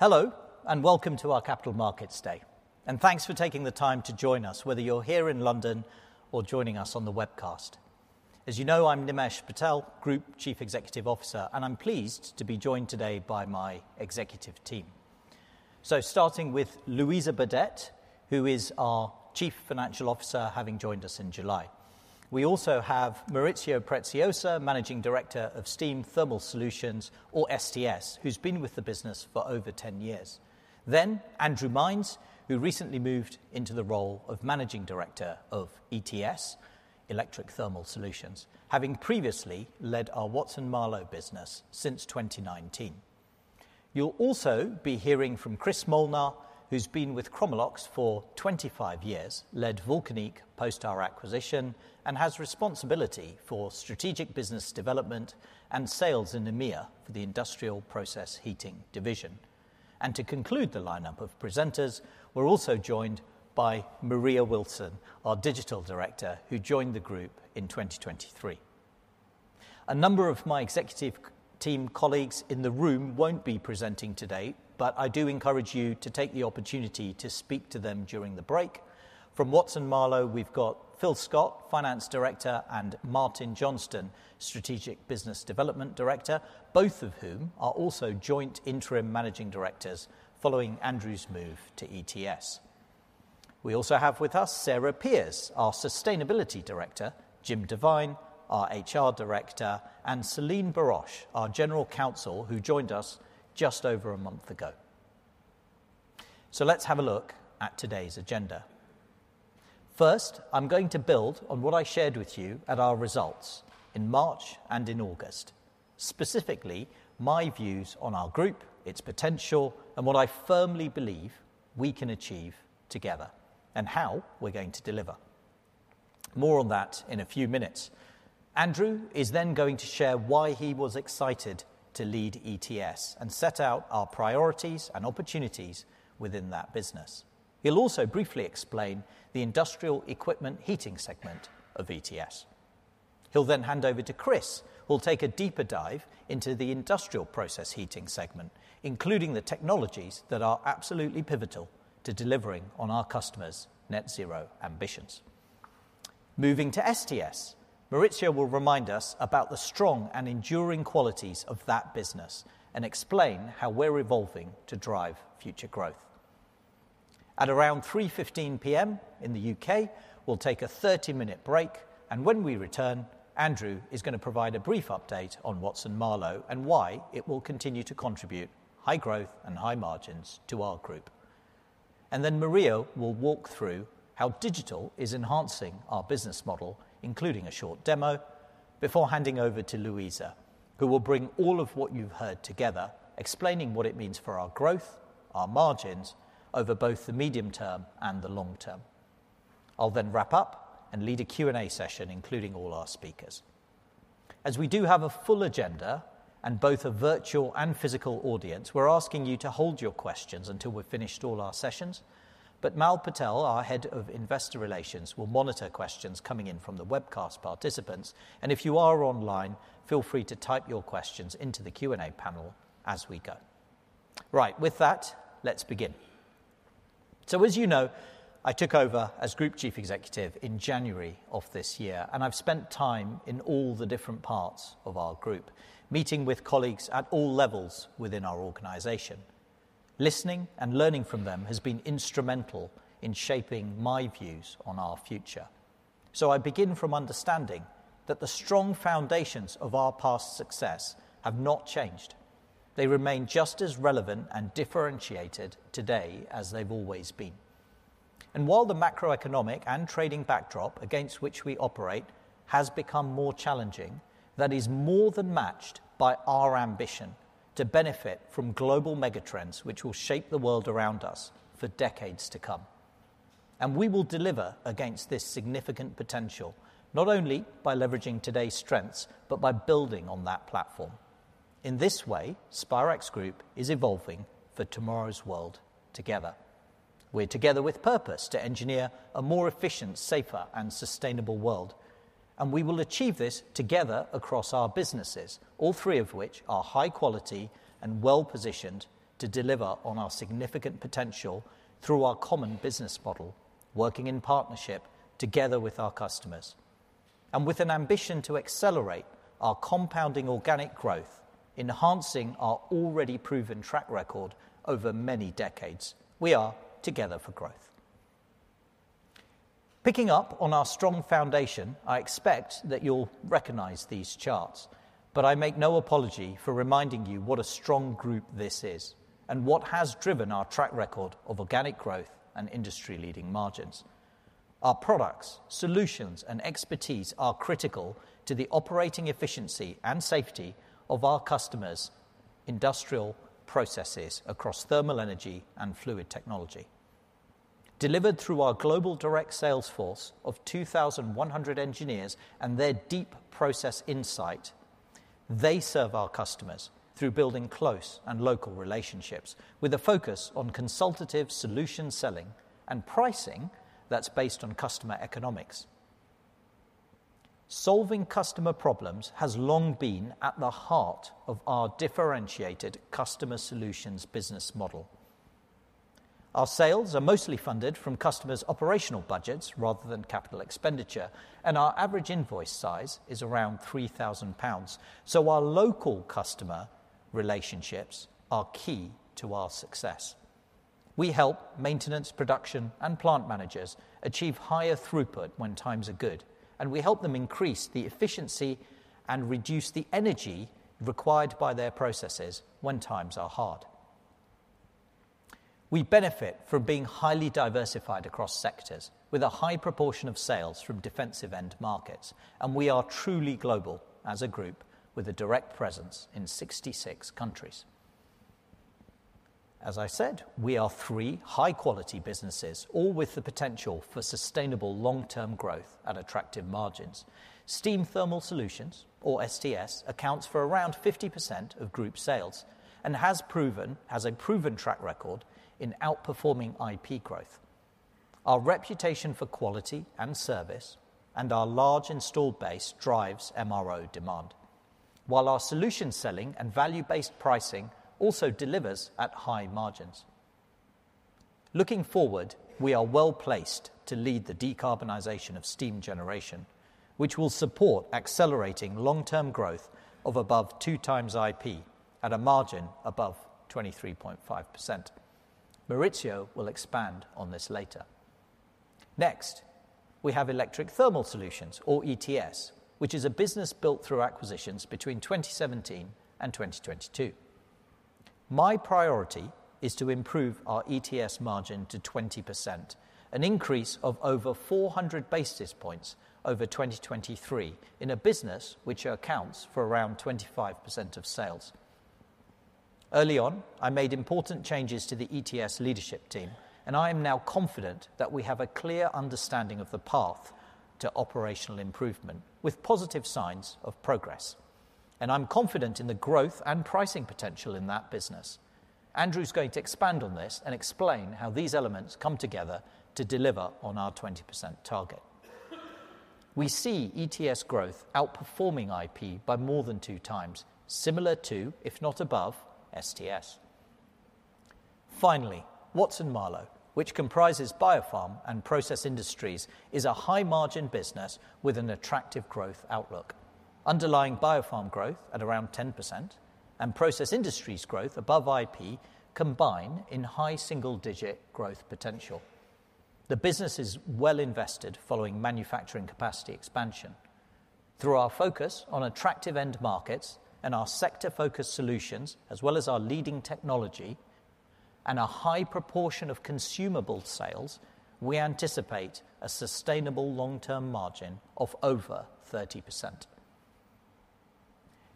Hello, and welcome to our Capital Markets Day, and thanks for taking the time to join us, whether you're here in London or joining us on the webcast. As you know, I'm Nimesh Patel, Group Chief Executive Officer, and I'm pleased to be joined today by my executive team, so starting with Louisa Burdett, who is our Chief Financial Officer, having joined us in July. We also have Maurizio Preziosa, Managing Director of Steam Thermal Solutions, or STS, who's been with the business for over 10 years, then Andrew Mines, who recently moved into the role of Managing Director of ETS, Electric Thermal Solutions, having previously led our Watson-Marlow business since 2019. You'll also be hearing from Chris Molnar, who's been with Chromalox for 25 years, led Vulcanic post our acquisition, and has responsibility for strategic business development and sales in EMEA for the Industrial Process Heating division. To conclude the lineup of presenters, we're also joined by Maria Wilson, our Digital Director, who joined the group in 2023. A number of my executive team colleagues in the room won't be presenting today, but I do encourage you to take the opportunity to speak to them during the break. From Watson-Marlow, we've got Phil Scott, Finance Director, and Martin Johnston, Strategic Business Development Director, both of whom are also joint interim Managing Directors following Andrew's move to ETS. We also have with us Sarah Pearce, our Sustainability Director, Jim Devine, our HR Director, and Celine Baroche, our General Counsel, who joined us just over a month ago. Let's have a look at today's agenda. First, I'm going to build on what I shared with you at our results in March and in August, specifically, my views on our group, its potential, and what I firmly believe we can achieve together, and how we're going to deliver. More on that in a few minutes. Andrew is then going to share why he was excited to lead ETS and set out our priorities and opportunities within that business. He'll also briefly explain the industrial equipment heating segment of ETS. He'll then hand over to Chris, who'll take a deeper dive into the industrial process heating segment, including the technologies that are absolutely pivotal to delivering on our customers' Net Zero ambitions. Moving to STS, Maurizio will remind us about the strong and enduring qualities of that business and explain how we're evolving to drive future growth. At around 3:15 P.M. in the U.K., we'll take a thirty-minute break, and when we return, Andrew is going to provide a brief update on Watson-Marlow and why it will continue to contribute high growth and high margins to our group, and then Maria will walk through how digital is enhancing our business model, including a short demo, before handing over to Louisa, who will bring all of what you've heard together, explaining what it means for our growth, our margins, over both the medium term and the long term. I'll then wrap up and lead a Q&A session, including all our speakers. As we do have a full agenda and both a virtual and physical audience, we're asking you to hold your questions until we've finished all our sessions. But Mal Patel, our Head of Investor Relations, will monitor questions coming in from the webcast participants, and if you are online, feel free to type your questions into the Q&A panel as we go. Right. With that, let's begin. So, as you know, I took over as Group Chief Executive in January of this year, and I've spent time in all the different parts of our group, meeting with colleagues at all levels within our organization. Listening and learning from them has been instrumental in shaping my views on our future. So I begin from understanding that the strong foundations of our past success have not changed. They remain just as relevant and differentiated today as they've always been. While the macroeconomic and trading backdrop against which we operate has become more challenging, that is more than matched by our ambition to benefit from global mega trends, which will shape the world around us for decades to come. We will deliver against this significant potential, not only by leveraging today's strengths, but by building on that platform. In this way, Spirax Group is evolving for tomorrow's world together. We're together with purpose to engineer a more efficient, safer, and sustainable world, and we will achieve this together across our businesses, all three of which are high quality and well-positioned to deliver on our significant potential through our common business model, working in partnership together with our customers. With an ambition to accelerate our compounding organic growth, enhancing our already proven track record over many decades, we are together for growth. Picking up on our strong foundation, I expect that you'll recognize these charts, but I make no apology for reminding you what a strong group this is and what has driven our track record of organic growth and industry-leading margins. Our products, solutions, and expertise are critical to the operating efficiency and safety of our customers' industrial processes across thermal energy and fluid technology. Delivered through our global direct sales force of 2,100 engineers and their deep process insight, they serve our customers through building close and local relationships with a focus on consultative solution selling and pricing that's based on customer economics. Solving customer problems has long been at the heart of our differentiated customer solutions business model. Our sales are mostly funded from customers' operational budgets rather than capital expenditure, and our average invoice size is around 3,000 pounds, so our local customer relationships are key to our success. We help maintenance, production, and plant managers achieve higher throughput when times are good, and we help them increase the efficiency and reduce the energy required by their processes when times are hard. We benefit from being highly diversified across sectors, with a high proportion of sales from defensive end markets, and we are truly global as a group with a direct presence in 66 countries. As I said, we are three high-quality businesses, all with the potential for sustainable long-term growth and attractive margins. Steam Thermal Solutions, or STS, accounts for around 50% of group sales and has a proven track record in outperforming IP growth. Our reputation for quality and service, and our large installed base drives MRO demand. While our solution selling and value-based pricing also delivers at high margins. Looking forward, we are well-placed to lead the decarbonization of steam generation, which will support accelerating long-term growth of above two times IP at a margin above 23.5%. Maurizio will expand on this later. Next, we have Electric Thermal Solutions, or ETS, which is a business built through acquisitions between 2017 and 2022. My priority is to improve our ETS margin to 20%, an increase of over four hundred basis points over 2023 in a business which accounts for around 25% of sales. Early on, I made important changes to the ETS leadership team, and I am now confident that we have a clear understanding of the path to operational improvement, with positive signs of progress. I'm confident in the growth and pricing potential in that business. Andrew is going to expand on this and explain how these elements come together to deliver on our 20% target. We see ETS growth outperforming IP by more than two times, similar to, if not above, STS. Finally, Watson-Marlow, which comprises Biopharm and Process Industries, is a high-margin business with an attractive growth outlook. Underlying Biopharm growth at around 10% and Process Industries growth above IP combine in high single-digit growth potential. The business is well invested following manufacturing capacity expansion. Through our focus on attractive end markets and our sector-focused solutions, as well as our leading technology and a high proportion of consumable sales, we anticipate a sustainable long-term margin of over 30%.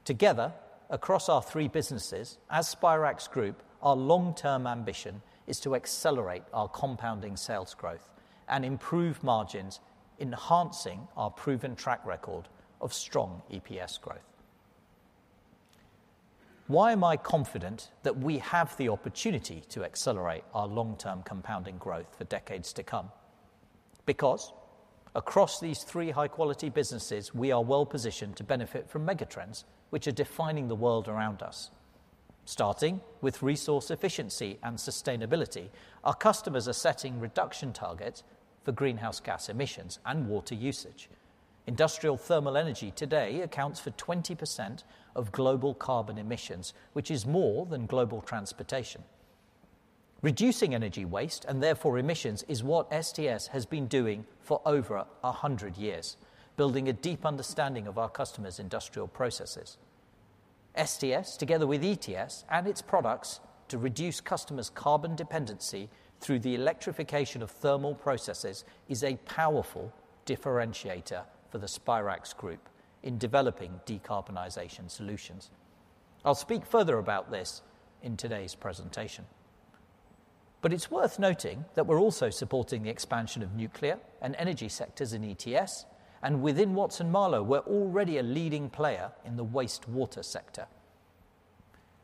Together, across our three businesses, as Spirax Group, our long-term ambition is to accelerate our compounding sales growth and improve margins, enhancing our proven track record of strong EPS growth. Why am I confident that we have the opportunity to accelerate our long-term compounding growth for decades to come? Because across these three high-quality businesses, we are well positioned to benefit from megatrends which are defining the world around us. Starting with resource efficiency and sustainability, our customers are setting reduction targets for greenhouse gas emissions and water usage. Industrial thermal energy today accounts for 20% of global carbon emissions, which is more than global transportation. Reducing energy waste, and therefore emissions, is what STS has been doing for over a hundred years, building a deep understanding of our customers' industrial processes. STS, together with ETS and its products to reduce customers' carbon dependency through the electrification of thermal processes, is a powerful differentiator for the Spirax Group in developing decarbonization solutions. I'll speak further about this in today's presentation. But it's worth noting that we're also supporting the expansion of nuclear and energy sectors in ETS, and within Watson-Marlow, we're already a leading player in the wastewater sector.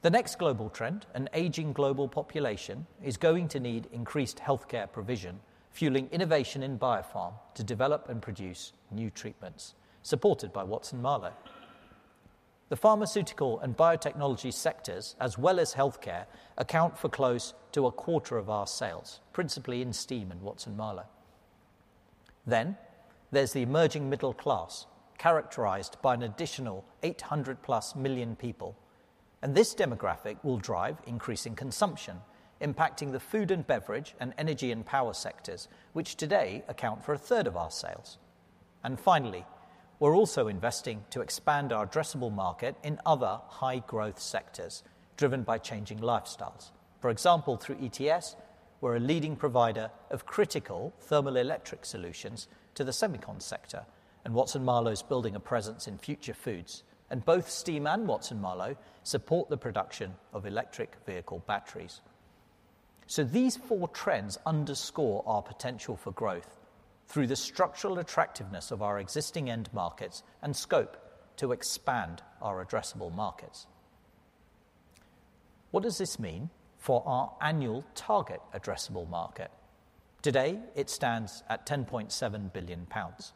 The next global trend, an aging global population, is going to need increased healthcare provision, fueling innovation in Biopharm to develop and produce new treatments, supported by Watson-Marlow. The pharmaceutical and biotechnology sectors, as well as healthcare, account for close to a quarter of our sales, principally in steam in Watson-Marlow. Then there's the emerging middle class, characterized by an additional eight hundred plus million people, and this demographic will drive increasing consumption, impacting the food and beverage and energy and power sectors, which today account for a third of our sales. And finally, we're also investing to expand our addressable market in other high-growth sectors driven by changing lifestyles. For example, through ETS, we're a leading provider of critical thermoelectric solutions to the semicon sector, and Watson-Marlow is building a presence in future foods, and both Steam and Watson-Marlow support the production of electric vehicle batteries. So these four trends underscore our potential for growth through the structural attractiveness of our existing end markets and scope to expand our addressable markets. What does this mean for our annual target addressable market? Today, it stands at 10.7 billion pounds.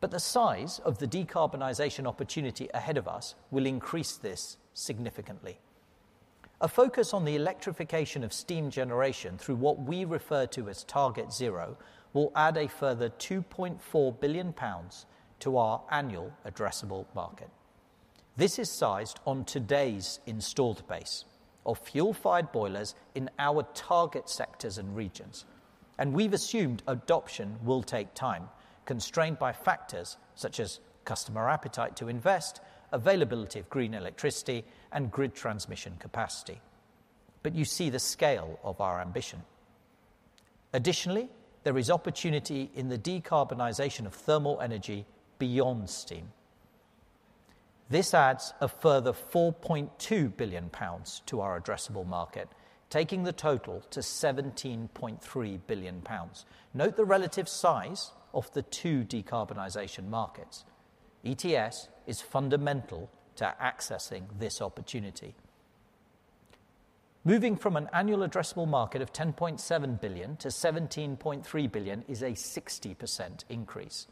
But the size of the decarbonization opportunity ahead of us will increase this significantly. A focus on the electrification of steam generation through what we refer to as Target Zero, will add a further 2.4 billion pounds to our annual addressable market. This is sized on today's installed base of fuel-fired boilers in our target sectors and regions, and we've assumed adoption will take time, constrained by factors such as customer appetite to invest, availability of green electricity, and grid transmission capacity. But you see the scale of our ambition. Additionally, there is opportunity in the decarbonization of thermal energy beyond steam. This adds a further 4.2 billion pounds to our addressable market, taking the total to 17.3 billion pounds. Note the relative size of the two decarbonization markets. ETS is fundamental to accessing this opportunity. Moving from an annual addressable market of 10.7 billion to 17.3 billion is a 60% increase,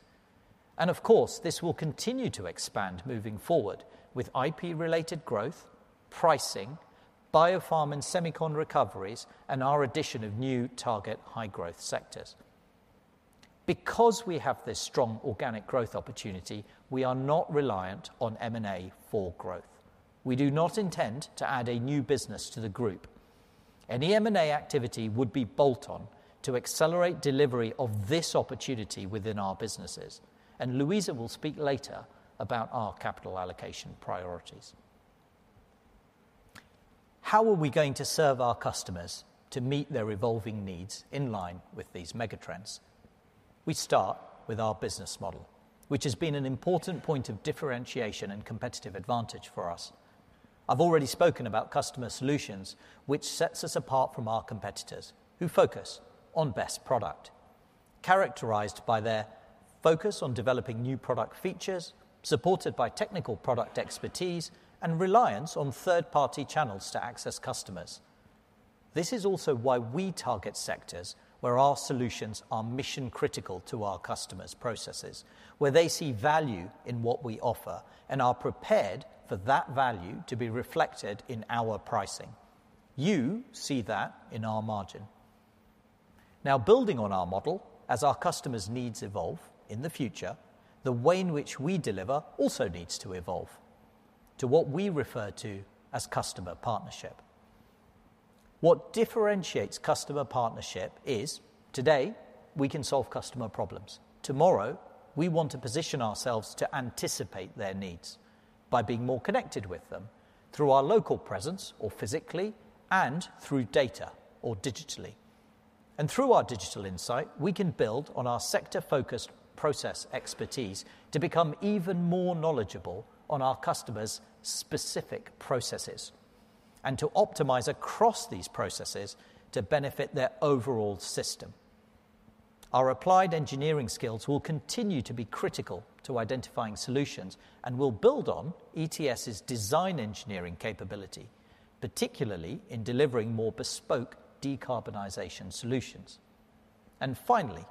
and of course, this will continue to expand moving forward with IP-related growth, pricing, biopharm and semicon recoveries, and our addition of new target high-growth sectors. Because we have this strong organic growth opportunity, we are not reliant on M&A for growth. We do not intend to add a new business to the group. Any M&A activity would be bolt-on to accelerate delivery of this opportunity within our businesses, and Louisa will speak later about our capital allocation priorities. How are we going to serve our customers to meet their evolving needs in line with these megatrends? We start with our business model, which has been an important point of differentiation and competitive advantage for us. I've already spoken about customer solutions, which sets us apart from our competitors, who focus on best product, characterized by their focus on developing new product features, supported by technical product expertise and reliance on third-party channels to access customers. This is also why we target sectors where our solutions are mission-critical to our customers' processes, where they see value in what we offer, and are prepared for that value to be reflected in our pricing. You see that in our margin. Now, building on our model, as our customers' needs evolve in the future, the way in which we deliver also needs to evolve to what we refer to as customer partnership. What differentiates customer partnership is today, we can solve customer problems. Tomorrow, we want to position ourselves to anticipate their needs by being more connected with them through our local presence or physically, and through data or digitally, and through our digital insight, we can build on our sector-focused process expertise to become even more knowledgeable on our customers' specific processes, and to optimize across these processes to benefit their overall system. Our applied engineering skills will continue to be critical to identifying solutions, and we'll build on ETS's design engineering capability, particularly in delivering more bespoke decarbonization solutions, and finally,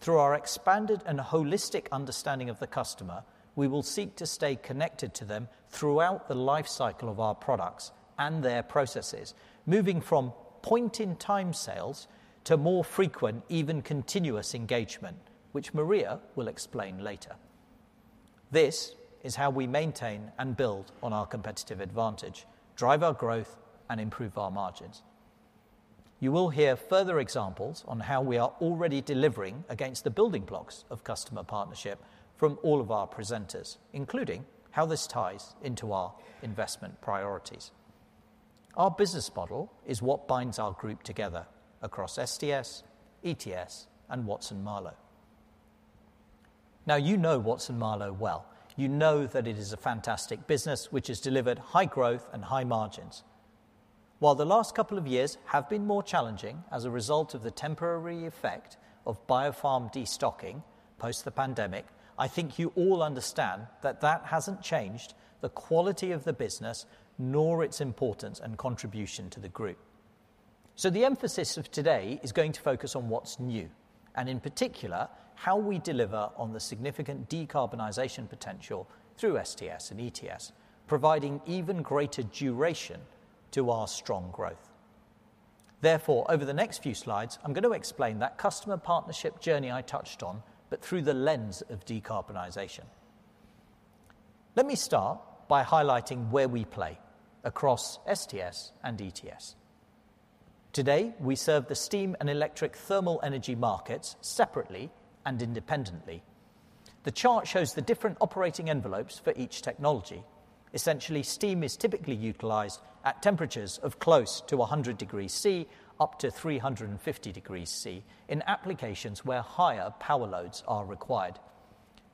through our expanded and holistic understanding of the customer, we will seek to stay connected to them throughout the lifecycle of our products and their processes, moving from point-in-time sales to more frequent, even continuous engagement, which Maria will explain later. This is how we maintain and build on our competitive advantage, drive our growth, and improve our margins. You will hear further examples on how we are already delivering against the building blocks of customer partnership from all of our presenters, including how this ties into our investment priorities. Our business model is what binds our group together across STS, ETS, and Watson-Marlow. Now, you know Watson-Marlow well. You know that it is a fantastic business which has delivered high growth and high margins. While the last couple of years have been more challenging as a result of the temporary effect of biopharm destocking post the pandemic, I think you all understand that that hasn't changed the quality of the business, nor its importance and contribution to the group. So the emphasis of today is going to focus on what's new, and in particular, how we deliver on the significant decarbonization potential through STS and ETS, providing even greater duration to our strong growth. Therefore, over the next few slides, I'm going to explain that customer partnership journey I touched on, but through the lens of decarbonization. Let me start by highlighting where we play across STS and ETS. Today, we serve the steam and electric thermal energy markets separately and independently. The chart shows the different operating envelopes for each technology. Essentially, steam is typically utilized at temperatures of close to one hundred degrees Celsius, up to three hundred and fifty degrees Celsius in applications where higher power loads are required,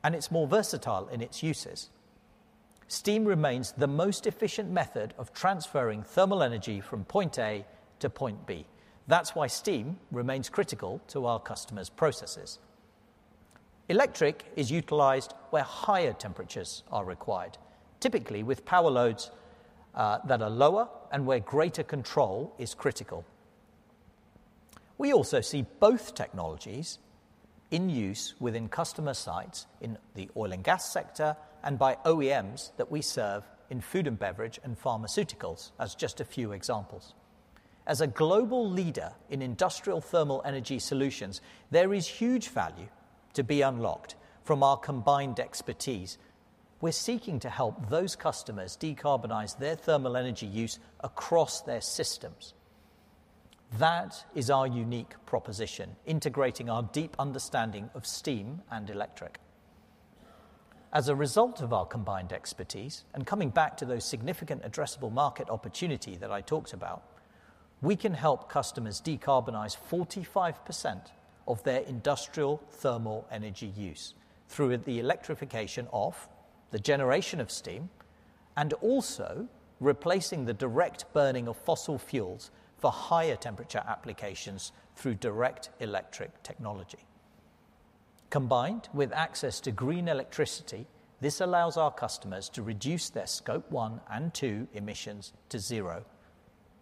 and it's more versatile in its uses. Steam remains the most efficient method of transferring thermal energy from point A to point B. That's why steam remains critical to our customers' processes. Electric is utilized where higher temperatures are required, typically with power loads that are lower and where greater control is critical. We also see both technologies in use within customer sites in the oil and gas sector, and by OEMs that we serve in food and beverage and pharmaceuticals, as just a few examples. As a global leader in industrial thermal energy solutions, there is huge value to be unlocked from our combined expertise. We're seeking to help those customers decarbonize their thermal energy use across their systems. That is our unique proposition, integrating our deep understanding of steam and electric. As a result of our combined expertise, and coming back to those significant addressable market opportunity that I talked about, we can help customers decarbonize 45% of their industrial thermal energy use through the electrification of the generation of steam, and also replacing the direct burning of fossil fuels for higher temperature applications through direct electric technology. Combined with access to green electricity, this allows our customers to reduce their scope one and two emissions to zero.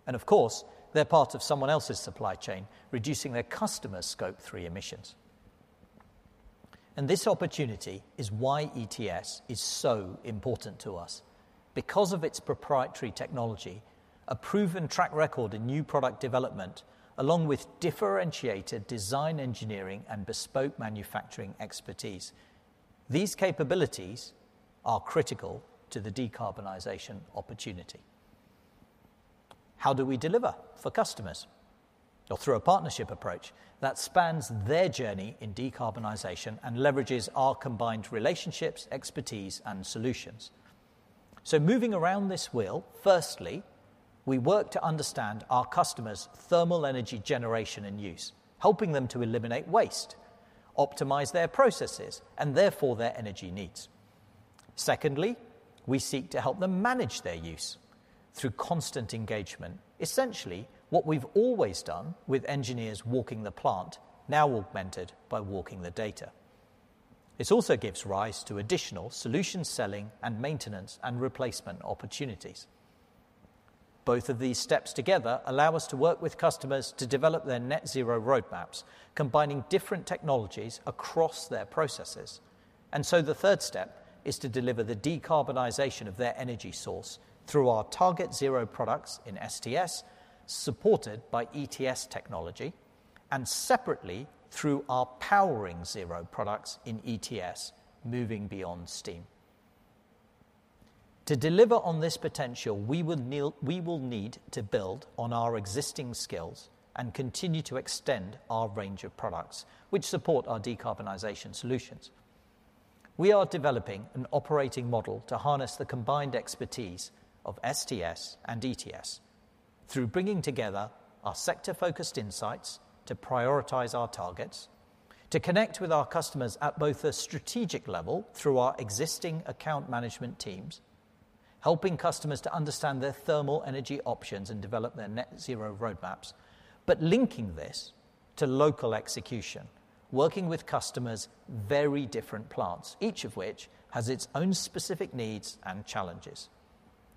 And of course, they're part of someone else's supply chain, reducing their customer's scope three emissions. And this opportunity is why ETS is so important to us. Because of its proprietary technology, a proven track record in new product development, along with differentiated design engineering and bespoke manufacturing expertise, these capabilities are critical to the decarbonization opportunity. How do we deliver for customers? Well, through a partnership approach that spans their journey in decarbonization and leverages our combined relationships, expertise, and solutions. So moving around this wheel, firstly, we work to understand our customers' thermal energy generation and use, helping them to eliminate waste, optimize their processes, and therefore, their energy needs. Secondly, we seek to help them manage their use through constant engagement. Essentially, what we've always done with engineers walking the plant, now augmented by walking the data. This also gives rise to additional solution selling and maintenance and replacement opportunities. Both of these steps together allow us to work with customers to develop their Net Zero roadmaps, combining different technologies across their processes, and so the third step is to deliver the decarbonization of their energy source through our Target Zero products in STS, supported by ETS technology, and separately, through our Powering Zero products in ETS, moving beyond steam. To deliver on this potential, we will need to build on our existing skills and continue to extend our range of products, which support our decarbonization solutions. We are developing an operating model to harness the combined expertise of STS and ETS through bringing together our sector-focused insights to prioritize our targets, to connect with our customers at both a strategic level through our existing account management teams, helping customers to understand their thermal energy options and develop their Net Zero roadmaps. But linking this to local execution, working with customers' very different plants, each of which has its own specific needs and challenges,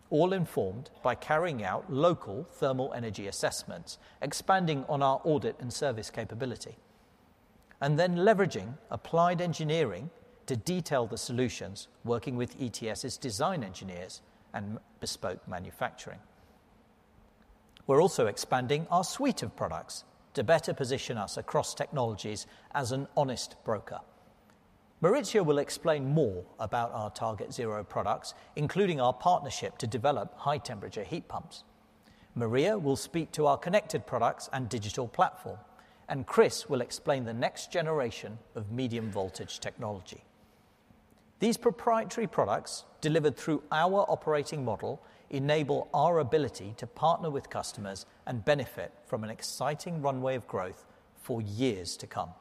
all informed by carrying out local thermal energy assessments, expanding on our audit and service capability, and then leveraging applied engineering to detail the solutions, working with ETS's design engineers and our bespoke manufacturing. We're also expanding our suite of products to better position us across technologies as an honest broker. Maurizio will explain more about our Target Zero products, including our partnership to develop High-Temperature Heat Pumps. Maria will speak to our connected products and digital platform, and Chris will explain the next generation of medium-voltage technology. These proprietary products, delivered through our operating model, enable our ability to partner with customers and benefit from an exciting runway of growth for years to come.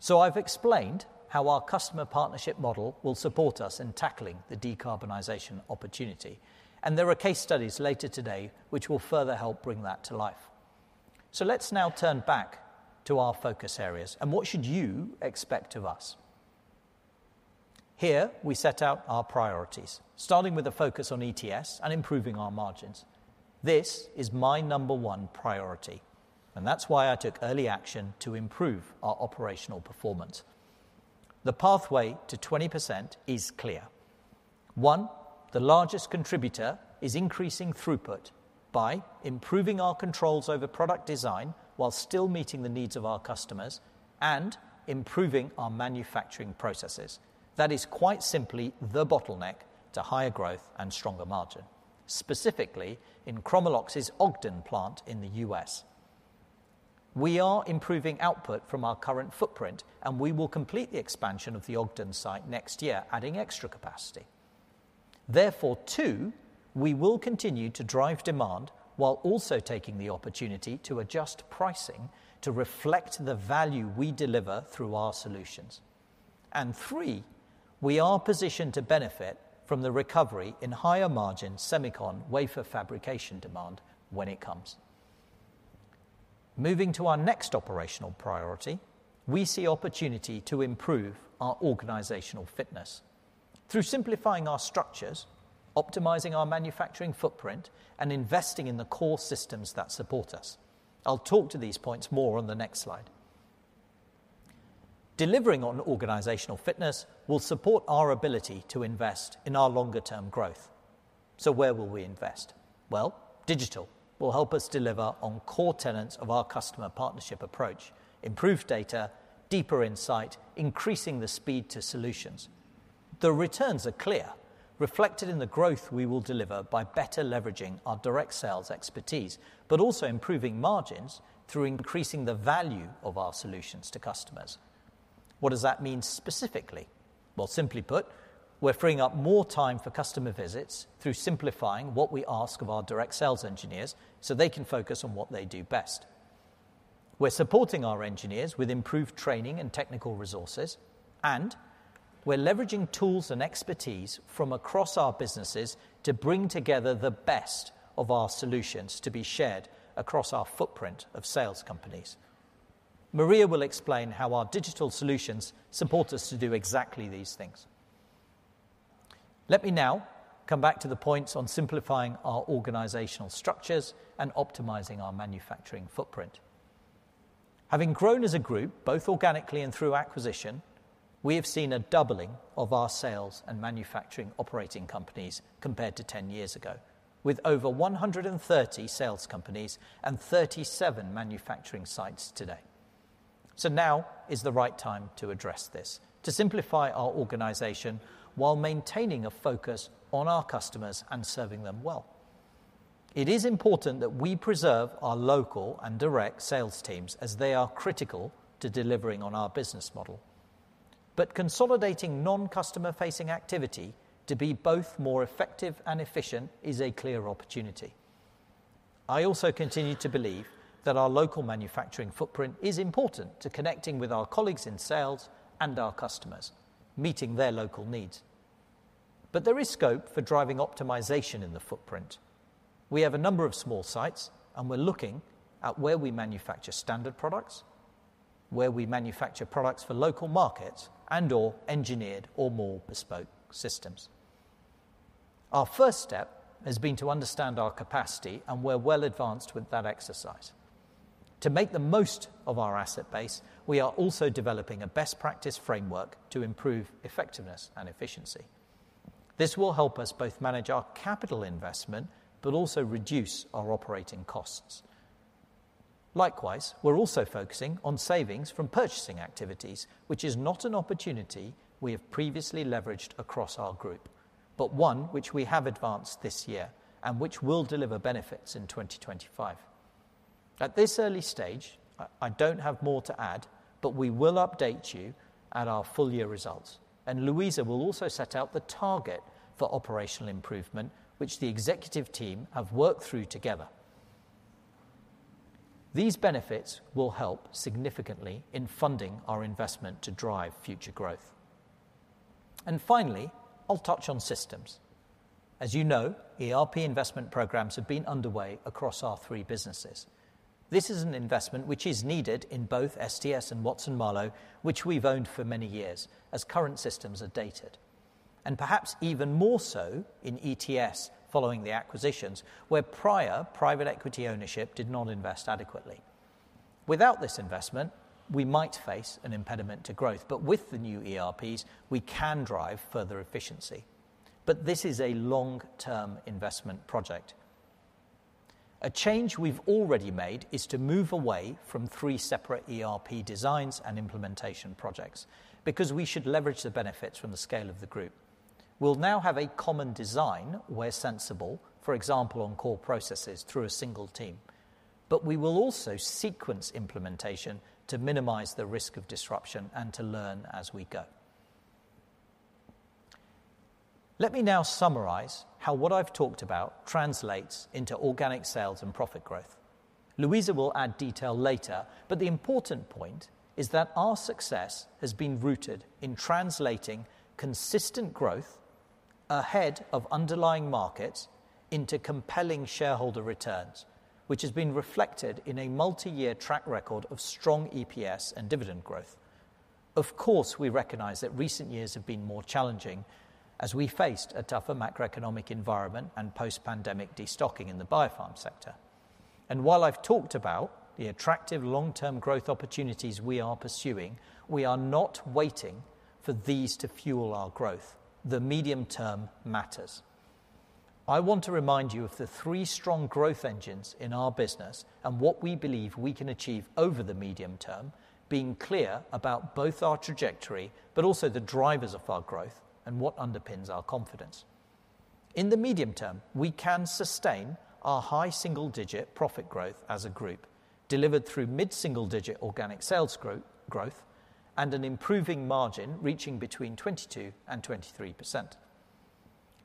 So I've explained how our customer partnership model will support us in tackling the decarbonization opportunity, and there are case studies later today which will further help bring that to life. So let's now turn back to our focus areas, and what should you expect of us? Here, we set out our priorities, starting with a focus on ETS and improving our margins. This is my number one priority, and that's why I took early action to improve our operational performance. The pathway to 20% is clear. One, the largest contributor is increasing throughput by improving our controls over product design while still meeting the needs of our customers and improving our manufacturing processes. That is quite simply the bottleneck to higher growth and stronger margin, specifically in Chromalox's Ogden plant in the U.S. We are improving output from our current footprint, and we will complete the expansion of the Ogden site next year, adding extra capacity. Therefore, two, we will continue to drive demand while also taking the opportunity to adjust pricing to reflect the value we deliver through our solutions. And three, we are positioned to benefit from the recovery in higher margin semicon wafer fabrication demand when it comes. Moving to our next operational priority, we see opportunity to improve our organizational fitness through simplifying our structures, optimizing our manufacturing footprint, and investing in the core systems that support us. I'll talk to these points more on the next slide. Delivering on organizational fitness will support our ability to invest in our longer-term growth. So where will we invest? Well, digital will help us deliver on core tenets of our customer partnership approach, improve data, deeper insight, increasing the speed to solutions. The returns are clear, reflected in the growth we will deliver by better leveraging our direct sales expertise, but also improving margins through increasing the value of our solutions to customers. What does that mean specifically? Well, simply put, we're freeing up more time for customer visits through simplifying what we ask of our direct sales engineers, so they can focus on what they do best. We're supporting our engineers with improved training and technical resources, and we're leveraging tools and expertise from across our businesses to bring together the best of our solutions to be shared across our footprint of sales companies. Maria will explain how our digital solutions support us to do exactly these things. Let me now come back to the points on simplifying our organizational structures and optimizing our manufacturing footprint. Having grown as a group, both organically and through acquisition, we have seen a doubling of our sales and manufacturing operating companies compared to ten years ago, with over one hundred and thirty sales companies and thirty-seven manufacturing sites today. So now is the right time to address this, to simplify our organization while maintaining a focus on our customers and serving them well. It is important that we preserve our local and direct sales teams as they are critical to delivering on our business model. But consolidating non-customer-facing activity to be both more effective and efficient is a clear opportunity. I also continue to believe that our local manufacturing footprint is important to connecting with our colleagues in sales and our customers, meeting their local needs. But there is scope for driving optimization in the footprint. We have a number of small sites, and we're looking at where we manufacture standard products, where we manufacture products for local markets and/or engineered or more bespoke systems. Our first step has been to understand our capacity, and we're well advanced with that exercise. To make the most of our asset base, we are also developing a best practice framework to improve effectiveness and efficiency. This will help us both manage our capital investment, but also reduce our operating costs. Likewise, we're also focusing on savings from purchasing activities, which is not an opportunity we have previously leveraged across our group, but one which we have advanced this year and which will deliver benefits in 2025. At this early stage, I don't have more to add, but we will update you at our full year results, and Louisa will also set out the target for operational improvement, which the executive team have worked through together. These benefits will help significantly in funding our investment to drive future growth. Finally, I'll touch on systems. As you know, ERP investment programs have been underway across our three businesses. This is an investment which is needed in both STS and Watson-Marlow, which we've owned for many years, as current systems are dated, and perhaps even more so in ETS following the acquisitions, where prior private equity ownership did not invest adequately. Without this investment, we might face an impediment to growth, but with the new ERPs, we can drive further efficiency. But this is a long-term investment project. A change we've already made is to move away from three separate ERP designs and implementation projects because we should leverage the benefits from the scale of the group. We'll now have a common design where sensible, for example, on core processes through a single team, but we will also sequence implementation to minimize the risk of disruption and to learn as we go. Let me now summarize how what I've talked about translates into organic sales and profit growth. Louisa will add detail later, but the important point is that our success has been rooted in translating consistent growth ahead of underlying markets into compelling shareholder returns, which has been reflected in a multi-year track record of strong EPS and dividend growth. Of course, we recognize that recent years have been more challenging as we faced a tougher macroeconomic environment and post-pandemic destocking in the Biopharm sector. And while I've talked about the attractive long-term growth opportunities we are pursuing, we are not waiting for these to fuel our growth. The medium term matters. I want to remind you of the three strong growth engines in our business and what we believe we can achieve over the medium term, being clear about both our trajectory but also the drivers of our growth and what underpins our confidence. In the medium term, we can sustain our high single-digit profit growth as a group, delivered through mid-single-digit organic sales growth and an improving margin reaching between 22% and 23%.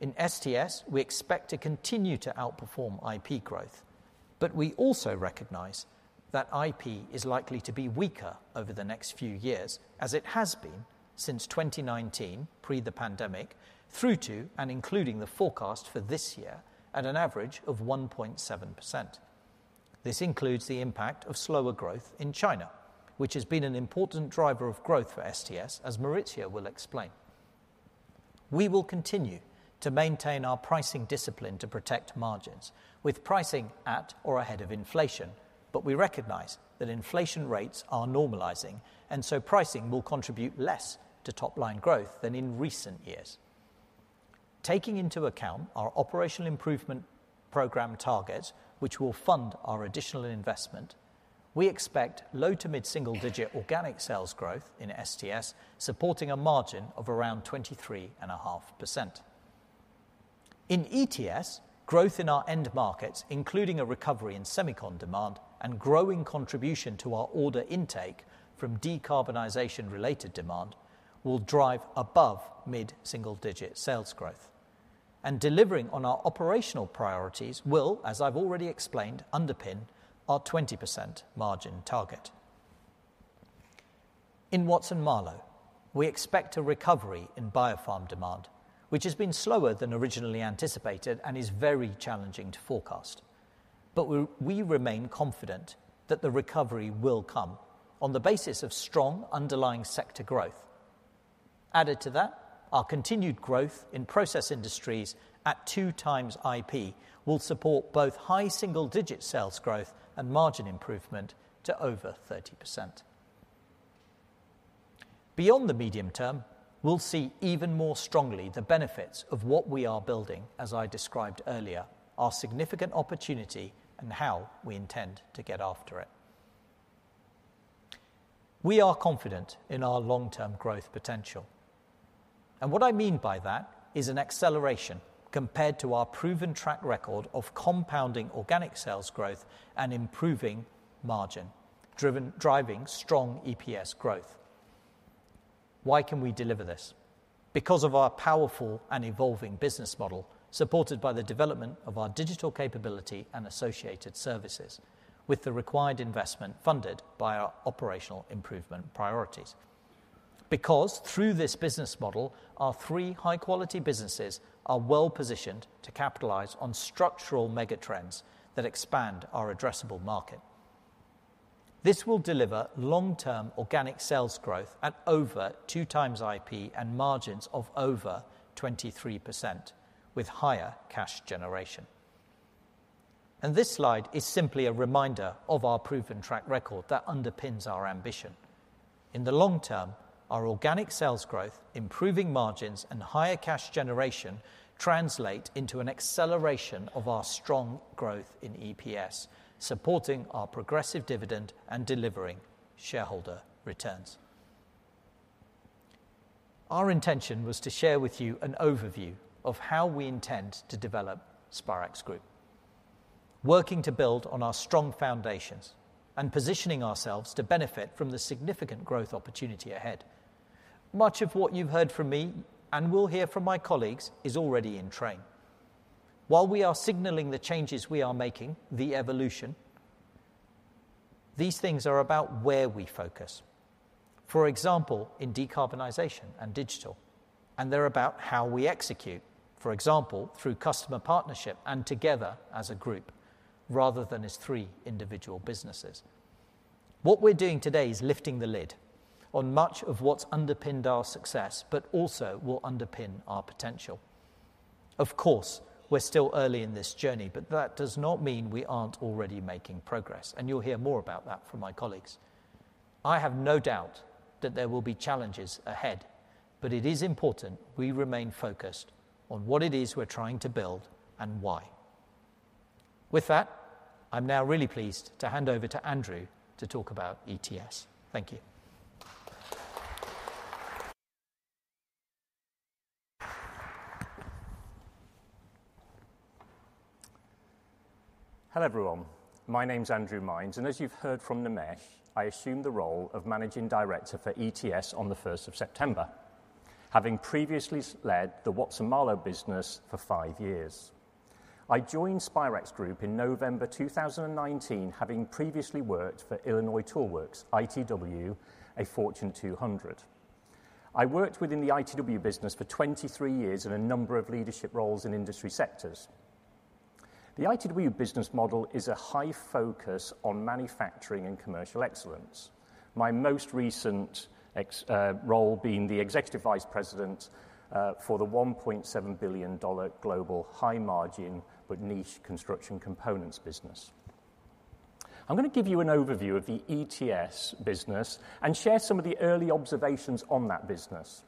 In STS, we expect to continue to outperform IP growth, but we also recognize that IP is likely to be weaker over the next few years, as it has been since 2019, pre the pandemic, through to and including the forecast for this year at an average of 1.7%. This includes the impact of slower growth in China, which has been an important driver of growth for STS, as Maurizio will explain. We will continue to maintain our pricing discipline to protect margins, with pricing at or ahead of inflation, but we recognize that inflation rates are normalizing, and so pricing will contribute less to top-line growth than in recent years. Taking into account our operational improvement program target, which will fund our additional investment, we expect low to mid-single digit organic sales growth in STS, supporting a margin of around 23.5%. In ETS, growth in our end markets, including a recovery in semicon demand and growing contribution to our order intake from decarbonization-related demand, will drive above mid-single-digit sales growth. And delivering on our operational priorities will, as I've already explained, underpin our 20% margin target. In Watson-Marlow, we expect a recovery in biopharm demand, which has been slower than originally anticipated and is very challenging to forecast. But we, we remain confident that the recovery will come on the basis of strong underlying sector growth. Added to that, our continued growth in process industries at two times IP will support both high single-digit sales growth and margin improvement to over 30%. Beyond the medium term, we'll see even more strongly the benefits of what we are building, as I described earlier, our significant opportunity and how we intend to get after it. We are confident in our long-term growth potential, and what I mean by that is an acceleration compared to our proven track record of compounding organic sales growth and improving margin, driving strong EPS growth. Why can we deliver this? Because of our powerful and evolving business model, supported by the development of our digital capability and associated services, with the required investment funded by our operational improvement priorities. Because through this business model, our three high-quality businesses are well-positioned to capitalize on structural mega trends that expand our addressable market. This will deliver long-term organic sales growth at over two times IP and margins of over 23%, with higher cash generation. This slide is simply a reminder of our proven track record that underpins our ambition. In the long term, our organic sales growth, improving margins, and higher cash generation translate into an acceleration of our strong growth in EPS, supporting our progressive dividend and delivering shareholder returns. Our intention was to share with you an overview of how we intend to develop Spirax Group, working to build on our strong foundations and positioning ourselves to benefit from the significant growth opportunity ahead. Much of what you've heard from me, and will hear from my colleagues, is already in train. While we are signaling the changes we are making, the evolution, these things are about where we focus. For example, in decarbonization and digital, and they're about how we execute, for example, through customer partnership and together as a group, rather than as three individual businesses. What we're doing today is lifting the lid on much of what's underpinned our success, but also will underpin our potential. Of course, we're still early in this journey, but that does not mean we aren't already making progress, and you'll hear more about that from my colleagues. I have no doubt that there will be challenges ahead, but it is important we remain focused on what it is we're trying to build and why. With that, I'm now really pleased to hand over to Andrew to talk about ETS. Thank you. Hello, everyone. My name's Andrew Mines, and as you've heard from Nimesh, I assumed the role of Managing Director for ETS on the first of September, having previously led the Watson-Marlow business for five years. I joined Spirax Group in November 2019, having previously worked for Illinois Tool Works, ITW, a Fortune 200. I worked within the ITW business for 23 years in a number of leadership roles in industry sectors. The ITW business model is a high focus on manufacturing and commercial excellence. My most recent role being the Executive Vice President for the $1.7 billion global high margin, but niche construction components business. I'm gonna give you an overview of the ETS business and share some of the early observations on that business.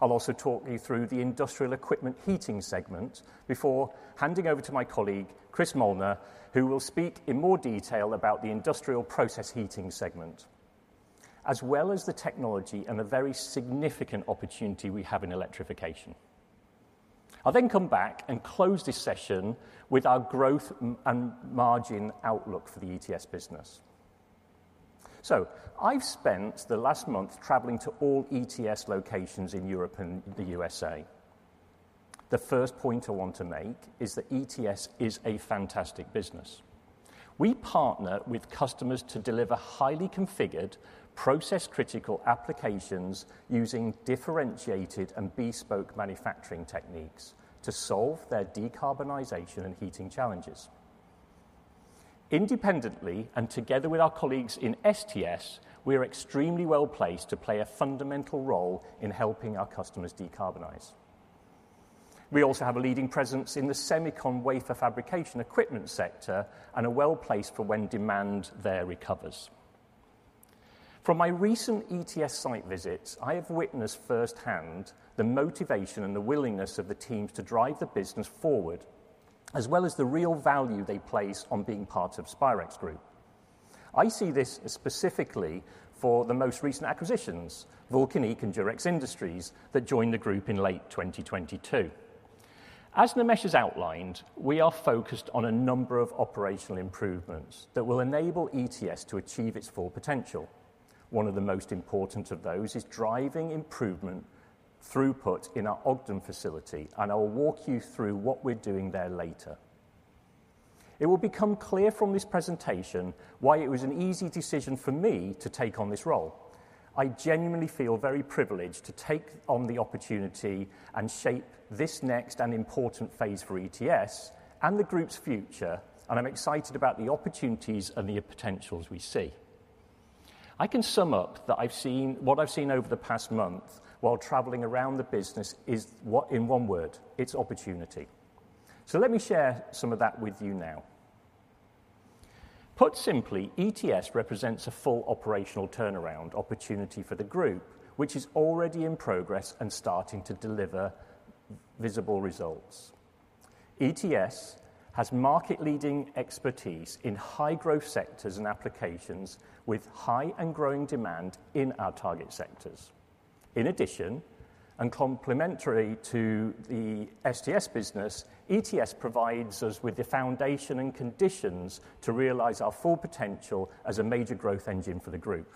I'll also talk you through the industrial equipment heating segment before handing over to my colleague, Chris Molnar, who will speak in more detail about the industrial process heating segment, as well as the technology and the very significant opportunity we have in electrification. I'll then come back and close this session with our growth and margin outlook for the ETS business. I've spent the last month traveling to all ETS locations in Europe and the USA. The first point I want to make is that ETS is a fantastic business. We partner with customers to deliver highly configured, process-critical applications using differentiated and bespoke manufacturing techniques to solve their decarbonization and heating challenges. Independently, and together with our colleagues in STS, we are extremely well-placed to play a fundamental role in helping our customers decarbonize. We also have a leading presence in the semicon wafer fabrication equipment sector and are well-placed for when demand there recovers. From my recent ETS site visits, I have witnessed firsthand the motivation and the willingness of the teams to drive the business forward, as well as the real value they place on being part of Spirax Group. I see this specifically for the most recent acquisitions, Vulcanic and Durex Industries, that joined the group in late 2022. As Nimesh has outlined, we are focused on a number of operational improvements that will enable ETS to achieve its full potential. One of the most important of those is driving improvement throughput in our Ogden facility, and I will walk you through what we're doing there later. It will become clear from this presentation why it was an easy decision for me to take on this role. I genuinely feel very privileged to take on the opportunity and shape this next and important phase for ETS and the group's future, and I'm excited about the opportunities and the potentials we see. I can sum up that what I've seen over the past month while traveling around the business is what, in one word, it's opportunity, so let me share some of that with you now. Put simply, ETS represents a full operational turnaround opportunity for the group, which is already in progress and starting to deliver visible results. ETS has market-leading expertise in high-growth sectors and applications with high and growing demand in our target sectors. In addition, and complementary to the STS business, ETS provides us with the foundation and conditions to realize our full potential as a major growth engine for the group.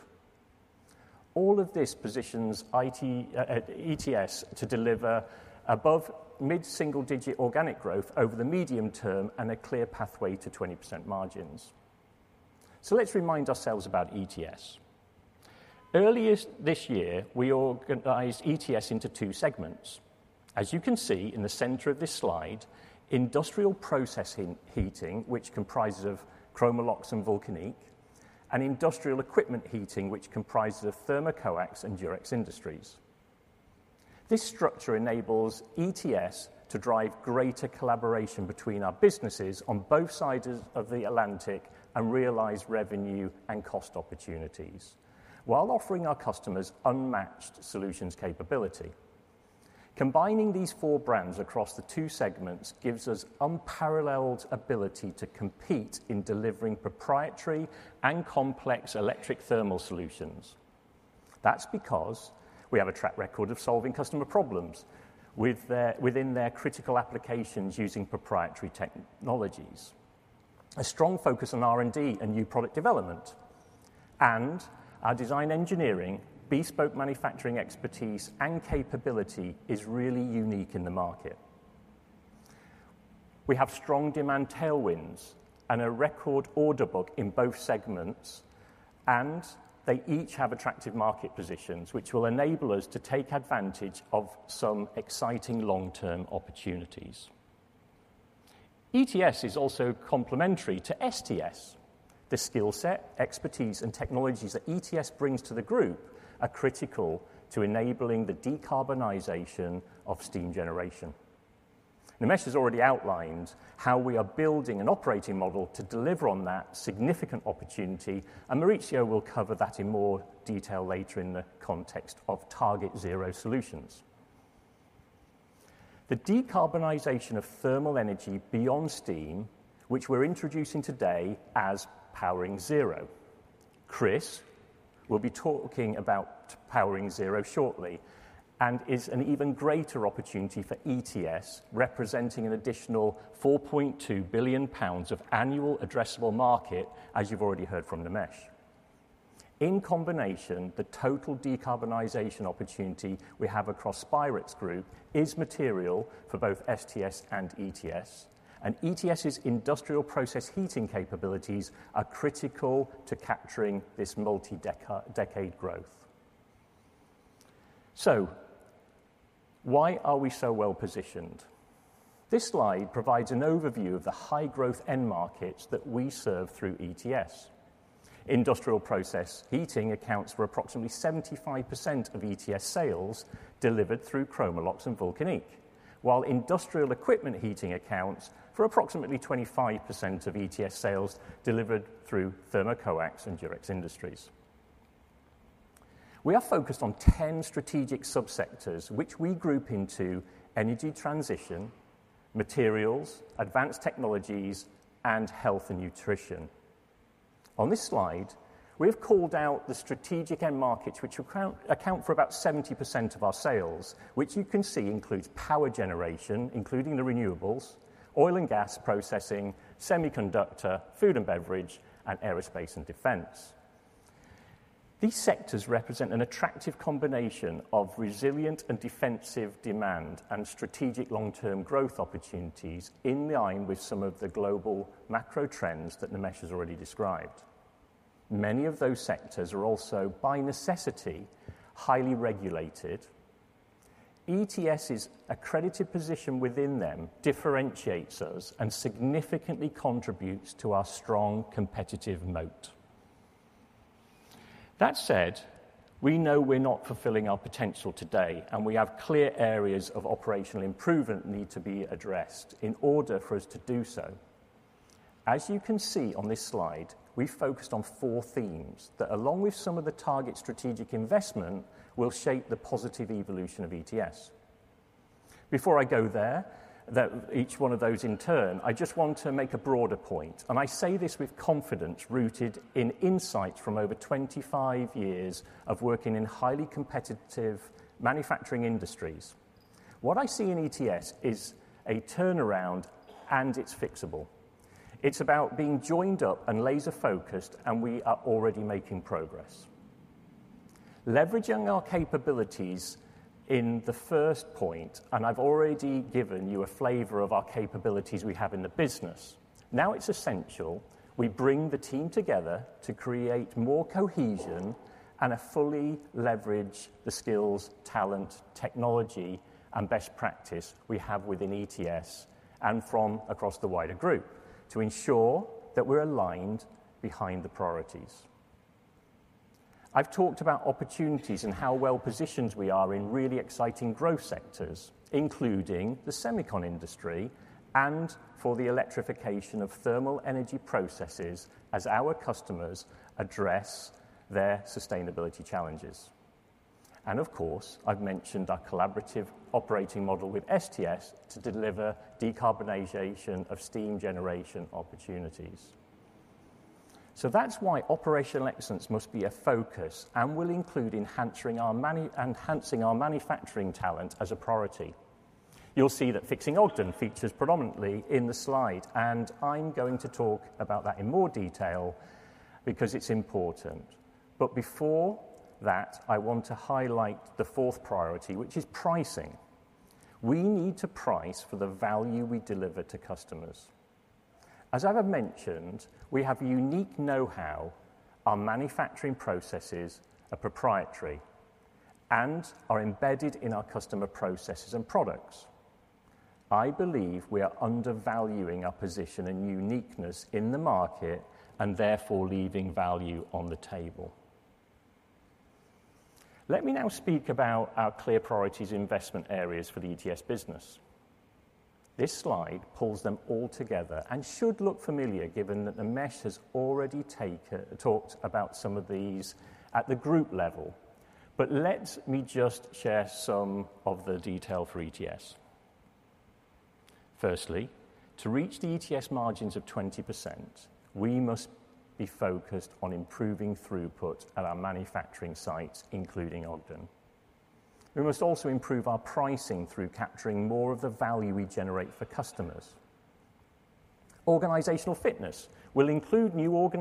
All of this positions it, ETS to deliver above mid-single-digit organic growth over the medium term and a clear pathway to 20% margins. Let's remind ourselves about ETS. Earlier this year, we organized ETS into two segments. As you can see in the center of this slide, industrial process heating, which comprises Chromalox and Vulcanic, and industrial equipment heating, which comprises Thermocoax and Durex Industries. This structure enables ETS to drive greater collaboration between our businesses on both sides of the Atlantic and realize revenue and cost opportunities while offering our customers unmatched solutions capability. Combining these four brands across the two segments gives us unparalleled ability to compete in delivering proprietary and complex electric thermal solutions. That's because we have a track record of solving customer problems within their critical applications using proprietary technologies, a strong focus on R&D and new product development, and our design engineering, bespoke manufacturing expertise and capability is really unique in the market. We have strong demand tailwinds and a record order book in both segments, and they each have attractive market positions, which will enable us to take advantage of some exciting long-term opportunities. ETS is also complementary to STS. The skill set, expertise, and technologies that ETS brings to the group are critical to enabling the decarbonization of steam generation. Nimesh has already outlined how we are building an operating model to deliver on that significant opportunity, and Maurizio will cover that in more detail later in the context of Target Zero solutions. The decarbonization of thermal energy beyond steam, which we're introducing today as Powering Zero. Chris will be talking about Powering Zero shortly and is an even greater opportunity for ETS, representing an additional 4.2 billion pounds of annual addressable market, as you've already heard from Nimesh. In combination, the total decarbonization opportunity we have across Spirax Group is material for both STS and ETS, and ETS's industrial process heating capabilities are critical to capturing this multi-decade growth. So why are we so well positioned? This slide provides an overview of the high-growth end markets that we serve through ETS. Industrial process heating accounts for approximately 75% of ETS sales delivered through Chromalox and Vulcanic, while industrial equipment heating accounts for approximately 25% of ETS sales delivered through Thermocoax and Durex Industries. We are focused on ten strategic subsectors, which we group into energy transition, materials, advanced technologies, and health and nutrition. On this slide, we have called out the strategic end markets, which account for about 70% of our sales, which you can see includes power generation, including the renewables, oil and gas processing, semiconductor, food and beverage, and aerospace and defense. These sectors represent an attractive combination of resilient and defensive demand and strategic long-term growth opportunities in line with some of the global macro trends that Nimesh has already described. Many of those sectors are also, by necessity, highly regulated. ETS's accredited position within them differentiates us and significantly contributes to our strong competitive moat. That said, we know we're not fulfilling our potential today, and we have clear areas of operational improvement need to be addressed in order for us to do so. As you can see on this slide, we've focused on four themes that, along with some of the target strategic investment, will shape the positive evolution of ETS. Before I go there, that each one of those in turn, I just want to make a broader point, and I say this with confidence rooted in insight from over twenty-five years of working in highly competitive manufacturing industries. What I see in ETS is a turnaround, and it's fixable. It's about being joined up and laser-focused, and we are already making progress. Leveraging our capabilities in the first point, and I've already given you a flavor of our capabilities we have in the business. Now, it's essential we bring the team together to create more cohesion and fully leverage the skills, talent, technology, and best practice we have within ETS and from across the wider group to ensure that we're aligned behind the priorities. I've talked about opportunities and how well-positioned we are in really exciting growth sectors, including the semicon industry and for the electrification of thermal energy processes as our customers address their sustainability challenges. And of course, I've mentioned our collaborative operating model with STS to deliver decarbonization of steam generation opportunities. So that's why operational excellence must be a focus and will include enhancing our manufacturing talent as a priority. You'll see that fixing Ogden features prominently in the slide, and I'm going to talk about that in more detail because it's important. But before that, I want to highlight the fourth priority, which is pricing. We need to price for the value we deliver to customers. As I have mentioned, we have unique know-how, our manufacturing processes are proprietary and are embedded in our customer processes and products. I believe we are undervaluing our position and uniqueness in the market and therefore leaving value on the table. Let me now speak about our clear priorities investment areas for the ETS business. This slide pulls them all together and should look familiar, given that Nimesh has already talked about some of these at the group level. But let me just share some of the detail for ETS. Firstly, to reach the ETS margins of 20%, we must be focused on improving throughput at our manufacturing sites, including Ogden. We must also improve our pricing through capturing more of the value we generate for customers. Organizational fitness will include new Ogden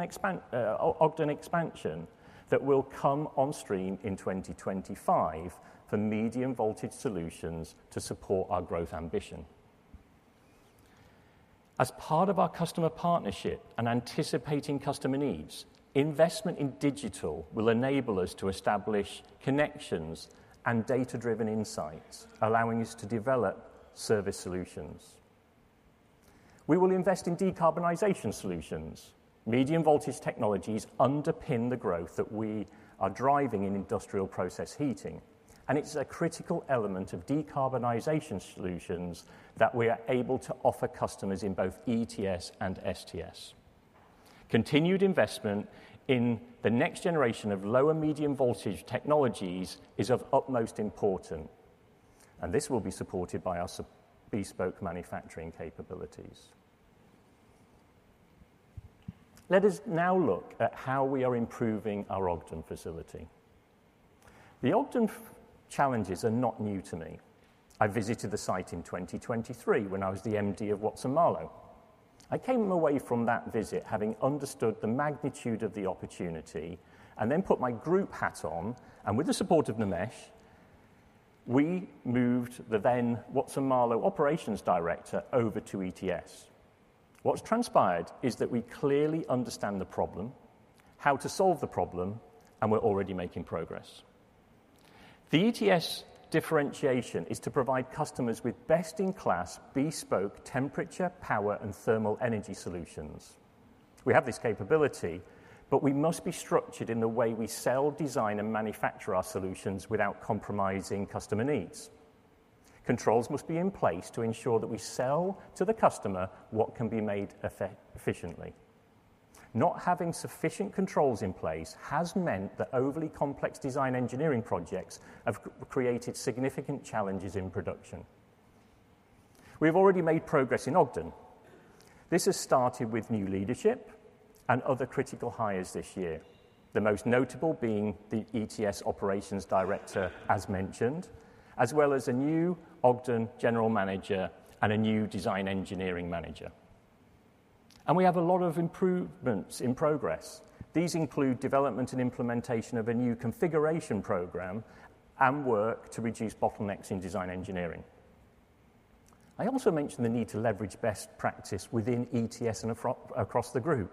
expansion that will come on stream in twenty twenty-five for medium-voltage solutions to support our growth ambition. As part of our customer partnership and anticipating customer needs, investment in digital will enable us to establish connections and data-driven insights, allowing us to develop service solutions. We will invest in decarbonization solutions. Medium-voltage technologies underpin the growth that we are driving in industrial process heating, and it's a critical element of decarbonization solutions that we are able to offer customers in both ETS and STS. Continued investment in the next generation of lower medium-voltage technologies is of utmost importance, and this will be supported by our bespoke manufacturing capabilities. Let us now look at how we are improving our Ogden facility. The Ogden challenges are not new to me. I visited the site in 2023 when I was the MD of Watson-Marlow. I came away from that visit having understood the magnitude of the opportunity and then put my group hat on, and with the support of Nimesh, we moved the then Watson-Marlow operations director over to ETS. What's transpired is that we clearly understand the problem, how to solve the problem, and we're already making progress. The ETS differentiation is to provide customers with best-in-class, bespoke temperature, power, and thermal energy solutions. We have this capability, but we must be structured in the way we sell, design, and manufacture our solutions without compromising customer needs. Controls must be in place to ensure that we sell to the customer what can be made effectively. Not having sufficient controls in place has meant that overly complex design engineering projects have created significant challenges in production. We've already made progress in Ogden. This has started with new leadership and other critical hires this year, the most notable being the ETS operations director, as mentioned, as well as a new Ogden general manager and a new design engineering manager. And we have a lot of improvements in progress. These include development and implementation of a new configuration program and work to reduce bottlenecks in design engineering. I also mentioned the need to leverage best practice within ETS and across the group.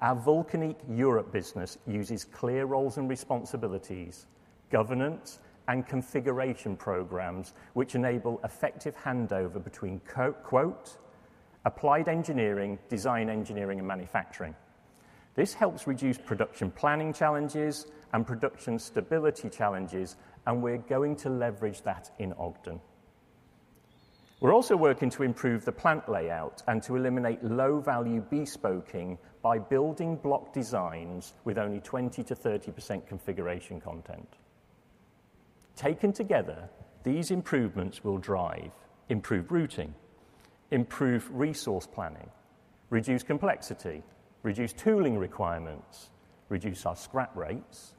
Our Vulcanic Europe business uses clear roles and responsibilities, governance, and configuration programs, which enable effective handover between quote, "Applied engineering, design engineering, and manufacturing." This helps reduce production planning challenges and production stability challenges, and we're going to leverage that in Ogden. We're also working to improve the plant layout and to eliminate low-value bespoking by building block designs with only 20%-30% configuration content. Taken together, these improvements will drive improved routing, improve resource planning, reduce complexity, reduce tooling requirements, reduce our scrap rates,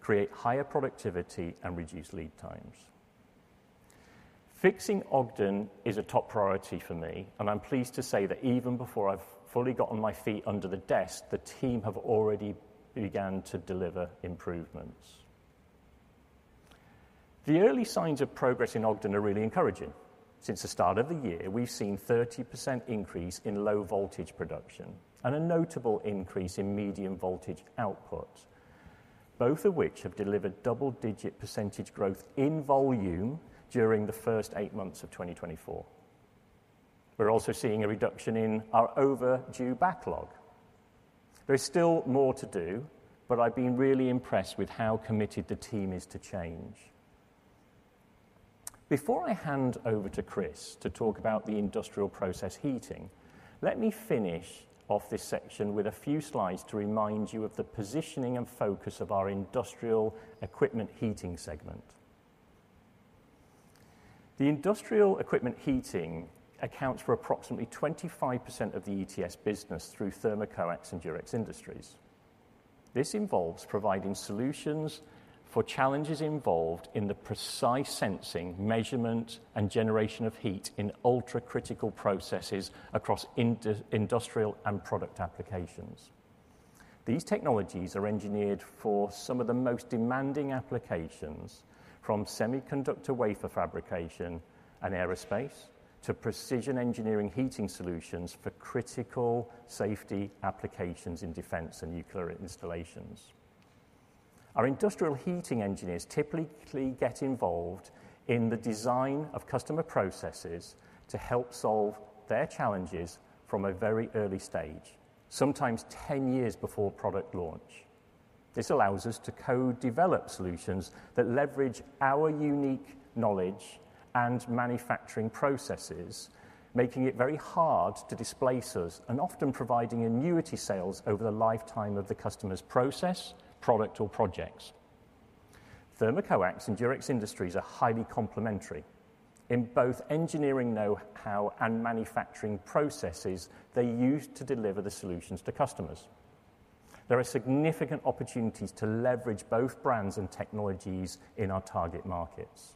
create higher productivity, and reduce lead times. Fixing Ogden is a top priority for me, and I'm pleased to say that even before I've fully gotten my feet under the desk, the team have already began to deliver improvements. The early signs of progress in Ogden are really encouraging. Since the start of the year, we've seen 30% increase in low voltage production and a notable increase in medium voltage output, both of which have delivered double-digit % growth in volume during the first eight months of 2024. We're also seeing a reduction in our overdue backlog. There is still more to do, but I've been really impressed with how committed the team is to change. Before I hand over to Chris to talk about the industrial process heating, let me finish off this section with a few slides to remind you of the positioning and focus of our industrial equipment heating segment. The industrial equipment heating accounts for approximately 25% of the ETS business through Thermocoax and Durex Industries. This involves providing solutions for challenges involved in the precise sensing, measurement, and generation of heat in ultra-critical processes across industrial and product applications. These technologies are engineered for some of the most demanding applications, from semiconductor wafer fabrication and aerospace to precision engineering heating solutions for critical safety applications in defense and nuclear installations. Our industrial heating engineers typically get involved in the design of customer processes to help solve their challenges from a very early stage, sometimes ten years before product launch. This allows us to co-develop solutions that leverage our unique knowledge and manufacturing processes, making it very hard to displace us and often providing annuity sales over the lifetime of the customer's process, product, or projects. Thermocoax and Durex Industries are highly complementary. In both engineering know-how and manufacturing processes, they use to deliver the solutions to customers. There are significant opportunities to leverage both brands and technologies in our target markets.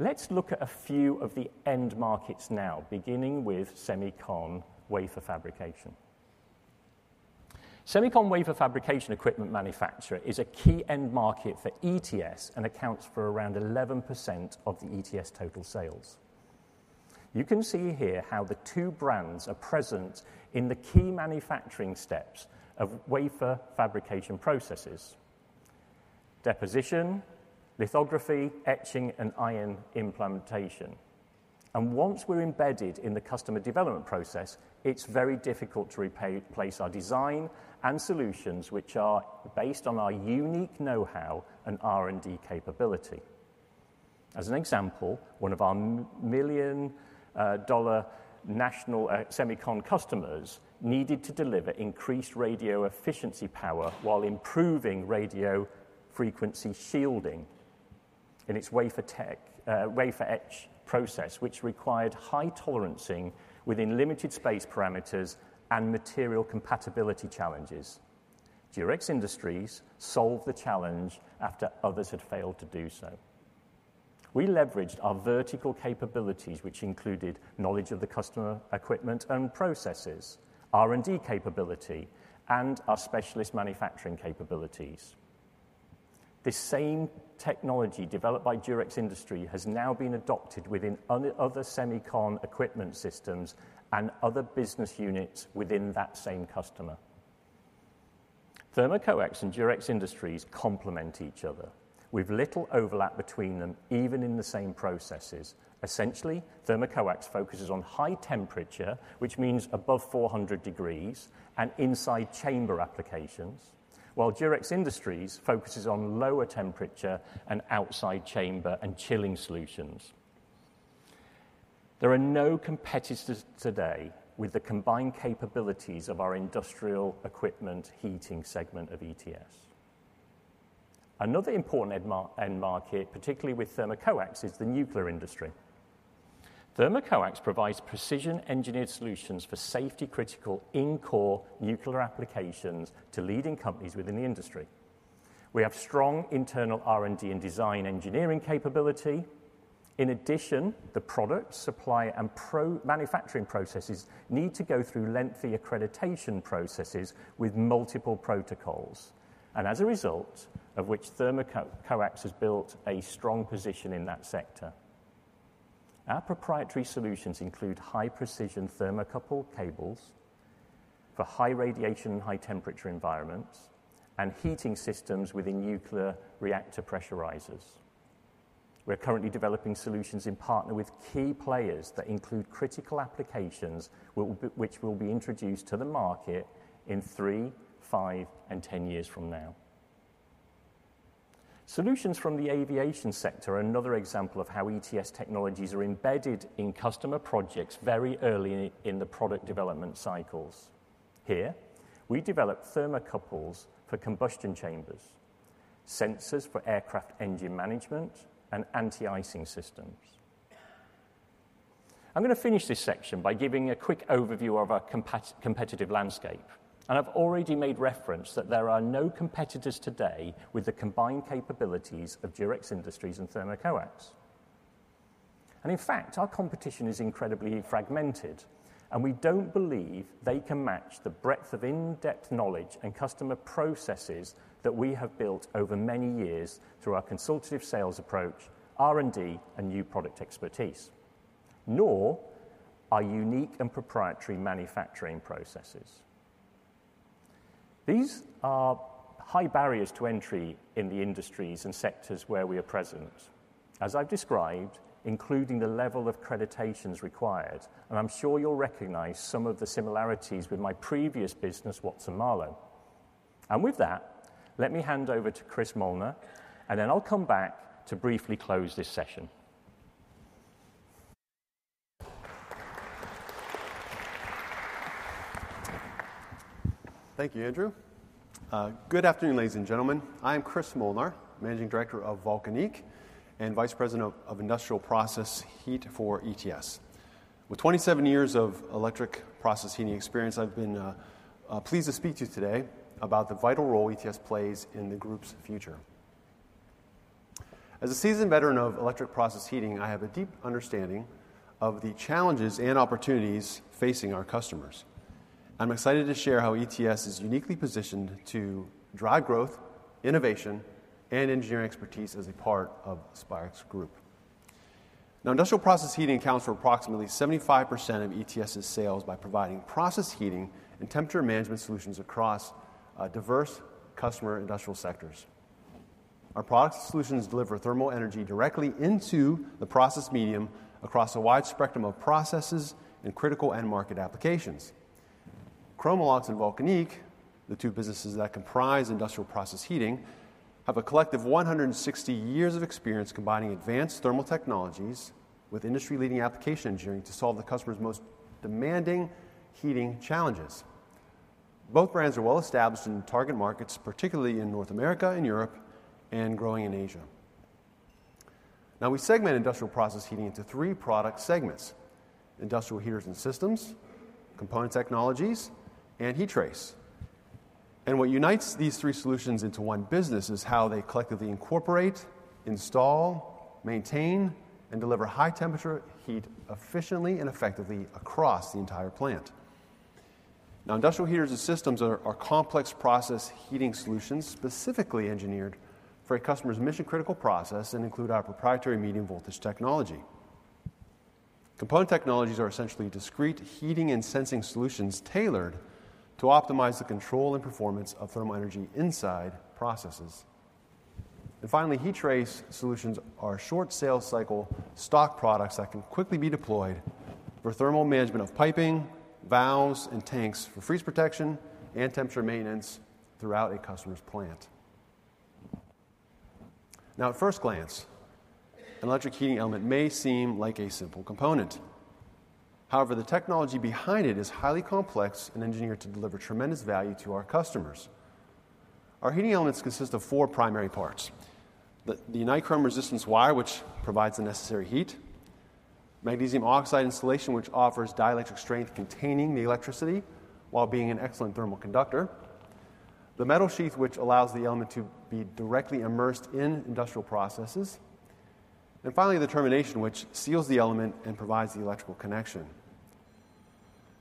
Let's look at a few of the end markets now, beginning with semicon wafer fabrication. Semiconductor wafer fabrication equipment manufacturer is a key end market for ETS and accounts for around 11% of the ETS total sales. You can see here how the two brands are present in the key manufacturing steps of wafer fabrication processes: deposition, lithography, etching, and ion implantation. Once we're embedded in the customer development process, it's very difficult to replace our design and solutions, which are based on our unique know-how and R&D capability. As an example, one of our million dollar national semicon customers needed to deliver increased radio efficiency power while improving radio frequency shielding in its wafer etch process, which required high tolerancing within limited space parameters and material compatibility challenges. Durex Industries solved the challenge after others had failed to do so. We leveraged our vertical capabilities, which included knowledge of the customer, equipment and processes, R&D capability, and our specialist manufacturing capabilities. This same technology, developed by Durex Industries, has now been adopted within other semicon equipment systems and other business units within that same customer. Thermocoax and Durex Industries complement each other with little overlap between them, even in the same processes. Essentially, Thermocoax focuses on high temperature, which means above four hundred degrees and inside chamber applications, while Durex Industries focuses on lower temperature and outside chamber and chilling solutions. There are no competitors today with the combined capabilities of our industrial equipment heating segment of ETS. Another important end market, particularly with Thermocoax, is the nuclear industry. Thermocoax provides precision engineered solutions for safety-critical, in-core nuclear applications to leading companies within the industry. We have strong internal R&D and design engineering capability. In addition, the product, supply, and process manufacturing processes need to go through lengthy accreditation processes with multiple protocols, and as a result of which Thermocoax has built a strong position in that sector. Our proprietary solutions include high-precision thermocouple cables for high radiation and high temperature environments, and heating systems within nuclear reactor pressurizers. We're currently developing solutions in partnership with key players that include critical applications, which will be introduced to the market in three, five, and ten years from now. Solutions from the aviation sector are another example of how ETS technologies are embedded in customer projects very early in the product development cycles. Here, we develop thermocouples for combustion chambers, sensors for aircraft engine management, and anti-icing systems. I'm going to finish this section by giving a quick overview of our competitive landscape, and I've already made reference that there are no competitors today with the combined capabilities of Durex Industries and Thermocoax, and in fact, our competition is incredibly fragmented, and we don't believe they can match the breadth of in-depth knowledge and customer processes that we have built over many years through our consultative sales approach, R&D, and new product expertise, nor our unique and proprietary manufacturing processes. These are high barriers to entry in the industries and sectors where we are present, as I've described, including the level of accreditations required, and I'm sure you'll recognize some of the similarities with my previous business, Watson-Marlow, and with that, let me hand over to Chris Molnar, and then I'll come back to briefly close this session. Thank you, Andrew. Good afternoon, ladies and gentlemen. I am Chris Molnar, Managing Director of Vulcanic and Vice President of Industrial Process Heating for ETS. With twenty-seven years of electric process heating experience, I've been pleased to speak to you today about the vital role ETS plays in the group's future. As a seasoned veteran of electric process heating, I have a deep understanding of the challenges and opportunities facing our customers. I'm excited to share how ETS is uniquely positioned to drive growth, innovation, and engineering expertise as a part of Spirax Group. Now, industrial process heating accounts for approximately 75% of ETS's sales by providing process heating and temperature management solutions across diverse customer industrial sectors. Our products and solutions deliver thermal energy directly into the process medium across a wide spectrum of processes in critical end market applications. Chromalox and Vulcanic, the two businesses that comprise industrial process heating, have a collective one hundred and sixty years of experience combining advanced thermal technologies with industry-leading application engineering to solve the customer's most demanding heating challenges. Both brands are well established in target markets, particularly in North America and Europe, and growing in Asia. Now, we segment industrial process heating into three product segments: industrial heaters and systems, component technologies, and heat trace. And what unites these three solutions into one business is how they collectively incorporate, install, maintain, and deliver high temperature heat efficiently and effectively across the entire plant. Now, industrial heaters and systems are complex process heating solutions specifically engineered for a customer's mission-critical process and include our proprietary medium-voltage technology. Component technologies are essentially discrete heating and sensing solutions tailored to optimize the control and performance of thermal energy inside processes. Finally, heat trace solutions are short sales cycle stock products that can quickly be deployed for thermal management of piping, valves, and tanks for freeze protection and temperature maintenance throughout a customer's plant. Now, at first glance, an electric heating element may seem like a simple component. However, the technology behind it is highly complex and engineered to deliver tremendous value to our customers. Our heating elements consist of four primary parts: the nichrome resistance wire, which provides the necessary heat, magnesium oxide insulation, which offers dielectric strength containing the electricity while being an excellent thermal conductor, the metal sheath, which allows the element to be directly immersed in industrial processes, and finally, the termination, which seals the element and provides the electrical connection.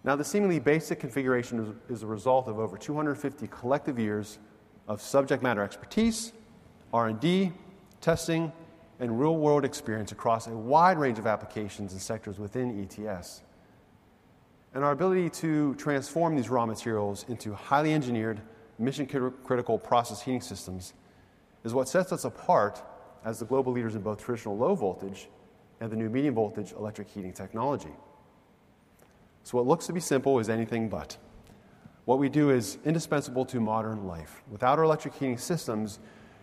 Now, the seemingly basic configuration is a result of over 250 collective years of subject matter expertise, R&D, testing, and real-world experience across a wide range of applications and sectors within ETS. Our ability to transform these raw materials into highly engineered, mission-critical process heating systems is what sets us apart as the global leaders in both traditional low voltage and the new medium voltage electric heating technology. What looks to be simple is anything but. What we do is indispensable to modern life. Without our electric heating systems,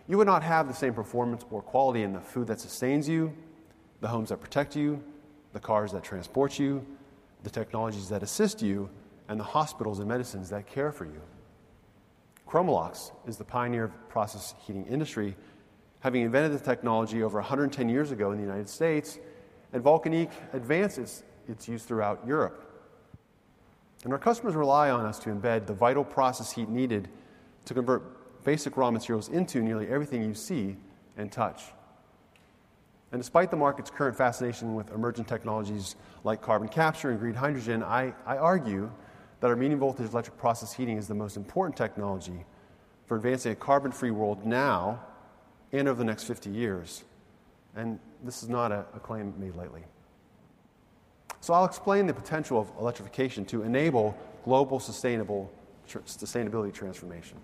you would not have the same performance or quality in the food that sustains you, the homes that protect you, the cars that transport you, the technologies that assist you, and the hospitals and medicines that care for you. Chromalox is the pioneer of the process heating industry, having invented the technology over 110 years ago in the United States, and Vulcanic advances its use throughout Europe. Our customers rely on us to embed the vital process heat needed to convert basic raw materials into nearly everything you see and touch. Despite the market's current fascination with emerging technologies like carbon capture and green hydrogen, I argue that our medium-voltage electric process heating is the most important technology for advancing a carbon-free world now and over the next 50 years. This is not a claim made lightly. I'll explain the potential of electrification to enable global, sustainable sustainability transformation.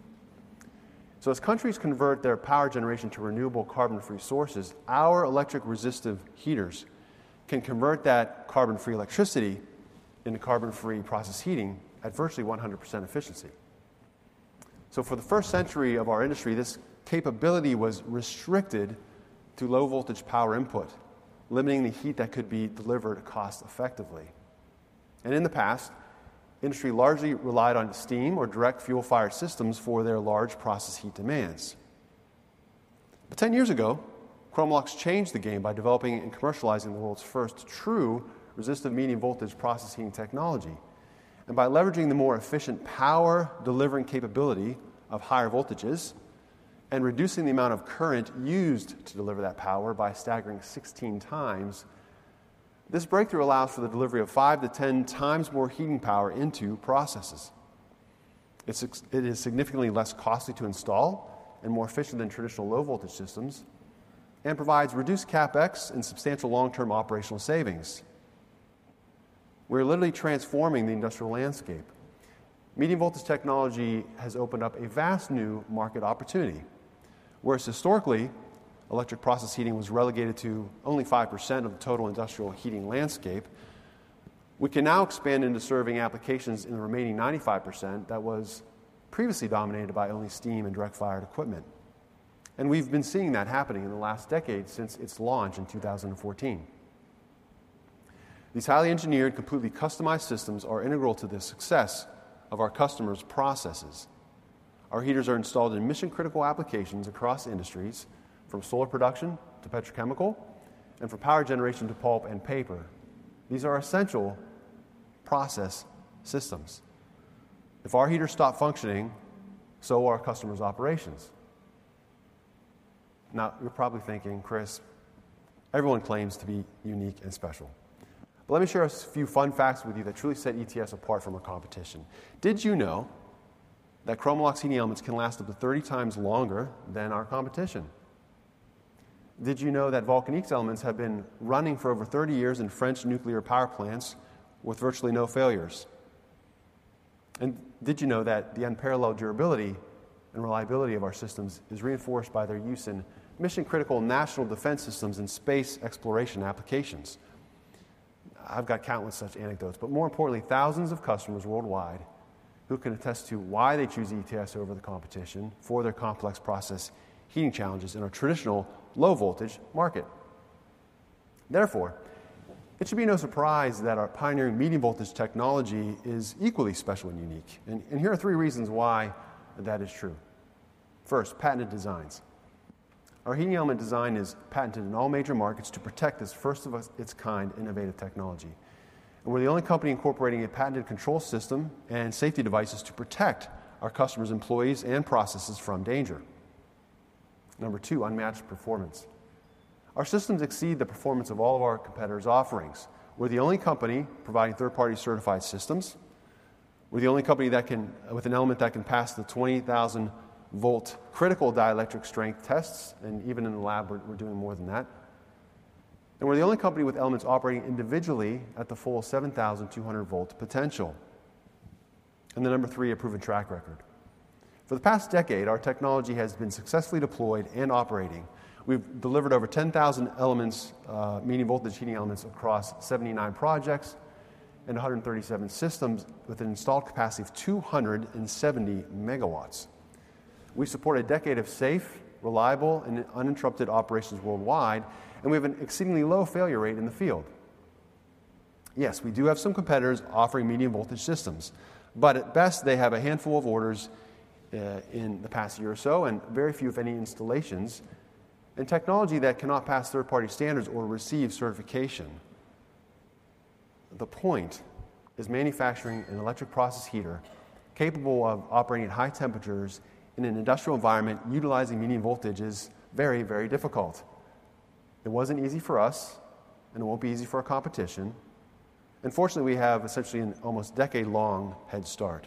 As countries convert their power generation to renewable carbon-free sources, our electric resistive heaters can convert that carbon-free electricity into carbon-free process heating at virtually 100% efficiency. For the first century of our industry, this capability was restricted to low-voltage power input, limiting the heat that could be delivered cost effectively. In the past, industry largely relied on steam or direct fuel-fired systems for their large process heat demands. Ten years ago, Chromalox changed the game by developing and commercializing the world's first true resistive medium-voltage process heating technology. By leveraging the more efficient power-delivering capability of higher voltages and reducing the amount of current used to deliver that power by a staggering 16 times, this breakthrough allows for the delivery of 5-10 times more heating power into processes. It is significantly less costly to install and more efficient than traditional low-voltage systems and provides reduced CapEx and substantial long-term operational savings. We're literally transforming the industrial landscape. Medium-voltage technology has opened up a vast new market opportunity. Whereas historically, electric process heating was relegated to only 5% of the total industrial heating landscape, we can now expand into serving applications in the remaining 95% that was previously dominated by only steam and direct-fired equipment. We've been seeing that happening in the last decade since its launch in 2014. These highly engineered, completely customized systems are integral to the success of our customers' processes. Our heaters are installed in mission-critical applications across industries, from solar production to petrochemical, and from power generation to pulp and paper. These are essential process systems. If our heaters stop functioning, so are our customers' operations. Now, you're probably thinking, Chris, everyone claims to be unique and special. Let me share a few fun facts with you that truly set ETS apart from our competition. Did you know that Chromalox heating elements can last up to thirty times longer than our competition? Did you know that Vulcanic elements have been running for over thirty years in French nuclear power plants with virtually no failures? And did you know that the unparalleled durability and reliability of our systems is reinforced by their use in mission-critical national defense systems and space exploration applications? I've got countless such anecdotes, but more importantly, thousands of customers worldwide who can attest to why they choose ETS over the competition for their complex process heating challenges in our traditional low-voltage market. Therefore, it should be no surprise that our pioneering medium-voltage technology is equally special and unique. And here are three reasons why that is true. First, patented designs. Our heating element design is patented in all major markets to protect this first-of-its-kind innovative technology. We're the only company incorporating a patented control system and safety devices to protect our customers, employees, and processes from danger. Number two, unmatched performance. Our systems exceed the performance of all of our competitors' offerings. We're the only company providing third-party certified systems. We're the only company that can with an element that can pass the twenty thousand volt critical dielectric strength tests, and even in the lab, we're doing more than that. And we're the only company with elements operating individually at the full seven thousand two hundred volt potential. And then number three, a proven track record. For the past decade, our technology has been successfully deployed and operating. We've delivered over ten thousand elements, medium-voltage heating elements across seventy-nine projects and a hundred and thirty-seven systems with an installed capacity of two hundred and seventy megawatts. We support a decade of safe, reliable, and uninterrupted operations worldwide, and we have an exceedingly low failure rate in the field. Yes, we do have some competitors offering medium-voltage systems, but at best, they have a handful of orders in the past year or so, and very few, if any, installations, and technology that cannot pass third-party standards or receive certification. The point is manufacturing an electric process heater capable of operating at high temperatures in an industrial environment, utilizing medium voltage is very, very difficult. It wasn't easy for us, and it won't be easy for our competition. Unfortunately, we have essentially an almost decade-long head start.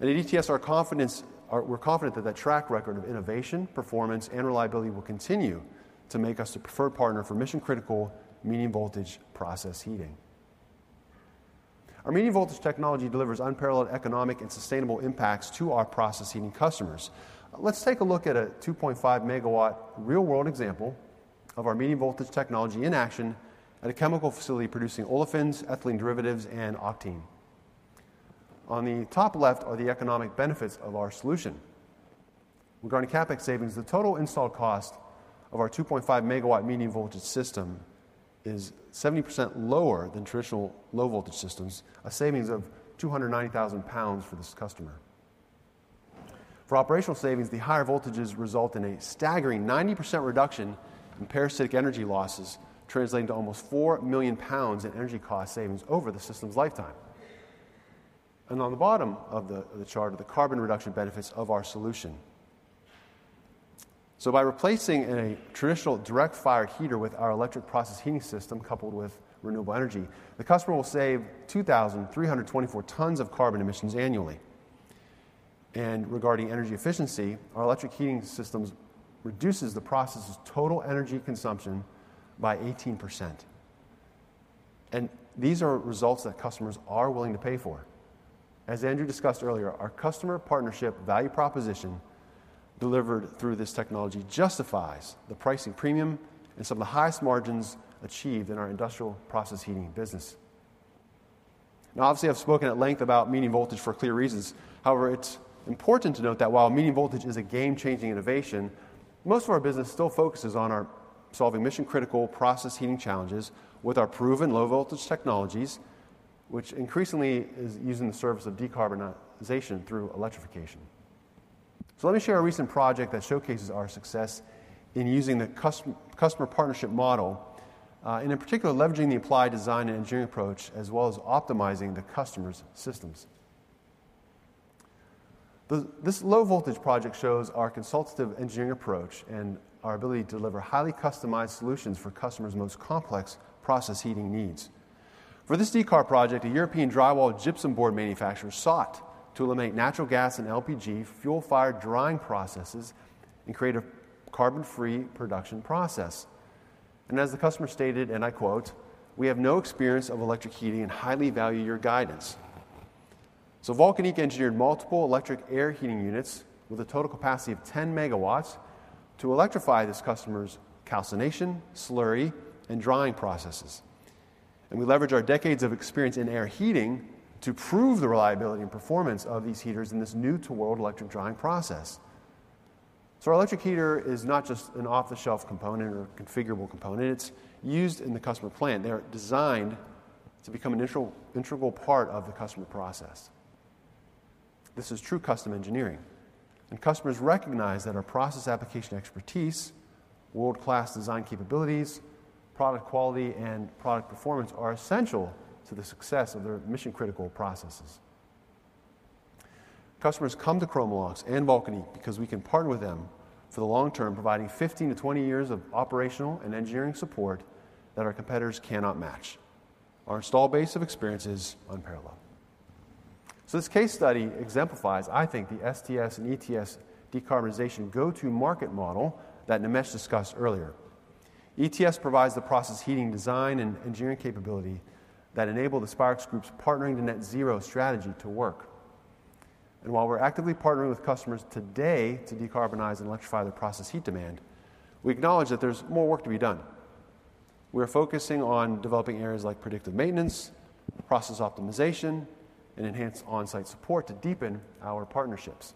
And at ETS, we're confident that that track record of innovation, performance, and reliability will continue to make us the preferred partner for mission-critical, medium-voltage process heating. Our medium-voltage technology delivers unparalleled economic and sustainable impacts to our process heating customers. Let's take a look at a 2.5 MW real-world example of our medium-voltage technology in action at a chemical facility producing olefins, ethylene derivatives, and octene. On the top left are the economic benefits of our solution. Regarding CapEx savings, the total installed cost of our 2.5 MW medium-voltage system is 70% lower than traditional low-voltage systems, a savings of 290,000 pounds for this customer. For operational savings, the higher voltages result in a staggering 90% reduction in parasitic energy losses, translating to almost 4 million pounds in energy cost savings over the system's lifetime. And on the bottom of the chart, are the carbon reduction benefits of our solution. So by replacing a traditional direct fire heater with our electric process heating system, coupled with renewable energy, the customer will save 2,324 tons of carbon emissions annually. And regarding energy efficiency, our electric heating systems reduces the process's total energy consumption by 18%. And these are results that customers are willing to pay for. As Andrew discussed earlier, our customer partnership value proposition, delivered through this technology, justifies the pricing premium and some of the highest margins achieved in our industrial process heating business. Now, obviously, I've spoken at length about medium voltage for clear reasons. However, it's important to note that while medium voltage is a game-changing innovation, most of our business still focuses on our solving mission-critical process heating challenges with our proven low-voltage technologies, which increasingly is using the service of decarbonization through electrification. So let me share a recent project that showcases our success in using the customer partnership model, and in particular, leveraging the applied design and engineering approach, as well as optimizing the customer's systems. This low-voltage project shows our consultative engineering approach and our ability to deliver highly customized solutions for customers' most complex process heating needs. For this decarb project, a European drywall gypsum board manufacturer sought to eliminate natural gas and LPG, fuel-fired drying processes, and create a carbon-free production process. And as the customer stated, and I quote, "We have no experience of electric heating and highly value your guidance." So Vulcanic engineered multiple electric air heating units with a total capacity of 10 MW to electrify this customer's calcination, slurry, and drying processes. We leverage our decades of experience in air heating to prove the reliability and performance of these heaters in this new-to-world electric drying process. Our electric heater is not just an off-the-shelf component or configurable component; it's used in the customer plant. They are designed to become an integral part of the customer process. This is true custom engineering, and customers recognize that our process application expertise, world-class design capabilities, product quality, and product performance are essential to the success of their mission-critical processes. Customers come to Chromalox and Vulcanic because we can partner with them for the long term, providing 15-20 years of operational and engineering support that our competitors cannot match. Our installed base of experience is unparalleled. This case study exemplifies, I think, the STS and ETS decarbonization go-to-market model that Nimesh discussed earlier. ETS provides the process heating design and engineering capability that enable the Spirax Group's Partnering to Net Zero strategy to work. And while we're actively partnering with customers today to decarbonize and electrify their process heat demand, we acknowledge that there's more work to be done. We're focusing on developing areas like predictive maintenance, process optimization, and enhanced on-site support to deepen our partnerships.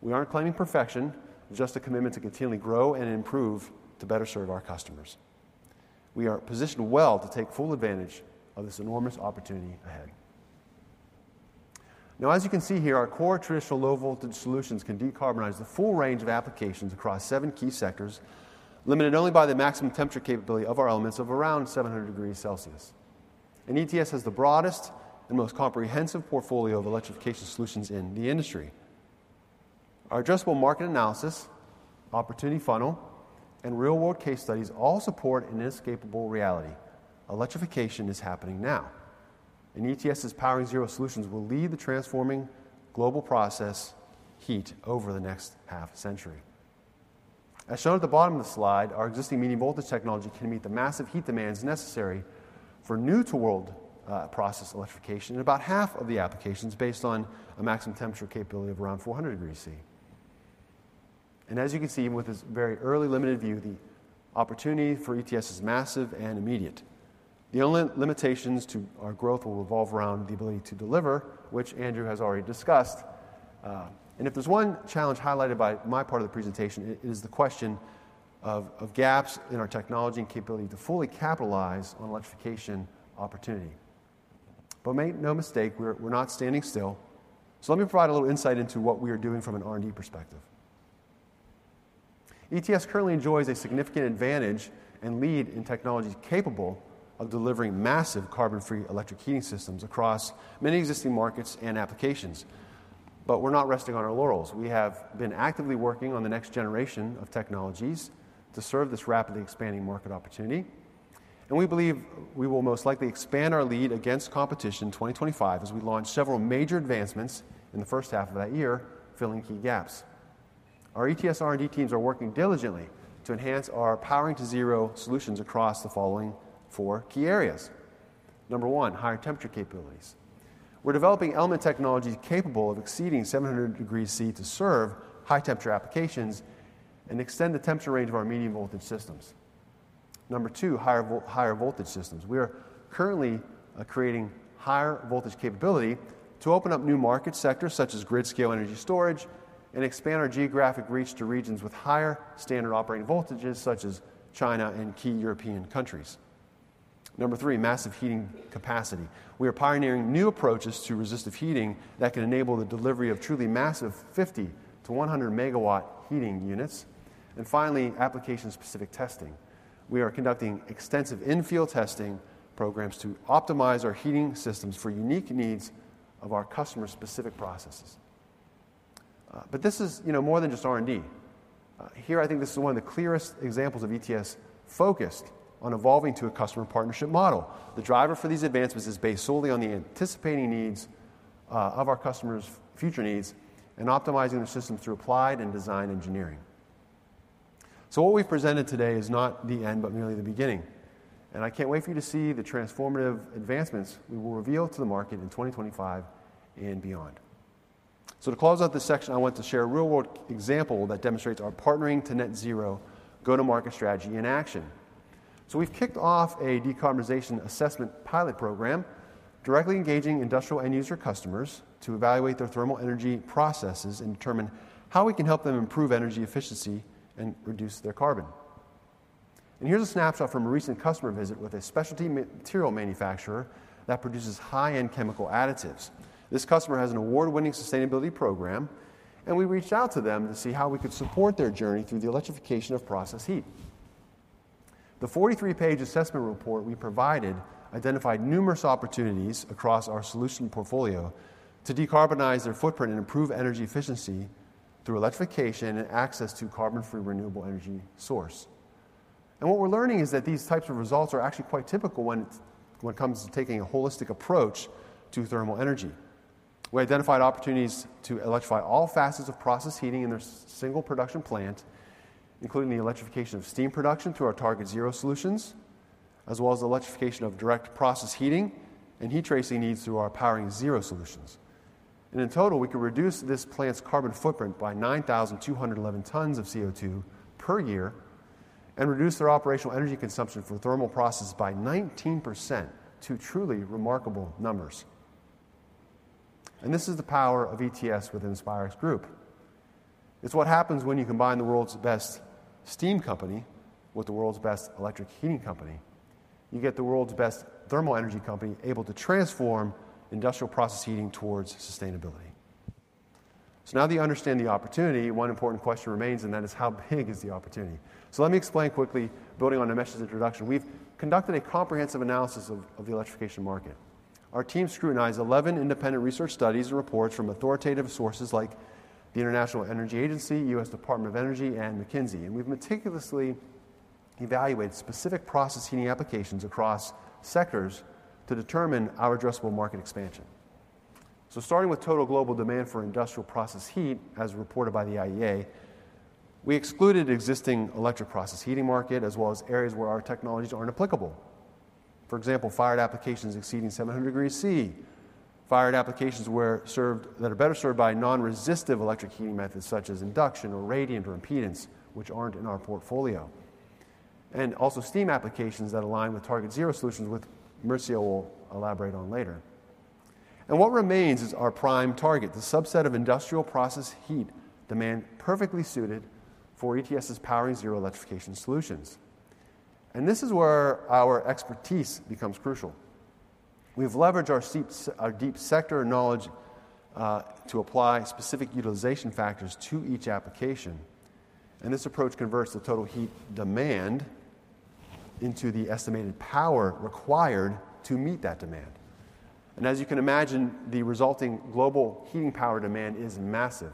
We aren't claiming perfection, just a commitment to continually grow and improve to better serve our customers. We are positioned well to take full advantage of this enormous opportunity ahead. Now, as you can see here, our core traditional low-voltage solutions can decarbonize the full range of applications across seven key sectors, limited only by the maximum temperature capability of our elements of around seven hundred degrees Celsius. And ETS has the broadest and most comprehensive portfolio of electrification solutions in the industry. Our addressable market analysis, opportunity funnel, and real-world case studies all support an inescapable reality: electrification is happening now, and ETS's Powering Zero solutions will lead the transforming global process heat over the next half century. As shown at the bottom of the slide, our existing medium-voltage technology can meet the massive heat demands necessary for new-to-world process electrification, and about half of the applications based on a maximum temperature capability of around four hundred degrees Celsius. And as you can see, with this very early, limited view, the opportunity for ETS is massive and immediate. The only limitations to our growth will revolve around the ability to deliver, which Andrew has already discussed, and if there's one challenge highlighted by my part of the presentation, it is the question of gaps in our technology and capability to fully capitalize on electrification opportunity. But make no mistake, we're not standing still. So let me provide a little insight into what we are doing from an R&D perspective. ETS currently enjoys a significant advantage and lead in technologies capable of delivering massive carbon-free electric heating systems across many existing markets and applications. But we're not resting on our laurels. We have been actively working on the next generation of technologies to serve this rapidly expanding market opportunity, and we believe we will most likely expand our lead against competition in 2025 as we launch several major advancements in the first half of that year, filling key gaps. Our ETS R&D teams are working diligently to enhance our Powering Zero solutions across the following four key areas. Number one, higher temperature capabilities. We're developing element technologies capable of exceeding 700 degrees Celsius to serve high-temperature applications and extend the temperature range of our medium-voltage systems. Number two, higher voltage systems. We are currently creating higher voltage capability to open up new market sectors, such as grid-scale energy storage, and expand our geographic reach to regions with higher standard operating voltages, such as China and key European countries. Number three, massive heating capacity. We are pioneering new approaches to resistive heating that can enable the delivery of truly massive 50-100 megawatt heating units. And finally, application-specific testing. We are conducting extensive in-field testing programs to optimize our heating systems for unique needs of our customers' specific processes. But this is, you know, more than just R&D. Here, I think this is one of the clearest examples of ETS focused on evolving to a customer partnership model. The driver for these advancements is based solely on the anticipating needs of our customers' future needs and optimizing their systems through applied and design engineering. So what we've presented today is not the end, but merely the beginning, and I can't wait for you to see the transformative advancements we will reveal to the market in twenty twenty-five and beyond. So to close out this section, I want to share a real-world example that demonstrates our partnering to Net Zero go-to-market strategy in action. So we've kicked off a decarbonization assessment pilot program, directly engaging industrial end user customers to evaluate their thermal energy processes and determine how we can help them improve energy efficiency and reduce their carbon. Here's a snapshot from a recent customer visit with a specialty material manufacturer that produces high-end chemical additives. This customer has an award-winning sustainability program, and we reached out to them to see how we could support their journey through the electrification of process heat. The forty-three-page assessment report we provided identified numerous opportunities across our solution portfolio to decarbonize their footprint and improve energy efficiency through electrification and access to carbon-free renewable energy source. What we're learning is that these types of results are actually quite typical when it comes to taking a holistic approach to thermal energy. We identified opportunities to electrify all facets of process heating in their single production plant, including the electrification of steam production through our Target Zero solutions, as well as the electrification of direct process heating and heat tracing needs through our Powering Zero solutions. And in total, we could reduce this plant's carbon footprint by 9,211 tons of CO2 per year and reduce their operational energy consumption for thermal processes by 19% to truly remarkable numbers. And this is the power of ETS within the Spirax Group. It's what happens when you combine the world's best steam company with the world's best electric heating company. You get the world's best thermal energy company able to transform industrial process heating towards sustainability. So now that you understand the opportunity, one important question remains, and that is: How big is the opportunity? So let me explain quickly, building on Nimesh's introduction. We've conducted a comprehensive analysis of the electrification market. Our team scrutinized eleven independent research studies and reports from authoritative sources like the International Energy Agency, U.S. Department of Energy, and McKinsey, and we've meticulously evaluated specific process heating applications across sectors to determine our addressable market expansion. Starting with total global demand for industrial process heat, as reported by the IEA, we excluded existing electric process heating market, as well as areas where our technologies aren't applicable. For example, fired applications exceeding 700 degrees C, fired applications that are better served by non-resistive electric heating methods, such as induction or radiant or impedance, which aren't in our portfolio, and also steam applications that align with Target Zero solutions, which Maurizio will elaborate on later. What remains is our prime target, the subset of industrial process heat demand perfectly suited for ETS' Powering Zero electrification solutions. This is where our expertise becomes crucial. We've leveraged our seeps, our deep sector knowledge to apply specific utilization factors to each application, and this approach converts the total heat demand into the estimated power required to meet that demand. And as you can imagine, the resulting global heating power demand is massive.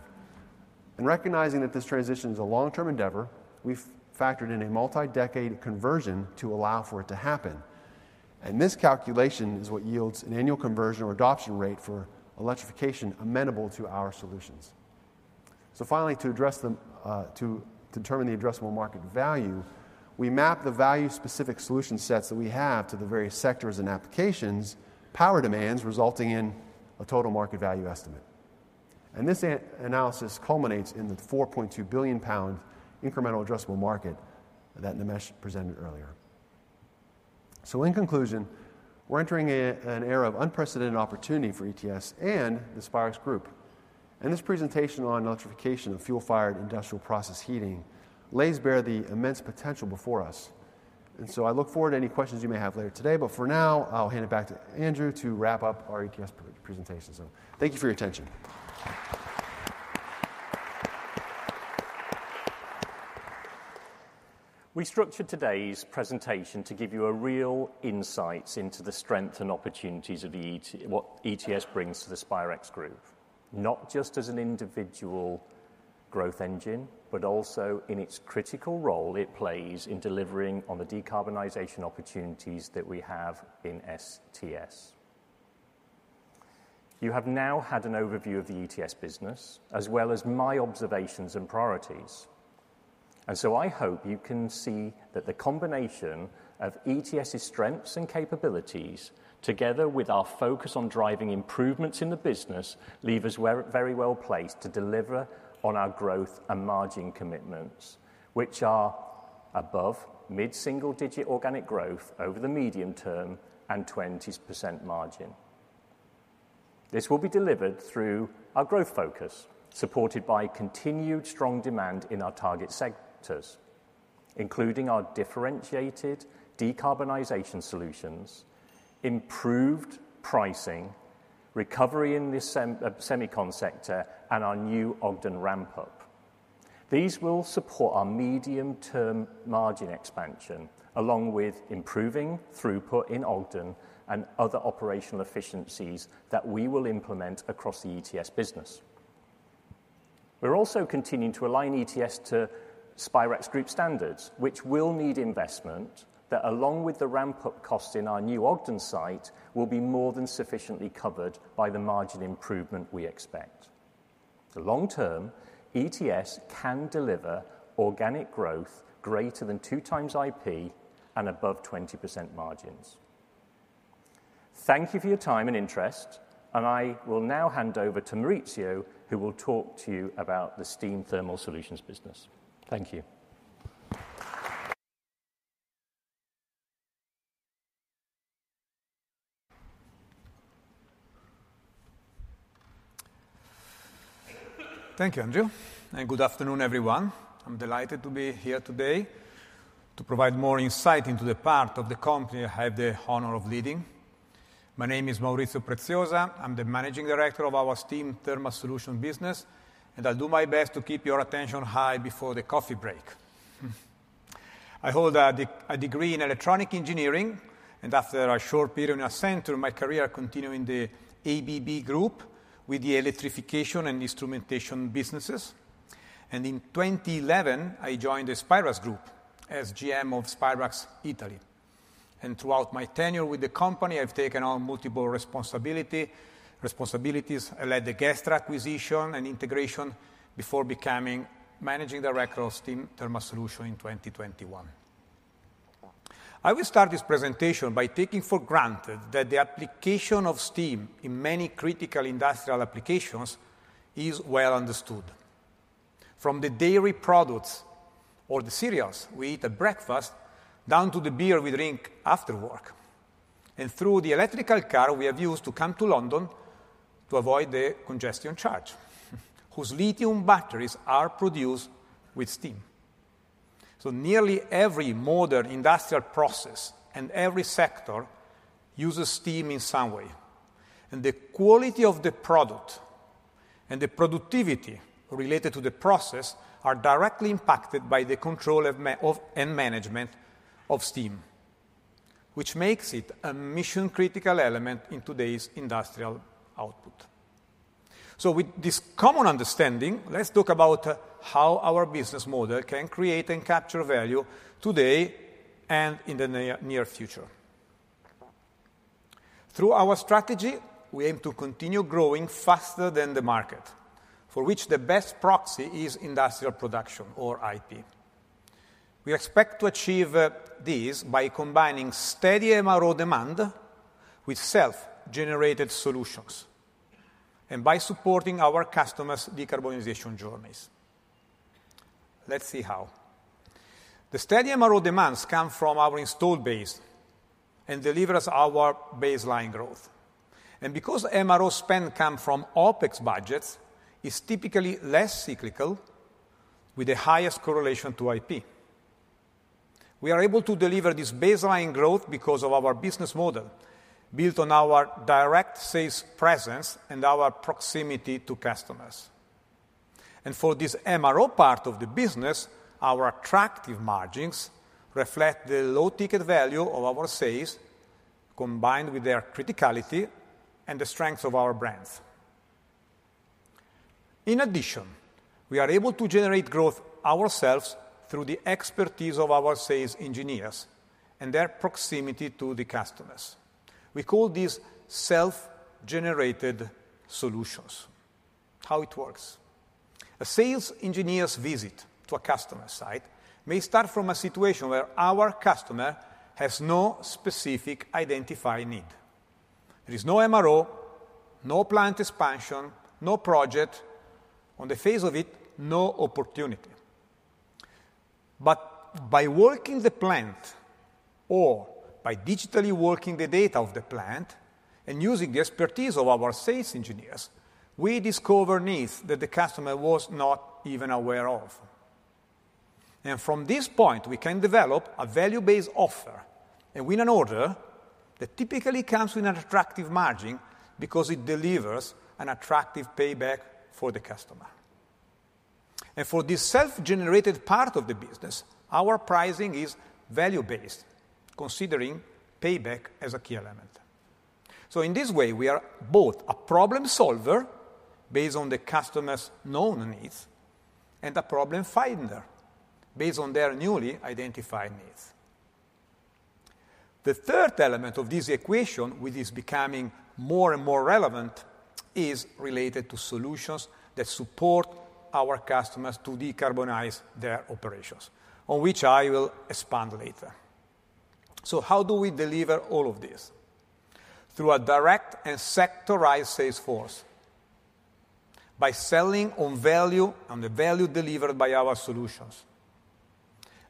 And recognizing that this transition is a long-term endeavor, we've factored in a multi-decade conversion to allow for it to happen. And this calculation is what yields an annual conversion or adoption rate for electrification amenable to our solutions. So finally, to determine the addressable market value, we map the value-specific solution sets that we have to the various sectors' and applications' power demands, resulting in a total market value estimate. And this analysis culminates in the 4.2 billion pound incremental addressable market that Nimesh presented earlier. So in conclusion, we're entering an era of unprecedented opportunity for ETS and the Spirax Group. And this presentation on electrification of fuel-fired industrial process heating lays bare the immense potential before us. And so I look forward to any questions you may have later today, but for now, I'll hand it back to Andrew to wrap up our ETS presentation. So thank you for your attention. We structured today's presentation to give you a real insight into the strength and opportunities of ETS—what ETS brings to the Spirax Group, not just as an individual growth engine, but also in its critical role it plays in delivering on the decarbonization opportunities that we have in STS. You have now had an overview of the ETS business, as well as my observations and priorities, and so I hope you can see that the combination of ETS's strengths and capabilities, together with our focus on driving improvements in the business, leave us very well-placed to deliver on our growth and margin commitments, which are above mid-single-digit organic growth over the medium term and 20% margin. This will be delivered through our growth focus, supported by continued strong demand in our target sectors, including our differentiated decarbonization solutions, improved pricing, recovery in the semicon sector, and our new Ogden ramp-up. These will support our medium-term margin expansion, along with improving throughput in Ogden and other operational efficiencies that we will implement across the ETS business. We're also continuing to align ETS to Spirax Group standards, which will need investment, that along with the ramp-up costs in our new Ogden site, will be more than sufficiently covered by the margin improvement we expect. In the long term, ETS can deliver organic growth greater than two times IP and above 20% margins. Thank you for your time and interest, and I will now hand over to Maurizio, who will talk to you about the Steam Thermal Solutions business. Thank you. Thank you, Andrew, and good afternoon, everyone. I'm delighted to be here today to provide more insight into the part of the company I have the honor of leading. My name is Maurizio Preziosa. I'm the Managing Director of our Steam Thermal Solutions business, and I'll do my best to keep your attention high before the coffee break. I hold a degree in electronic engineering, and after a short period in a Accenture, my career continued in the ABB Group with the electrification and instrumentation businesses. In 2011, I joined the Spirax Group as GM of Spirax Italy. Throughout my tenure with the company, I've taken on multiple responsibilities. I led the Gestra acquisition and integration before becoming Managing Director of Steam Thermal Solutions in 2021. I will start this presentation by taking for granted that the application of steam in many critical industrial applications is well understood. From the dairy products or the cereals we eat at breakfast, down to the beer we drink after work, and through the electrical car we have used to come to London to avoid the congestion charge, whose lithium batteries are produced with steam. So nearly every modern industrial process and every sector uses steam in some way, and the quality of the product and the productivity related to the process are directly impacted by the control of, and management of steam, which makes it a mission-critical element in today's industrial output. So with this common understanding, let's talk about how our business model can create and capture value today and in the near future. Through our strategy, we aim to continue growing faster than the market, for which the best proxy is industrial production or IP. We expect to achieve this by combining steady MRO demand with self-generated solutions and by supporting our customers' decarbonization journeys. Let's see how. The steady MRO demands come from our installed base and delivers our baseline growth, and because MRO spend come from OpEx budgets, it's typically less cyclical, with the highest correlation to IP. We are able to deliver this baseline growth because of our business model, built on our direct sales presence and our proximity to customers, and for this MRO part of the business, our attractive margins reflect the low ticket value of our sales, combined with their criticality and the strength of our brands. In addition, we are able to generate growth ourselves through the expertise of our sales engineers and their proximity to the customers. We call these self-generated solutions. How it works: A sales engineer's visit to a customer site may start from a situation where our customer has no specific identified need. There is no MRO, no plant expansion, no project. On the face of it, no opportunity. But by working the plant or by digitally working the data of the plant and using the expertise of our sales engineers, we discover needs that the customer was not even aware of. And from this point, we can develop a value-based offer and win an order that typically comes with an attractive margin because it delivers an attractive payback for the customer. And for this self-generated part of the business, our pricing is value based, considering payback as a key element. So in this way, we are both a problem solver, based on the customer's known needs, and a problem finder, based on their newly identified needs. The third element of this equation, which is becoming more and more relevant, is related to solutions that support our customers to decarbonize their operations, on which I will expand later. So how do we deliver all of this? Through a direct and sectorized sales force, by selling on value and the value delivered by our solutions,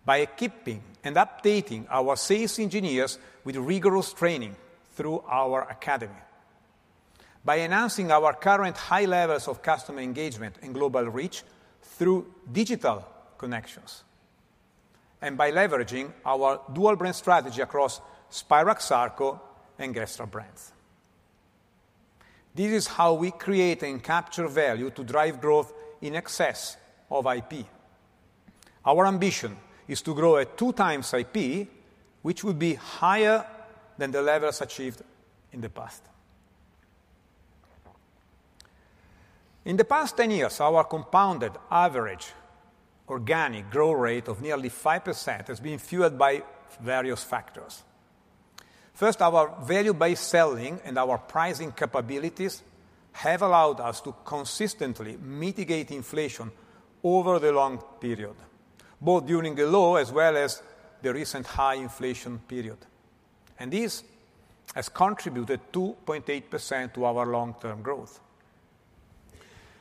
by equipping and updating our sales engineers with rigorous training through our academy, by enhancing our current high levels of customer engagement and global reach through digital connections, and by leveraging our dual brand strategy across Spirax Sarco and Gestra brands. This is how we create and capture value to drive growth in excess of IP. Our ambition is to grow at two times IP, which will be higher than the levels achieved in the past. In the past 10 years, our compounded average organic growth rate of nearly 5% has been fueled by various factors. First, our value-based selling and our pricing capabilities have allowed us to consistently mitigate inflation over the long period, both during the low as well as the recent high inflation period, and this has contributed 2.8% to our long-term growth.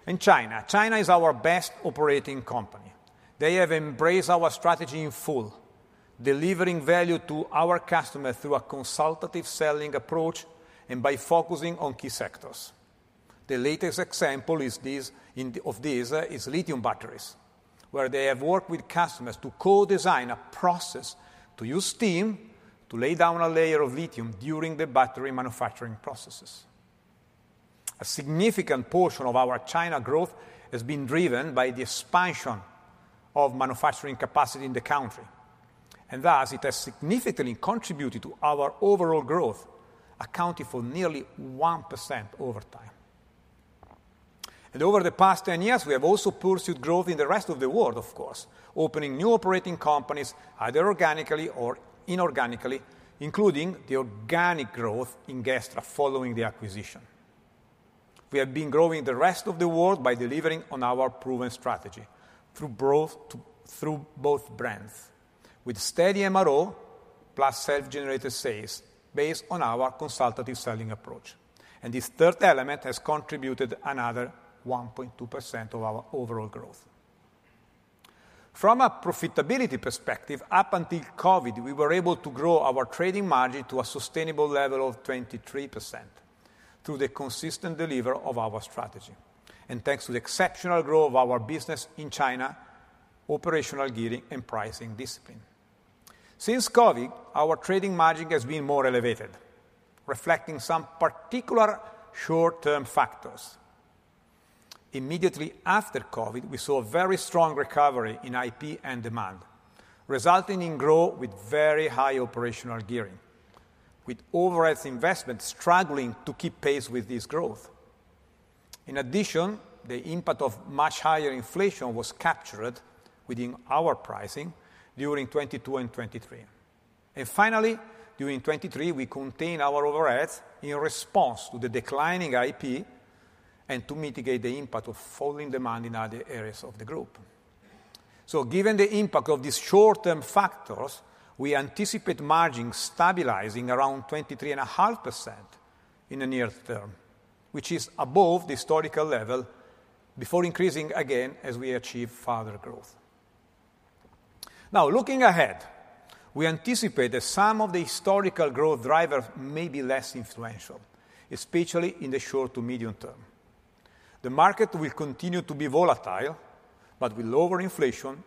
In China, China is our best operating company. They have embraced our strategy in full, delivering value to our customers through a consultative selling approach and by focusing on key sectors. The latest example of this is lithium batteries, where they have worked with customers to co-design a process to use steam to lay down a layer of lithium during the battery manufacturing processes. A significant portion of our China growth has been driven by the expansion of manufacturing capacity in the country, and thus it has significantly contributed to our overall growth, accounting for nearly 1% over time, and over the past 10 years, we have also pursued growth in the rest of the world, of course, opening new operating companies, either organically or inorganically, including the organic growth in Gestra following the acquisition. We have been growing the rest of the world by delivering on our proven strategy through both brands, with steady MRO, plus self-generated sales based on our consultative selling approach. This third element has contributed another 1.2% of our overall growth. From a profitability perspective, up until COVID, we were able to grow our trading margin to a sustainable level of 23% through the consistent delivery of our strategy and thanks to the exceptional growth of our business in China, operational gearing, and pricing discipline. Since COVID, our trading margin has been more elevated, reflecting some particular short-term factors. Immediately after COVID, we saw a very strong recovery in IP and demand, resulting in growth with very high operational gearing, with overheads investment struggling to keep pace with this growth. In addition, the impact of much higher inflation was captured within our pricing during 2022 and 2023. Finally, during 2023, we contained our overheads in response to the declining IP and to mitigate the impact of falling demand in other areas of the group. So given the impact of these short-term factors, we anticipate margins stabilizing around 23.5% in the near term, which is above the historical level, before increasing again as we achieve further growth. Now, looking ahead, we anticipate that some of the historical growth drivers may be less influential, especially in the short to medium term. The market will continue to be volatile, but with lower inflation,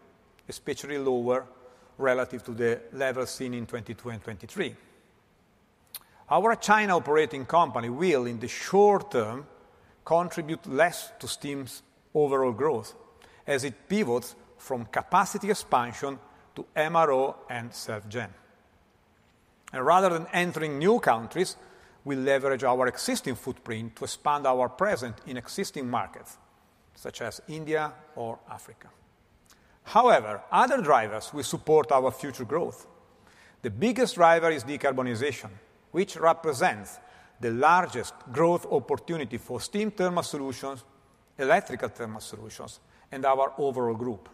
especially lower relative to the level seen in 2022 and 2023. Our China operating company will, in the short term, contribute less to steam's overall growth as it pivots from capacity expansion to MRO and self-gen. And rather than entering new countries, we leverage our existing footprint to expand our presence in existing markets, such as India or Africa. However, other drivers will support our future growth. The biggest driver is decarbonization, which represents the largest growth opportunity for Steam Thermal Solutions, Electric Thermal Solutions, and our overall group,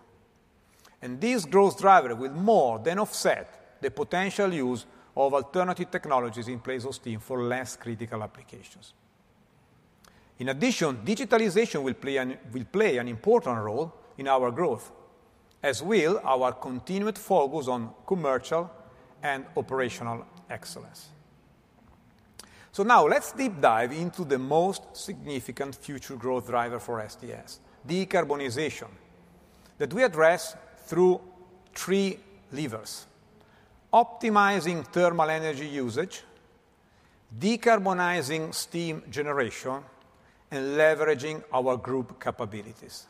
and this growth driver will more than offset the potential use of alternative technologies in place of steam for less critical applications. In addition, digitalization will play an important role in our growth, as will our continued focus on commercial and operational excellence, so now let's deep dive into the most significant future growth driver for STS, decarbonization, that we address through three levers: optimizing thermal energy usage, decarbonizing steam generation, and leveraging our group capabilities.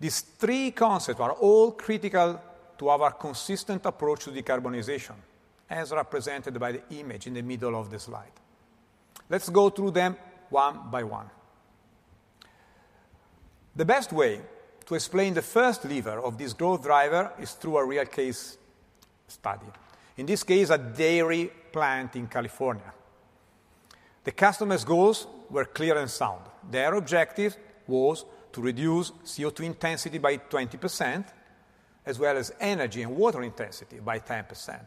These three concepts are all critical to our consistent approach to decarbonization, as represented by the image in the middle of the slide. Let's go through them one by one. The best way to explain the first lever of this growth driver is through a real case study, in this case, a dairy plant in California. The customer's goals were clear and sound. Their objective was to reduce CO2 intensity by 20%, as well as energy and water intensity by 10%.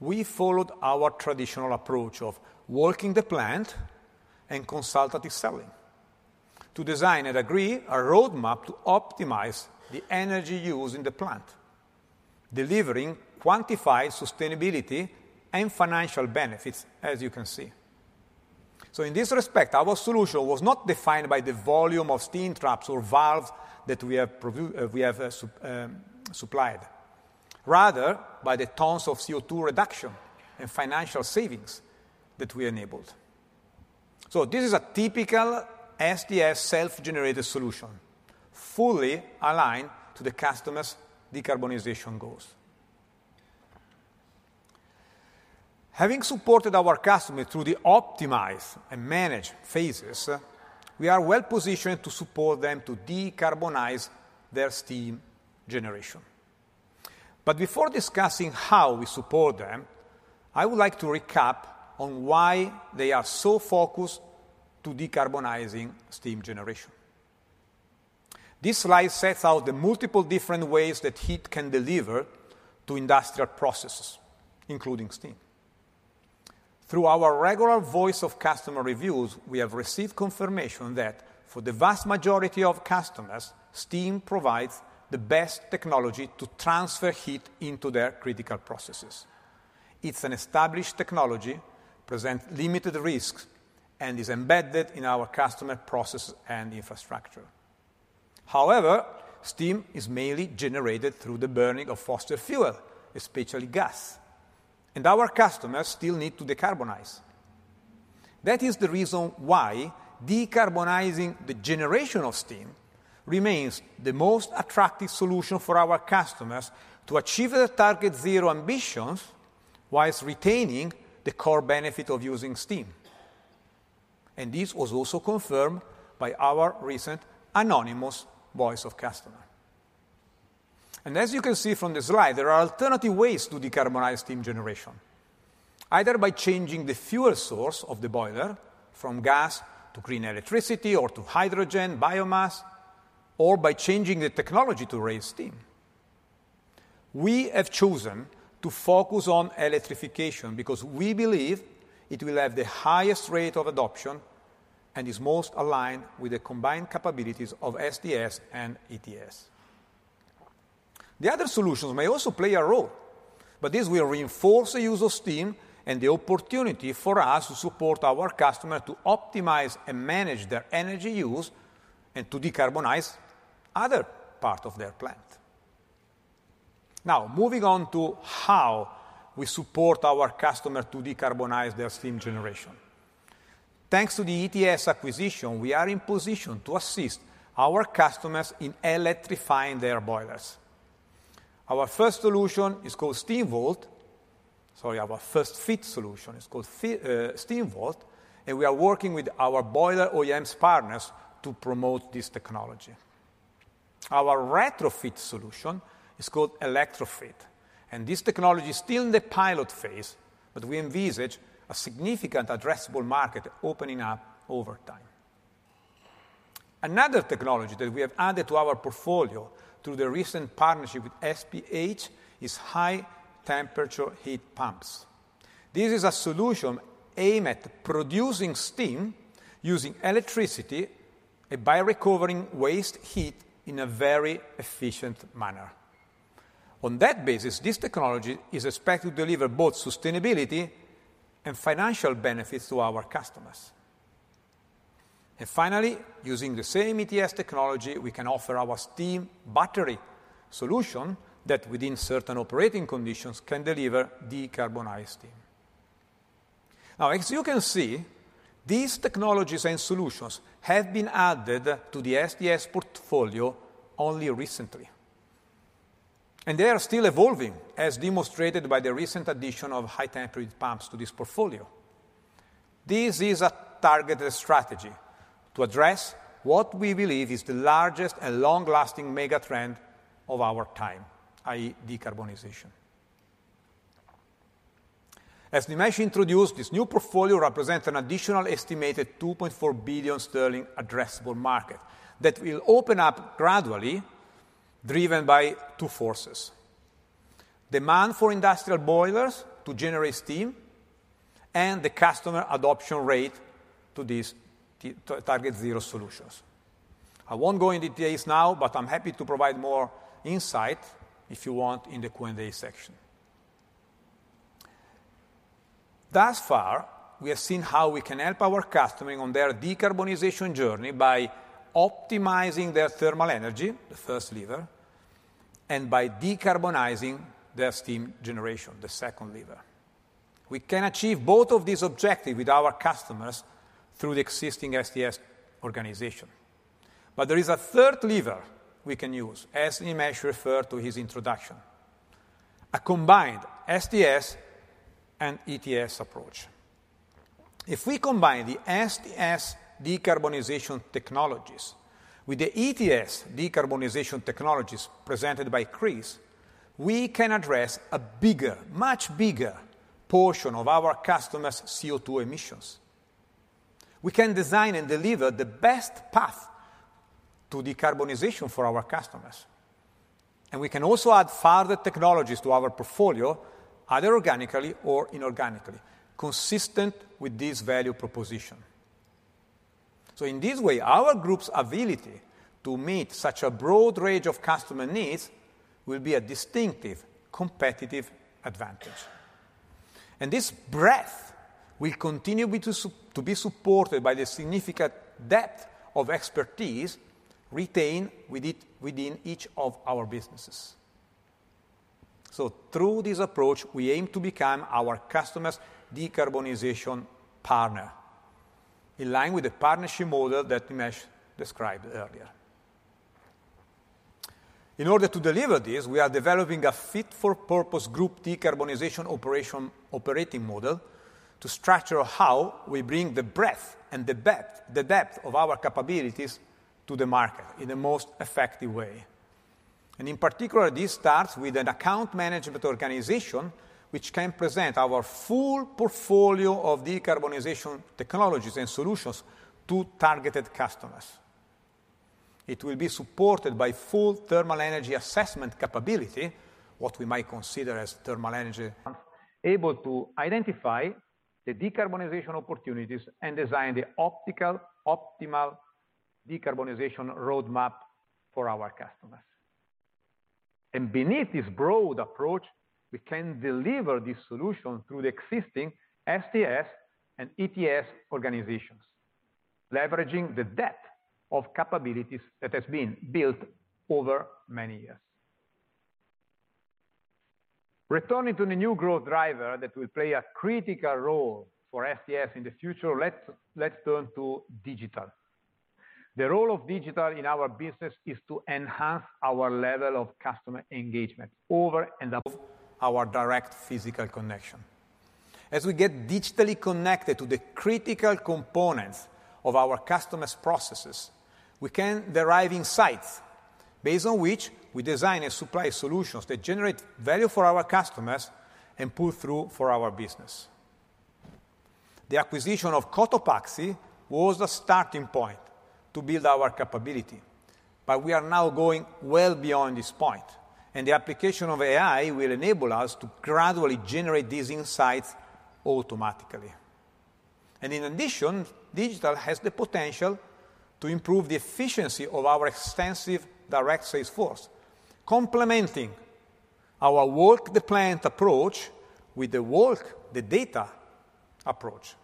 We followed our traditional approach of working the plant and consultative selling to design and agree a roadmap to optimize the energy used in the plant, delivering quantified sustainability and financial benefits, as you can see. So in this respect, our solution was not defined by the volume of steam traps or valves that we have supplied, rather by the tons of CO2 reduction and financial savings that we enabled. So this is a typical STS self-generated solution, fully aligned to the customer's decarbonization goals. Having supported our customers through the optimize and manage phases, we are well positioned to support them to decarbonize their steam generation. But before discussing how we support them, I would like to recap on why they are so focused to decarbonizing steam generation. This slide sets out the multiple different ways that heat can deliver to industrial processes, including steam. Through our regular voice of customer reviews, we have received confirmation that for the vast majority of customers, steam provides the best technology to transfer heat into their critical processes. It's an established technology, presents limited risks, and is embedded in our customer processes and infrastructure. However, steam is mainly generated through the burning of fossil fuel, especially gas, and our customers still need to decarbonize. That is the reason why decarbonizing the generation of steam remains the most attractive solution for our customers to achieve their Net Zero ambitions while retaining the core benefit of using steam, and this was also confirmed by our recent anonymous voice of customer. As you can see from the slide, there are alternative ways to decarbonize steam generation, either by changing the fuel source of the boiler from gas to green electricity or to hydrogen, biomass, or by changing the technology to raise steam. We have chosen to focus on electrification because we believe it will have the highest rate of adoption and is most aligned with the combined capabilities of STS and ETS. The other solutions may also play a role, but this will reinforce the use of steam and the opportunity for us to support our customers to optimize and manage their energy use and to decarbonize other parts of their plant. Now, moving on to how we support our customer to decarbonize their steam generation. Thanks to the ETS acquisition, we are in position to assist our customers in electrifying their boilers. Our first solution is called SteamVolt. Sorry, our first fit solution is called SteamVolt, and we are working with our boiler OEM partners to promote this technology. Our retrofit solution is called ElectroFit, and this technology is still in the pilot phase, but we envisage a significant addressable market opening up over time. Another technology that we have added to our portfolio through the recent partnership with SPH is high-temperature heat pumps. This is a solution aimed at producing steam using electricity, and by recovering waste heat in a very efficient manner. On that basis, this technology is expected to deliver both sustainability and financial benefits to our customers. And finally, using the same ETS technology, we can offer our steam battery solution that, within certain operating conditions, can deliver decarbonized steam. Now, as you can see, these technologies and solutions have been added to the STS portfolio only recently, and they are still evolving, as demonstrated by the recent addition of high-temperature heat pumps to this portfolio. This is a targeted strategy to address what we believe is the largest and long-lasting mega trend of our time, i.e., decarbonization. As Nimesh introduced, this new portfolio represents an additional estimated 2.4 billion sterling addressable market that will open up gradually, driven by two forces: demand for industrial boilers to generate steam and the customer adoption rate to these Target Zero solutions. I won't go into details now, but I'm happy to provide more insight if you want in the Q&A section. Thus far, we have seen how we can help our customers on their decarbonization journey by optimizing their thermal energy, the first lever, and by decarbonizing their steam generation, the second lever. We can achieve both of these objectives with our customers through the existing STS organization, but there is a third lever we can use, as Nimesh referred to in his introduction, a combined STS and ETS approach. If we combine the STS decarbonization technologies with the ETS decarbonization technologies presented by Chris, we can address a bigger, much bigger, portion of our customers' CO₂ emissions. We can design and deliver the best path to decarbonization for our customers, and we can also add further technologies to our portfolio, either organically or inorganically, consistent with this value proposition. So in this way, our group's ability to meet such a broad range of customer needs will be a distinctive competitive advantage, and this breadth will continue to be supported by the significant depth of expertise retained within it in each of our businesses. So through this approach, we aim to become our customers' decarbonization partner, in line with the partnership model that Nimesh described earlier. In order to deliver this, we are developing a fit-for-purpose group decarbonization operating model to structure how we bring the breadth and the depth of our capabilities to the market in the most effective way. In particular, this starts with an account management organization, which can present our full portfolio of decarbonization technologies and solutions to targeted customers. It will be supported by full thermal energy assessment capability, what we might consider as thermal energy, able to identify the decarbonization opportunities and design the optimal decarbonization roadmap for our customers. Beneath this broad approach, we can deliver this solution through the existing STS and ETS organizations, leveraging the depth of capabilities that has been built over many years. Returning to the new growth driver that will play a critical role for STS in the future, let's turn to digital. The role of digital in our business is to enhance our level of customer engagement over and above our direct physical connection. As we get digitally connected to the critical components of our customers' processes, we can derive insights, based on which we design and supply solutions that generate value for our customers and pull through for our business. The acquisition of Cotopaxi was the starting point to build our capability, but we are now going well beyond this point, and the application of AI will enable us to gradually generate these insights automatically. In addition, digital has the potential to improve the efficiency of our extensive direct sales force, complementing our work-the-plant approach with the work-the-data approach.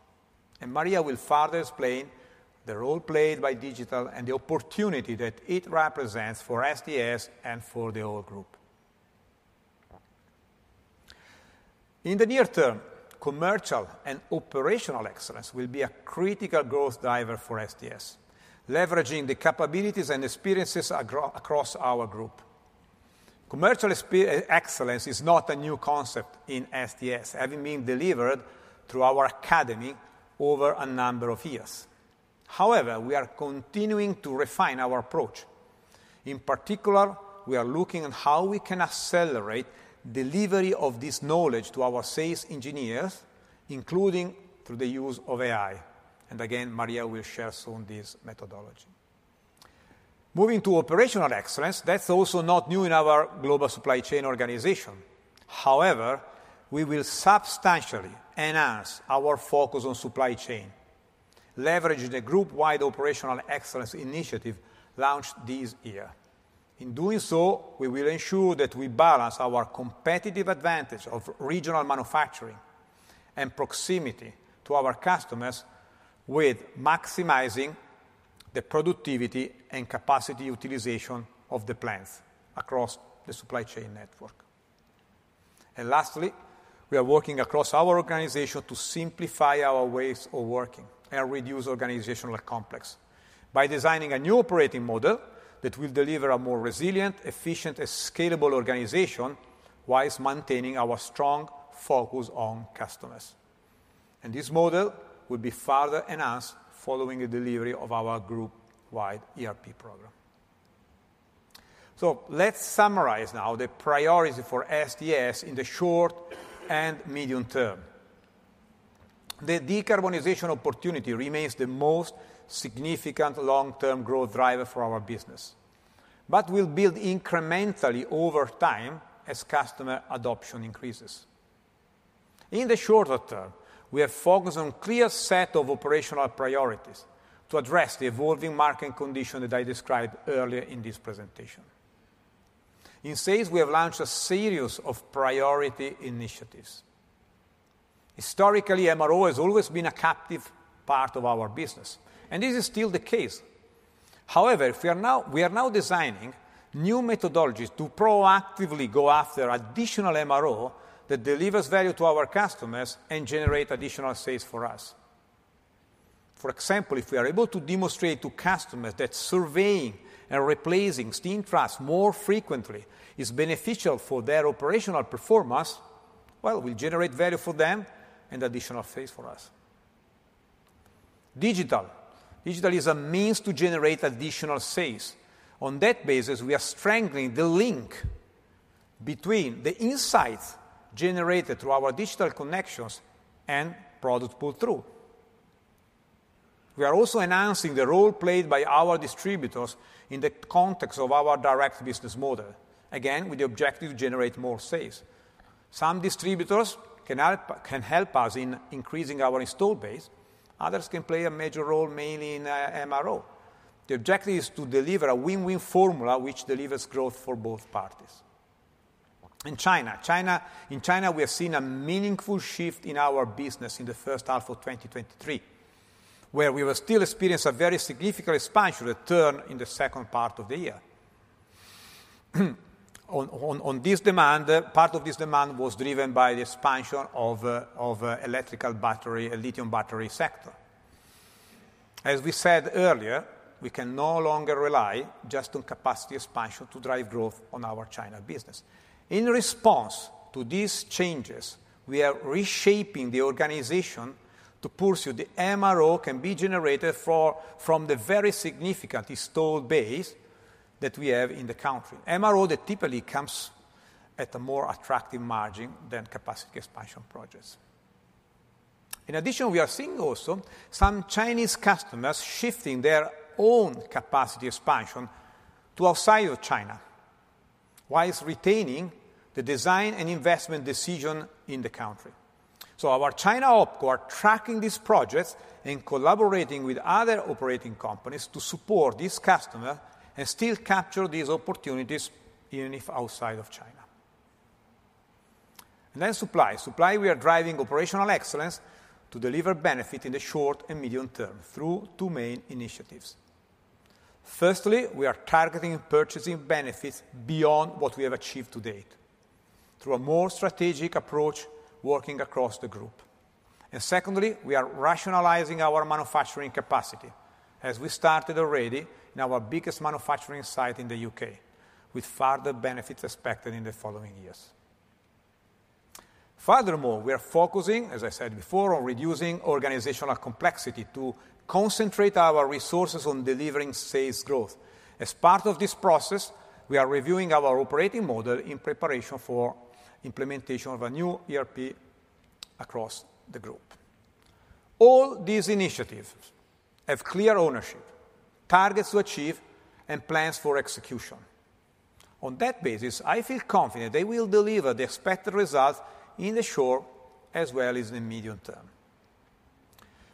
Maria will further explain the role played by digital and the opportunity that it represents for STS and for the whole group. In the near term, commercial and operational excellence will be a critical growth driver for STS, leveraging the capabilities and experiences across our group. Commercial excellence is not a new concept in STS, having been delivered through our academy over a number of years. However, we are continuing to refine our approach. In particular, we are looking at how we can accelerate delivery of this knowledge to our sales engineers, including through the use of AI. And again, Maria will share soon this methodology. Moving to operational excellence, that's also not new in our global supply chain organization. However, we will substantially enhance our focus on supply chain, leveraging the group-wide operational excellence initiative launched this year. In doing so, we will ensure that we balance our competitive advantage of regional manufacturing and proximity to our customers with maximizing the productivity and capacity utilization of the plants across the supply chain network. And lastly, we are working across our organization to simplify our ways of working and reduce organizational complexity by designing a new operating model that will deliver a more resilient, efficient, and scalable organization while maintaining our strong focus on customers. And this model will be further enhanced following the delivery of our group-wide ERP program. So let's summarize now the priority for STS in the short and medium term. The decarbonization opportunity remains the most significant long-term growth driver for our business, but will build incrementally over time as customer adoption increases. In the shorter term, we are focused on clear set of operational priorities to address the evolving market condition that I described earlier in this presentation. In sales, we have launched a series of priority initiatives. Historically, MRO has always been a captive part of our business, and this is still the case. However, we are now designing new methodologies to proactively go after additional MRO that delivers value to our customers and generate additional sales for us. For example, if we are able to demonstrate to customers that surveying and replacing steam traps more frequently is beneficial for their operational performance, well, we generate value for them and additional sales for us. Digital. Digital is a means to generate additional sales. On that basis, we are strengthening the link between the insights generated through our digital connections and product pull-through. We are also enhancing the role played by our distributors in the context of our direct business model, again, with the objective to generate more sales. Some distributors can help us in increasing our installed base. Others can play a major role, mainly in MRO. The objective is to deliver a win-win formula which delivers growth for both parties. In China, we have seen a meaningful shift in our business in the first half of 2023, where we will still experience a very significant expansion return in the second part of the year. On this demand, part of this demand was driven by the expansion of electrical battery, a lithium battery sector. As we said earlier, we can no longer rely just on capacity expansion to drive growth on our China business. In response to these changes, we are reshaping the organization to pursue the MRO that can be generated from the very significant installed base that we have in the country. MRO that typically comes at a more attractive margin than capacity expansion projects. In addition, we are seeing also some Chinese customers shifting their own capacity expansion to outside of China, while retaining the design and investment decision in the country, so our China OpCo is tracking these projects and collaborating with other operating companies to support these customers and still capture these opportunities, even if outside of China, and then supply, we are driving operational excellence to deliver benefits in the short and medium term through two main initiatives. Firstly, we are targeting purchasing benefits beyond what we have achieved to date, through a more strategic approach working across the group. And secondly, we are rationalizing our manufacturing capacity, as we started already in our biggest manufacturing site in the U.K., with further benefits expected in the following years. Furthermore, we are focusing, as I said before, on reducing organizational complexity to concentrate our resources on delivering sales growth. As part of this process, we are reviewing our operating model in preparation for implementation of a new ERP across the group. All these initiatives have clear ownership, targets to achieve, and plans for execution. On that basis, I feel confident they will deliver the expected results in the short as well as in the medium term.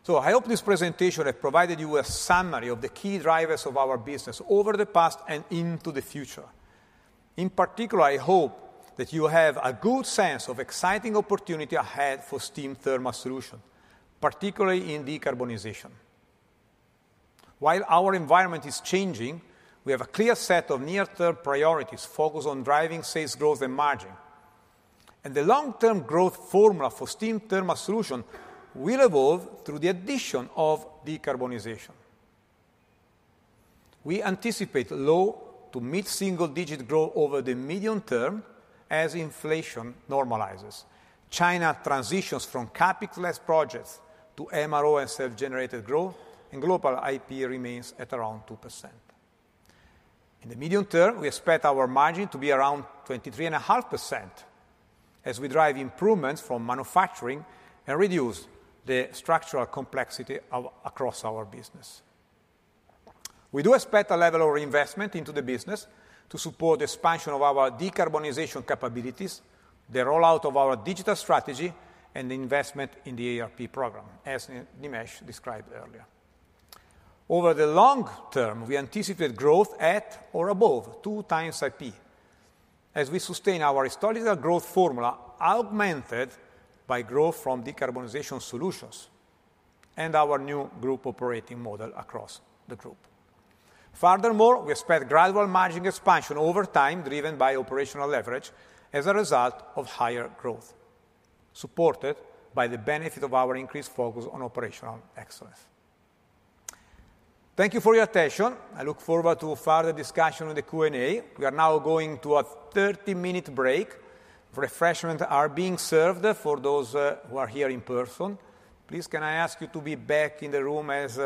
So I hope this presentation has provided you a summary of the key drivers of our business over the past and into the future. In particular, I hope that you have a good sense of exciting opportunity ahead for Steam Thermal Solutions, particularly in decarbonization. While our environment is changing, we have a clear set of near-term priorities focused on driving sales growth and margin, and the long-term growth formula for Steam Thermal Solutions will evolve through the addition of decarbonization. We anticipate low- to mid-single-digit growth over the medium term as inflation normalizes, China transitions from capital-less projects to MRO and self-generated growth, and global IP remains at around 2%. In the medium term, we expect our margin to be around 23.5%, as we drive improvements from manufacturing and reduce the structural complexity of, across our business. We do expect a level of investment into the business to support the expansion of our decarbonization capabilities, the rollout of our digital strategy, and the investment in the ERP program, as Nimesh described earlier. Over the long term, we anticipate growth at or above two times IP, as we sustain our historical growth formula, augmented by growth from decarbonization solutions and our new group operating model across the group. Furthermore, we expect gradual margin expansion over time, driven by operational leverage as a result of higher growth, supported by the benefit of our increased focus on operational excellence. Thank you for your attention. I look forward to further discussion on the Q&A. We are now going to a thirty-minute break. Refreshments are being served for those who are here in person. Please, can I ask you to be back in the room as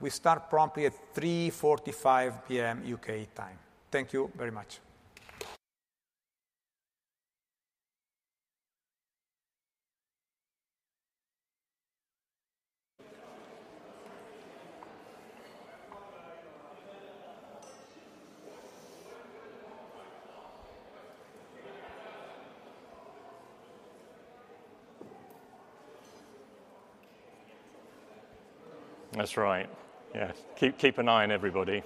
we start promptly at 3:45 P.M. U.K. time. Thank you very much. That's right. Yes. Keep an eye on everybody.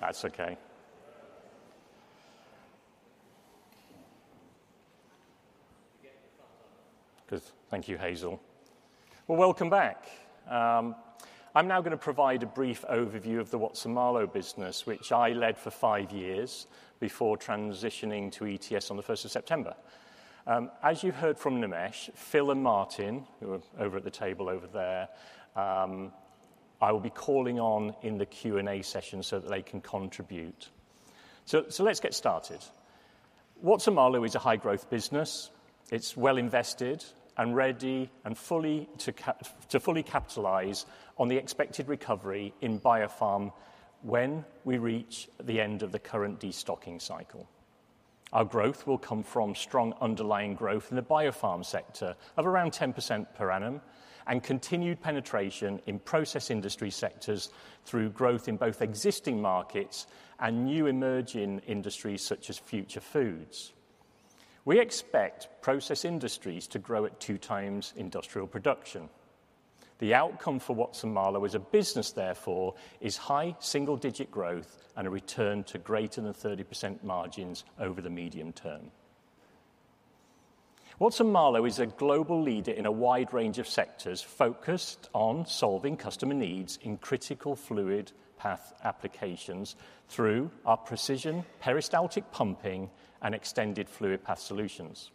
That's okay. Good. Thank you, Hazel. Well, welcome back. I'm now going to provide a brief overview of the Watson-Marlow business, which I led for five years before transitioning to ETS on the first of September. As you've heard from Nimesh, Phil and Martin, who are over at the table over there, I will be calling on in the Q&A session so that they can contribute. So let's get started. Watson-Marlow is a high-growth business.... It's well invested and ready to fully capitalize on the expected recovery in biopharm when we reach the end of the current destocking cycle. Our growth will come from strong underlying growth in the Biopharm sector of around 10% per annum, and continued penetration in process industry sectors through growth in both existing markets and new emerging industries, such as future foods. We expect process industries to grow at two times industrial production. The outcome for Watson-Marlow as a business, therefore, is high single-digit growth and a return to greater than 30% margins over the medium term. Watson-Marlow is a global leader in a wide range of sectors focused on solving customer needs in critical fluid path applications through our precision peristaltic pumping and extended fluid path solutions.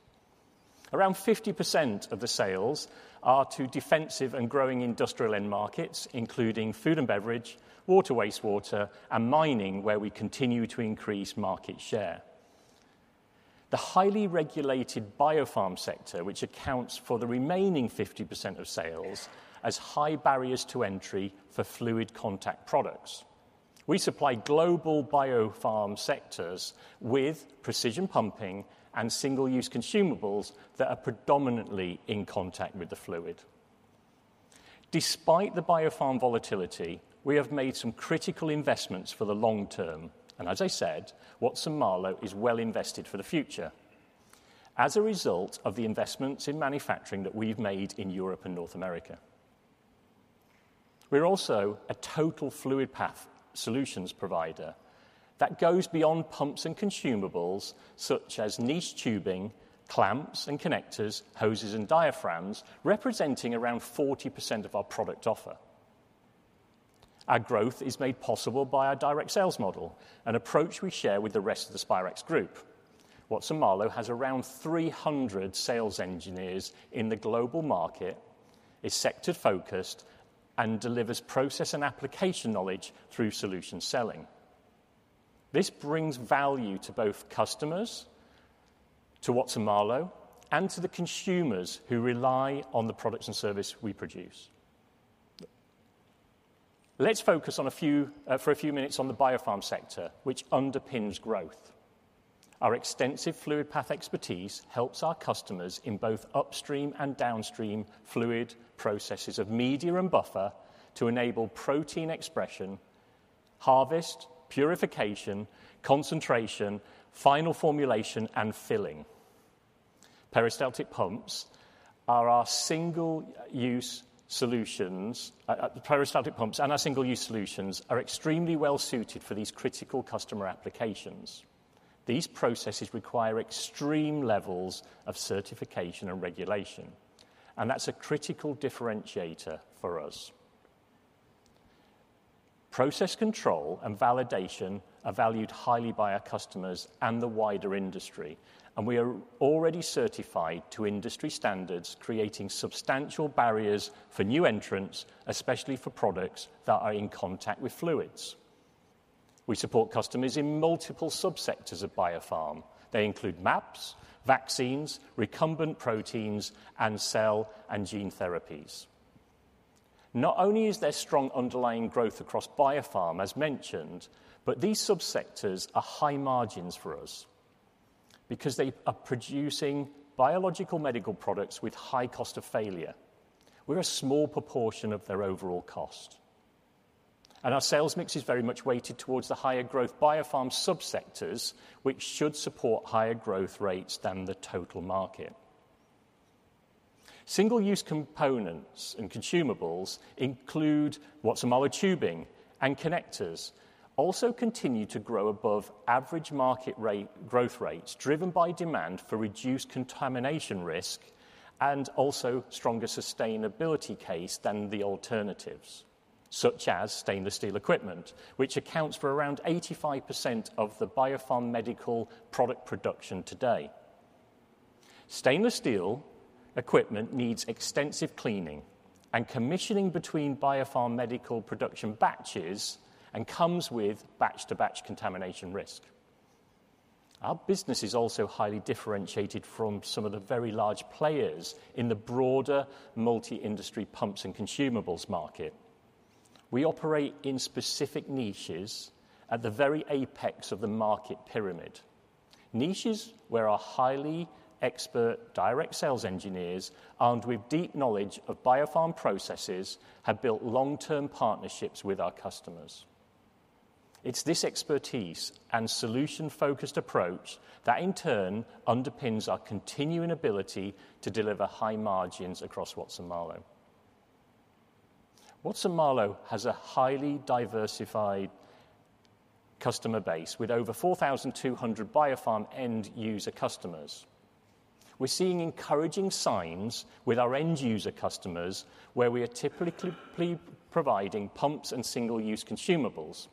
Around 50% of the sales are to defensive and growing industrial end markets, including food and beverage, water, wastewater, and mining, where we continue to increase market share. The highly regulated biopharm sector, which accounts for the remaining 50% of sales, has high barriers to entry for fluid contact products. We supply global biopharm sectors with precision pumping and single-use consumables that are predominantly in contact with the fluid. Despite the biopharm volatility, we have made some critical investments for the long term, and as I said, Watson-Marlow is well invested for the future as a result of the investments in manufacturing that we've made in Europe and North America. We're also a total fluid path solutions provider that goes beyond pumps and consumables, such as niche tubing, clamps and connectors, hoses and diaphragms, representing around 40% of our product offer. Our growth is made possible by our direct sales model, an approach we share with the rest of the Spirax Group. Watson-Marlow has around three hundred sales engineers in the global market, is sector-focused, and delivers process and application knowledge through solution selling. This brings value to both customers, to Watson-Marlow, and to the consumers who rely on the products and service we produce. Let's focus for a few minutes on the biopharm sector, which underpins growth. Our extensive fluid path expertise helps our customers in both upstream and downstream fluid processes of media and buffer to enable protein expression, harvest, purification, concentration, final formulation, and filling. The peristaltic pumps and our single-use solutions are extremely well suited for these critical customer applications. These processes require extreme levels of certification and regulation, and that's a critical differentiator for us. Process control and validation are valued highly by our customers and the wider industry, and we are already certified to industry standards, creating substantial barriers for new entrants, especially for products that are in contact with fluids. We support customers in multiple subsectors of biopharm. They include mAbs, vaccines, recombinant proteins, and cell and gene therapies. Not only is there strong underlying growth across biopharm, as mentioned, but these subsectors are high margins for us because they are producing biological medical products with high cost of failure. We're a small proportion of their overall cost, and our sales mix is very much weighted towards the higher growth biopharm subsectors, which should support higher growth rates than the total market. Single-use components and consumables include Watson-Marlow tubing and connectors, also continue to grow above average market rate, growth rates, driven by demand for reduced contamination risk and also stronger sustainability case than the alternatives, such as stainless steel equipment, which accounts for around 85% of the biopharm medical product production today. Stainless steel equipment needs extensive cleaning and commissioning between biopharm medical production batches and comes with batch-to-batch contamination risk. Our business is also highly differentiated from some of the very large players in the broader multi-industry pumps and consumables market. We operate in specific niches at the very apex of the market pyramid, niches where our highly expert direct sales engineers, armed with deep knowledge of biopharm processes, have built long-term partnerships with our customers. It's this expertise and solution-focused approach that, in turn, underpins our continuing ability to deliver high margins across Watson-Marlow. Watson-Marlow has a highly diversified customer base with over 4,200 biopharm end-user customers. We're seeing encouraging signs with our end-user customers, where we are typically providing pumps and single-use consumables,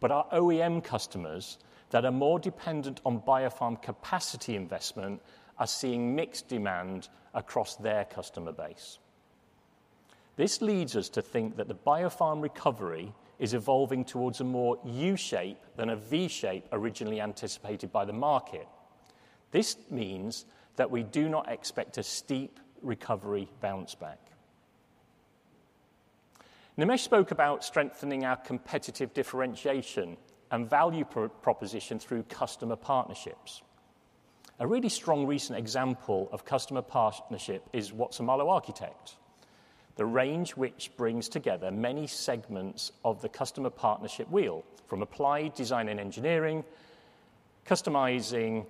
but our OEM customers that are more dependent on biopharm capacity investment are seeing mixed demand across their customer base. This leads us to think that the biopharm recovery is evolving towards a more U-shape than a V-shape originally anticipated by the market. This means that we do not expect a steep recovery bounce back. Nimesh spoke about strengthening our competitive differentiation and value proposition through customer partnerships. A really strong recent example of customer partnership is Watson-Marlow Architect, the range which brings together many segments of the customer partnership wheel, from applied design and engineering, customizing,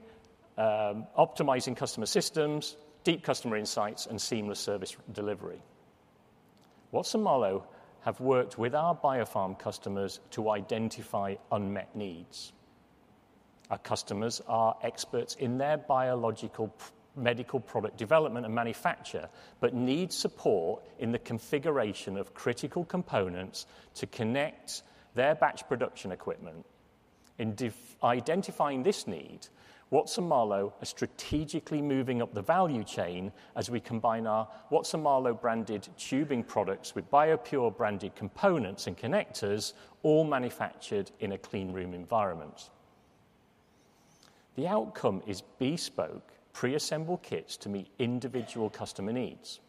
optimizing customer systems, deep customer insights, and seamless service delivery. Watson-Marlow have worked with our biopharm customers to identify unmet needs. Our customers are experts in their biological medical product development and manufacture, but need support in the configuration of critical components to connect their batch production equipment. Identifying this need, Watson-Marlow are strategically moving up the value chain as we combine our Watson-Marlow branded tubing products with BioPure branded components and connectors, all manufactured in a clean room environment. The outcome is bespoke, pre-assembled kits to meet individual customer needs.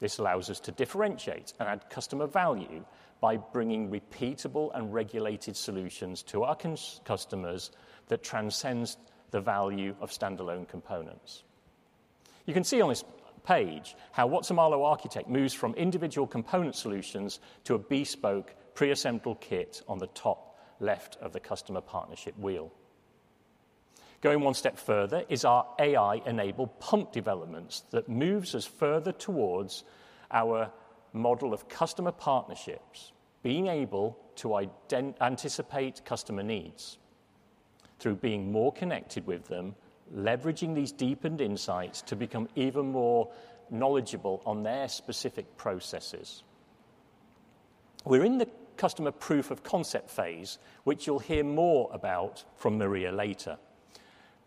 This allows us to differentiate and add customer value by bringing repeatable and regulated solutions to our customers that transcends the value of standalone components. You can see on this page how Watson-Marlow Architect moves from individual component solutions to a bespoke pre-assembled kit on the top left of the customer partnership wheel. Going one step further is our AI-enabled pump developments that moves us further towards our model of customer partnerships, being able to anticipate customer needs through being more connected with them, leveraging these deepened insights to become even more knowledgeable on their specific processes. We're in the customer proof of concept phase, which you'll hear more about from Maria later.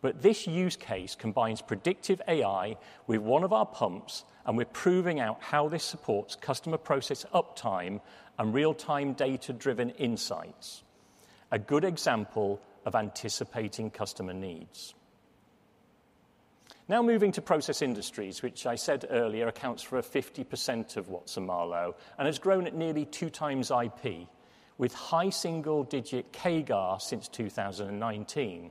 But this use case combines predictive AI with one of our pumps, and we're proving out how this supports customer process uptime and real-time data-driven insights. A good example of anticipating customer needs. Now moving to Process Industries, which I said earlier accounts for 50% of Watson-Marlow and has grown at nearly two times IP, with high single-digit CAGR since 2019,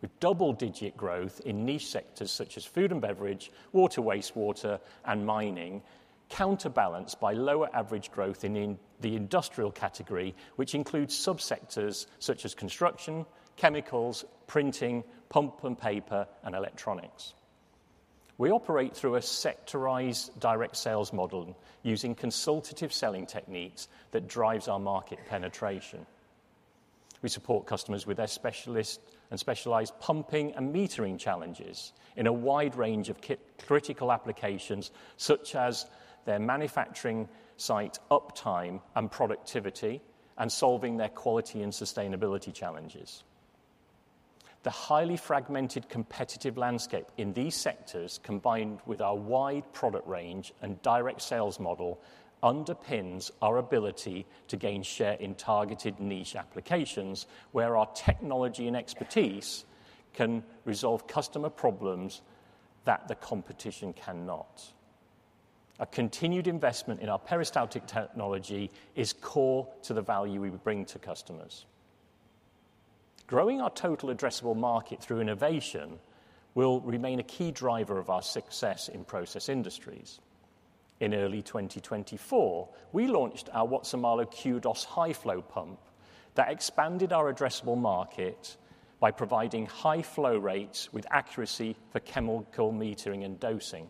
with double-digit growth in niche sectors such as food and beverage, water, wastewater, and mining, counterbalanced by lower average growth in the industrial category, which includes subsectors such as construction, chemicals, printing, pulp and paper, and electronics. We operate through a sectorized direct sales model using consultative selling techniques that drives our market penetration. We support customers with their specialist and specialized pumping and metering challenges in a wide range of critical applications, such as their manufacturing site uptime and productivity, and solving their quality and sustainability challenges. The highly fragmented competitive landscape in these sectors, combined with our wide product range and direct sales model, underpins our ability to gain share in targeted niche applications where our technology and expertise can resolve customer problems that the competition cannot. A continued investment in our peristaltic technology is core to the value we bring to customers. Growing our total addressable market through innovation will remain a key driver of our success in process industries. In early twenty twenty-four, we launched our Watson-Marlow Qdos high flow pump that expanded our addressable market by providing high flow rates with accuracy for chemical metering and dosing.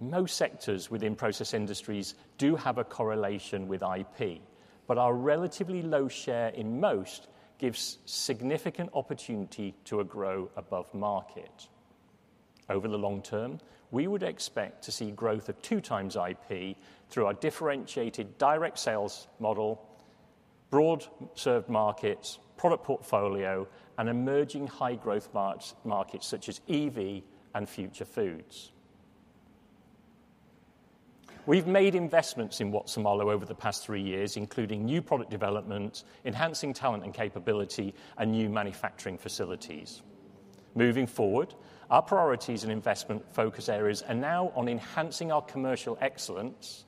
Most sectors within process industries do have a correlation with IP, but our relatively low share in most gives significant opportunity to grow above market. Over the long term, we would expect to see growth of two times IP through our differentiated direct sales model, broad served markets, product portfolio, and emerging high-growth markets such as EV and future foods. We've made investments in Watson-Marlow over the past three years, including new product development, enhancing talent and capability, and new manufacturing facilities. Moving forward, our priorities and investment focus areas are now on enhancing our commercial excellence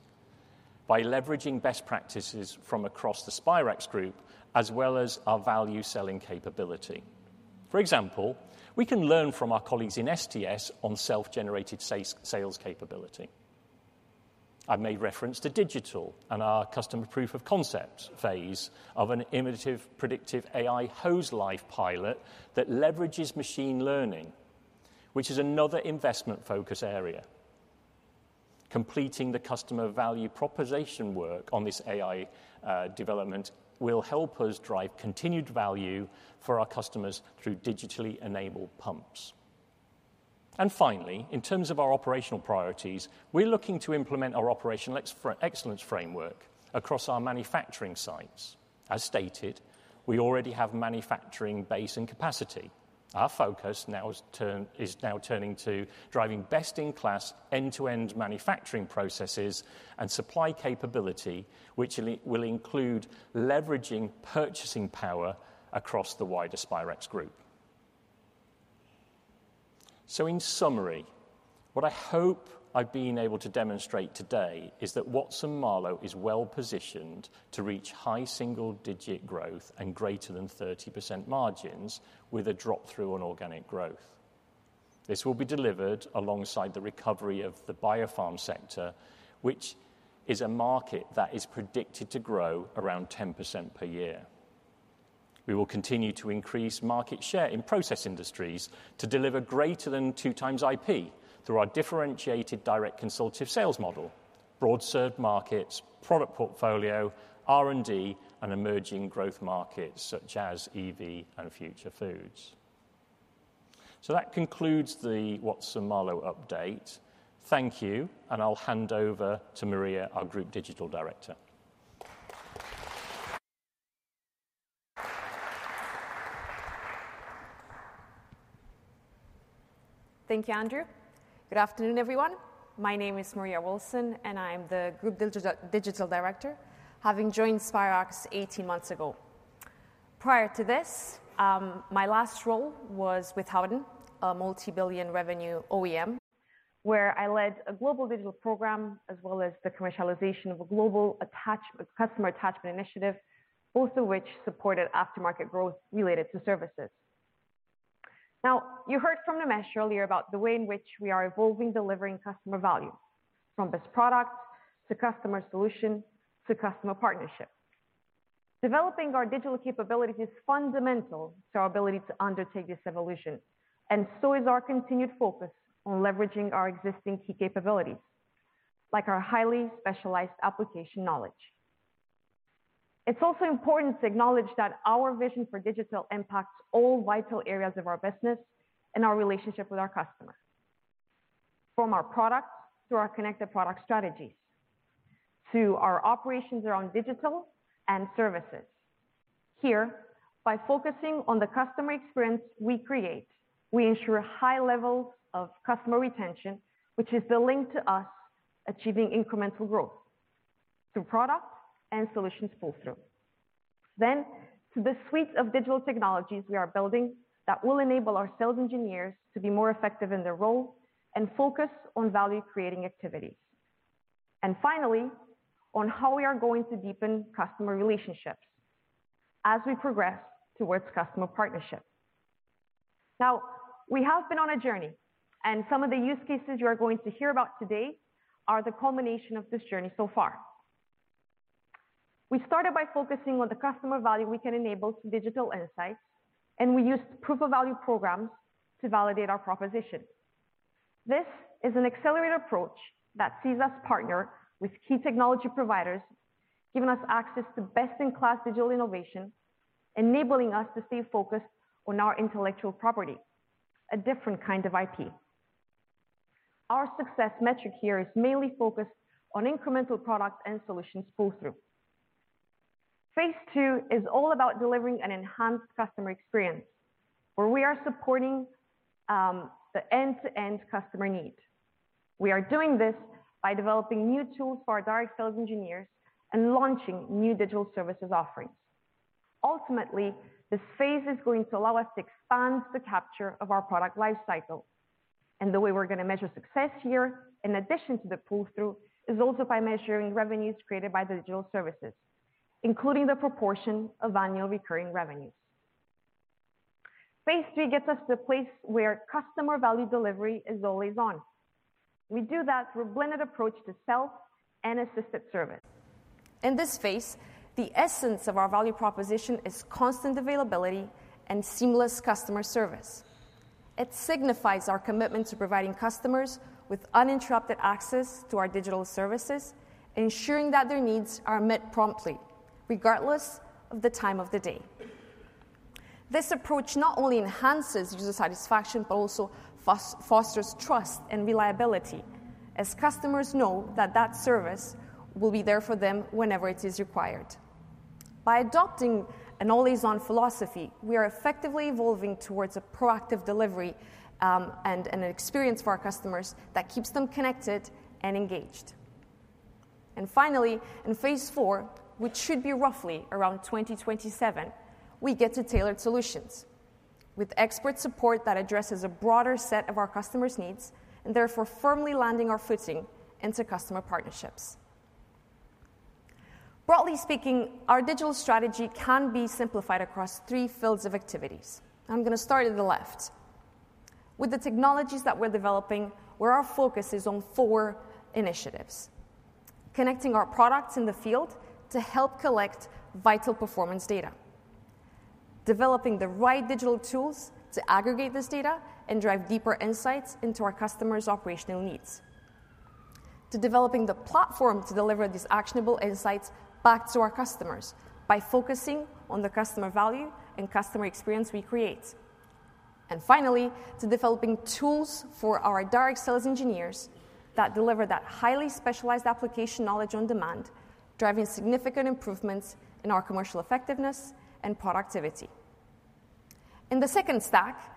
by leveraging best practices from across the Spirax Group, as well as our value selling capability. For example, we can learn from our colleagues in STS on self-generated sales capability. I've made reference to digital and our customer proof of concept phase of an innovative, predictive AI hose life pilot that leverages machine learning, which is another investment focus area. Completing the customer value proposition work on this AI development will help us drive continued value for our customers through digitally enabled pumps. Finally, in terms of our operational priorities, we're looking to implement our operational excellence framework across our manufacturing sites. As stated, we already have manufacturing base and capacity. Our focus now is turning to driving best-in-class, end-to-end manufacturing processes and supply capability, which will include leveraging purchasing power across the wider Spirax Group. In summary, what I hope I've been able to demonstrate today is that Watson-Marlow is well-positioned to reach high single-digit growth and greater than 30% margins with a drop through on organic growth. This will be delivered alongside the recovery of the biopharm sector, which is a market that is predicted to grow around 10% per year. We will continue to increase market share in process industries to deliver greater than two times IP through our differentiated direct consultative sales model, broad served markets, product portfolio, R&D, and emerging growth markets such as EV and future foods. So that concludes the Watson-Marlow update. Thank you, and I'll hand over to Maria, our Group Digital Director. Thank you, Andrew. Good afternoon, everyone. My name is Maria Wilson, and I'm the Group Digital Director, having joined Spirax eighteen months ago. Prior to this, my last role was with Howden, a multi-billion revenue OEM, where I led a global digital program, as well as the commercialization of a global customer attachment initiative, both of which supported aftermarket growth related to services. Now, you heard from Nimesh earlier about the way in which we are evolving delivering customer value, from this product to customer solution to customer partnership. Developing our digital capabilities is fundamental to our ability to undertake this evolution, and so is our continued focus on leveraging our existing key capabilities, like our highly specialized application knowledge. It's also important to acknowledge that our vision for digital impacts all vital areas of our business and our relationship with our customers. From our products to our connected product strategies, to our operations around digital and services. Here, by focusing on the customer experience we create, we ensure high levels of customer retention, which is the link to us achieving incremental growth through product and solutions pull-through, then to the suite of digital technologies we are building that will enable our sales engineers to be more effective in their role and focus on value-creating activities, and finally on how we are going to deepen customer relationships as we progress towards customer partnership. Now, we have been on a journey, and some of the use cases you are going to hear about today are the culmination of this journey so far. We started by focusing on the customer value we can enable to digital insights, and we used proof of value programs to validate our proposition. This is an accelerated approach that sees us partner with key technology providers, giving us access to best-in-class digital innovation, enabling us to stay focused on our intellectual property, a different kind of IP. Our success metric here is mainly focused on incremental products and solutions pull-through. Phase two is all about delivering an enhanced customer experience, where we are supporting, the end-to-end customer need. We are doing this by developing new tools for our direct sales engineers and launching new digital services offerings. Ultimately, this phase is going to allow us to expand the capture of our product life cycle, and the way we're gonna measure success here, in addition to the pull-through, is also by measuring revenues created by digital services, including the proportion of annual recurring revenues. Phase three gets us to the place where customer value delivery is always on. We do that through a blended approach to self and assisted service. In this phase, the essence of our value proposition is constant availability and seamless customer service. It signifies our commitment to providing customers with uninterrupted access to our digital services, ensuring that their needs are met promptly, regardless of the time of the day. This approach not only enhances user satisfaction, but also fosters trust and reliability, as customers know that service will be there for them whenever it is required. By adopting an always-on philosophy, we are effectively evolving towards a proactive delivery, and an experience for our customers that keeps them connected and engaged. Finally, in phase four, which should be roughly around 2027, we get to tailored solutions with expert support that addresses a broader set of our customers' needs, and therefore firmly landing our footing into customer partnerships. Broadly speaking, our digital strategy can be simplified across three fields of activities. I'm gonna start at the left. With the technologies that we're developing, where our focus is on four initiatives: connecting our products in the field to help collect vital performance data, developing the right digital tools to aggregate this data and drive deeper insights into our customers' operational needs, to developing the platform to deliver these actionable insights back to our customers by focusing on the customer value and customer experience we create. And finally, to developing tools for our direct sales engineers that deliver that highly specialized application knowledge on demand, driving significant improvements in our commercial effectiveness and productivity. In the second stack,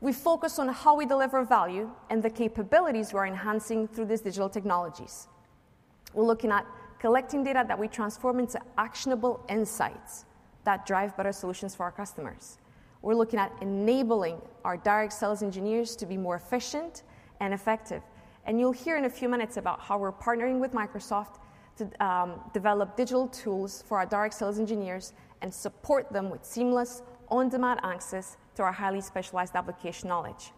we focus on how we deliver value and the capabilities we're enhancing through these digital technologies. We're looking at collecting data that we transform into actionable insights that drive better solutions for our customers. We're looking at enabling our direct sales engineers to be more efficient and effective, and you'll hear in a few minutes about how we're partnering with Microsoft to develop digital tools for our direct sales engineers and support them with seamless, on-demand access to our highly specialized application knowledge.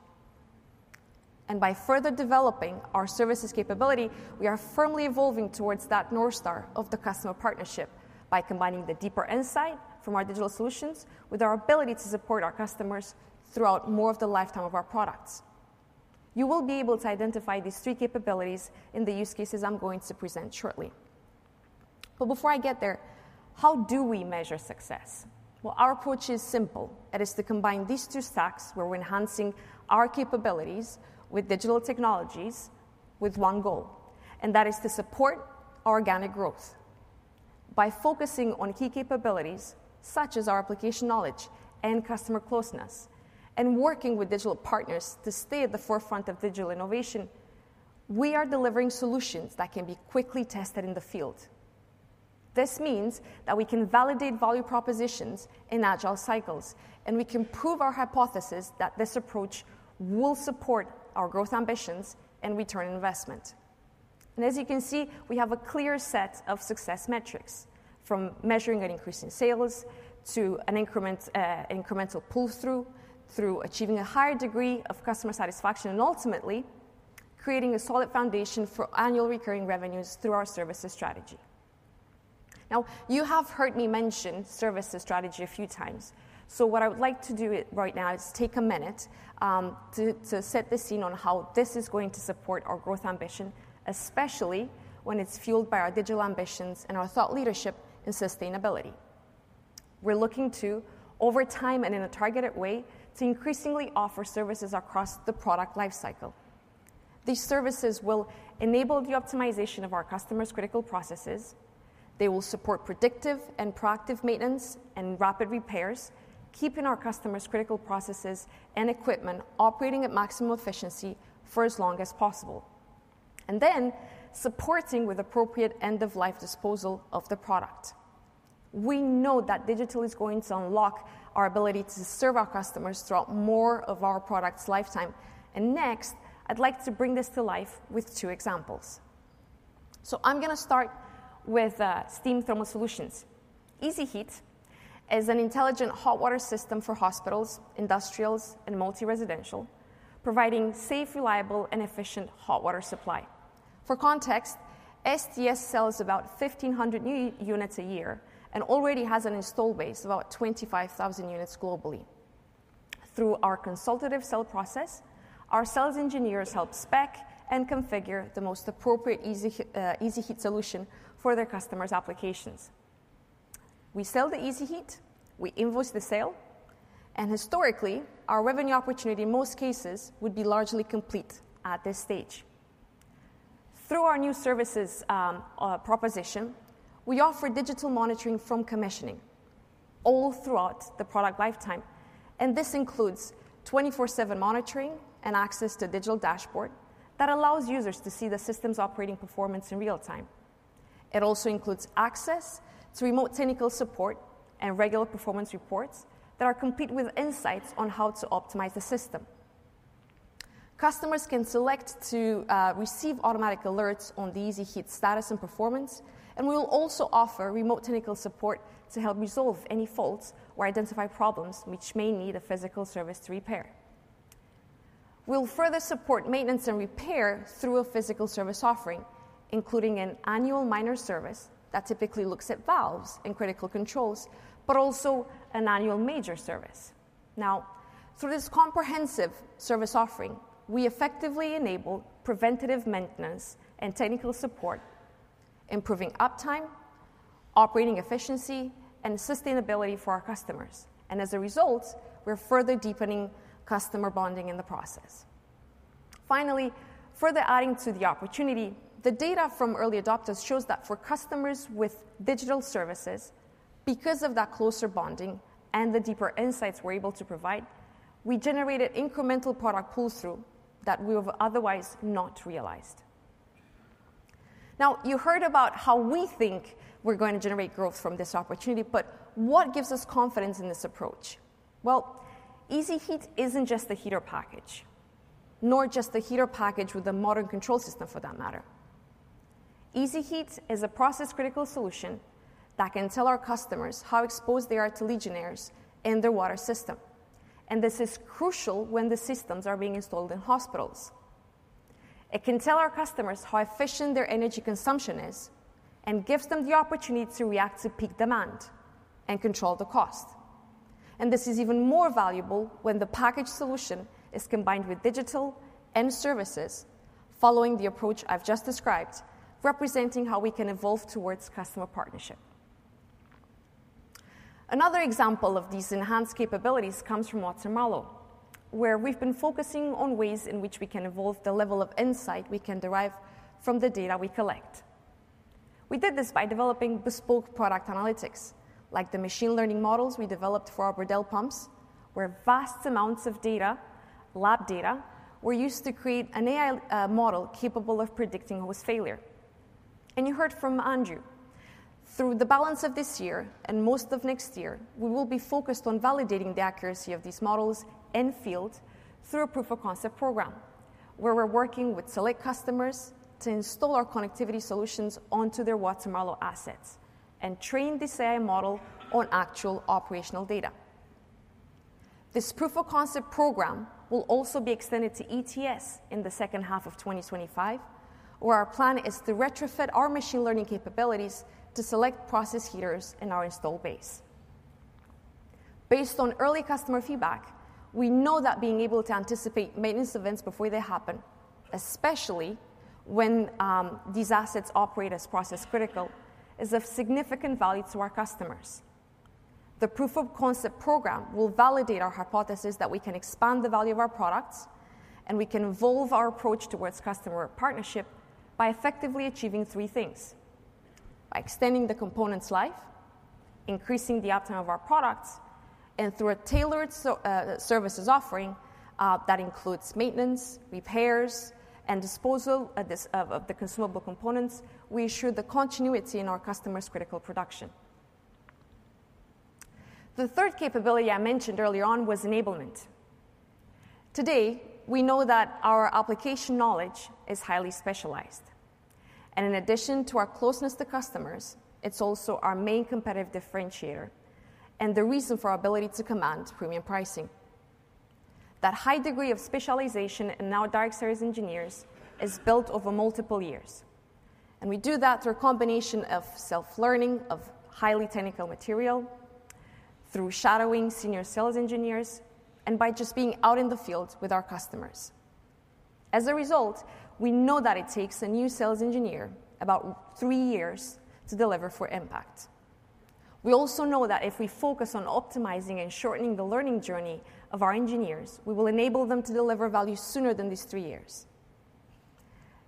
And by further developing our services capability, we are firmly evolving towards that North Star of the customer partnership by combining the deeper insight from our digital solutions with our ability to support our customers throughout more of the lifetime of our products. You will be able to identify these three capabilities in the use cases I'm going to present shortly. But before I get there, how do we measure success? Well, our approach is simple. It is to combine these two stacks, where we're enhancing our capabilities with digital technologies, with one goal, and that is to support organic growth. By focusing on key capabilities, such as our application knowledge and customer closeness, and working with digital partners to stay at the forefront of digital innovation, we are delivering solutions that can be quickly tested in the field. This means that we can validate value propositions in agile cycles, and we can prove our hypothesis that this approach will support our growth ambitions and return on investment. And as you can see, we have a clear set of success metrics, from measuring an increase in sales to an increment, incremental pull-through, through achieving a higher degree of customer satisfaction, and ultimately, creating a solid foundation for annual recurring revenues through our services strategy. Now, you have heard me mention services strategy a few times. So what I would like to do right now is take a minute to set the scene on how this is going to support our growth ambition, especially when it's fueled by our digital ambitions and our thought leadership in sustainability. We're looking to, over time and in a targeted way, to increasingly offer services across the product life cycle. These services will enable the optimization of our customers' critical processes. They will support predictive and proactive maintenance and rapid repairs, keeping our customers' critical processes and equipment operating at maximum efficiency for as long as possible, and then supporting with appropriate end-of-life disposal of the product. We know that digital is going to unlock our ability to serve our customers throughout more of our product's lifetime. And next, I'd like to bring this to life with two examples. So I'm gonna start with Steam Thermal Solutions. EasyHeat is an intelligent hot water system for hospitals, industrials, and multi-residential, providing safe, reliable, and efficient hot water supply. For context, STS sells about 1,500 units a year and already has an install base of about 25,000 units globally. Through our consultative sell process, our sales engineers help spec and configure the most appropriate EasyHeat solution for their customers' applications. We sell the EasyHeat, we invoice the sale, and historically, our revenue opportunity in most cases would be largely complete at this stage. Through our new services proposition, we offer digital monitoring from commissioning all throughout the product lifetime, and this includes 24/7 monitoring and access to a digital dashboard that allows users to see the system's operating performance in real time. It also includes access to remote technical support and regular performance reports that are complete with insights on how to optimize the system. Customers can select to receive automatic alerts on the EasyHeat status and performance, and we will also offer remote technical support to help resolve any faults or identify problems which may need a physical service to repair. We'll further support maintenance and repair through a physical service offering, including an annual minor service that typically looks at valves and critical controls, but also an annual major service. Now, through this comprehensive service offering, we effectively enable preventative maintenance and technical support, improving uptime, operating efficiency, and sustainability for our customers, and as a result, we're further deepening customer bonding in the process. Finally, further adding to the opportunity, the data from early adopters shows that for customers with digital services, because of that closer bonding and the deeper insights we're able to provide, we generated incremental product pull-through that we would have otherwise not realized. Now, you heard about how we think we're going to generate growth from this opportunity, but what gives us confidence in this approach? Well, EasyHeat isn't just a heater package, nor just a heater package with a modern control system, for that matter. EasyHeat is a process-critical solution that can tell our customers how exposed they are to Legionnaires in their water system, and this is crucial when the systems are being installed in hospitals. It can tell our customers how efficient their energy consumption is and gives them the opportunity to react to peak demand and control the cost. This is even more valuable when the package solution is combined with digital and services, following the approach I've just described, representing how we can evolve towards customer partnership. Another example of these enhanced capabilities comes from Watson-Marlow, where we've been focusing on ways in which we can evolve the level of insight we can derive from the data we collect. We did this by developing bespoke product analytics, like the machine learning models we developed for our Bredel pumps, where vast amounts of data, lab data, were used to create an AI model capable of predicting hose failure. You heard from Andrew. Through the balance of this year and most of next year, we will be focused on validating the accuracy of these models in field through a proof of concept program, where we're working with select customers to install our connectivity solutions onto their Watson-Marlow assets and train this AI model on actual operational data. This proof of concept program will also be extended to ETS in the second half of twenty twenty-five, where our plan is to retrofit our machine learning capabilities to select process heaters in our install base. Based on early customer feedback, we know that being able to anticipate maintenance events before they happen, especially when these assets operate as process critical, is of significant value to our customers. The proof of concept program will validate our hypothesis that we can expand the value of our products, and we can evolve our approach towards customer partnership by effectively achieving three things: by extending the component's life, increasing the uptime of our products, and through a tailored services offering, that includes maintenance, repairs, and disposal of this, of the consumable components, we ensure the continuity in our customers' critical production. The third capability I mentioned earlier on was enablement. Today, we know that our application knowledge is highly specialized, and in addition to our closeness to customers, it's also our main competitive differentiator and the reason for our ability to command premium pricing. That high degree of specialization in our direct sales engineers is built over multiple years, and we do that through a combination of self-learning, of highly technical material, through shadowing senior sales engineers, and by just being out in the field with our customers. As a result, we know that it takes a new sales engineer about three years to deliver full impact. We also know that if we focus on optimizing and shortening the learning journey of our engineers, we will enable them to deliver value sooner than these three years.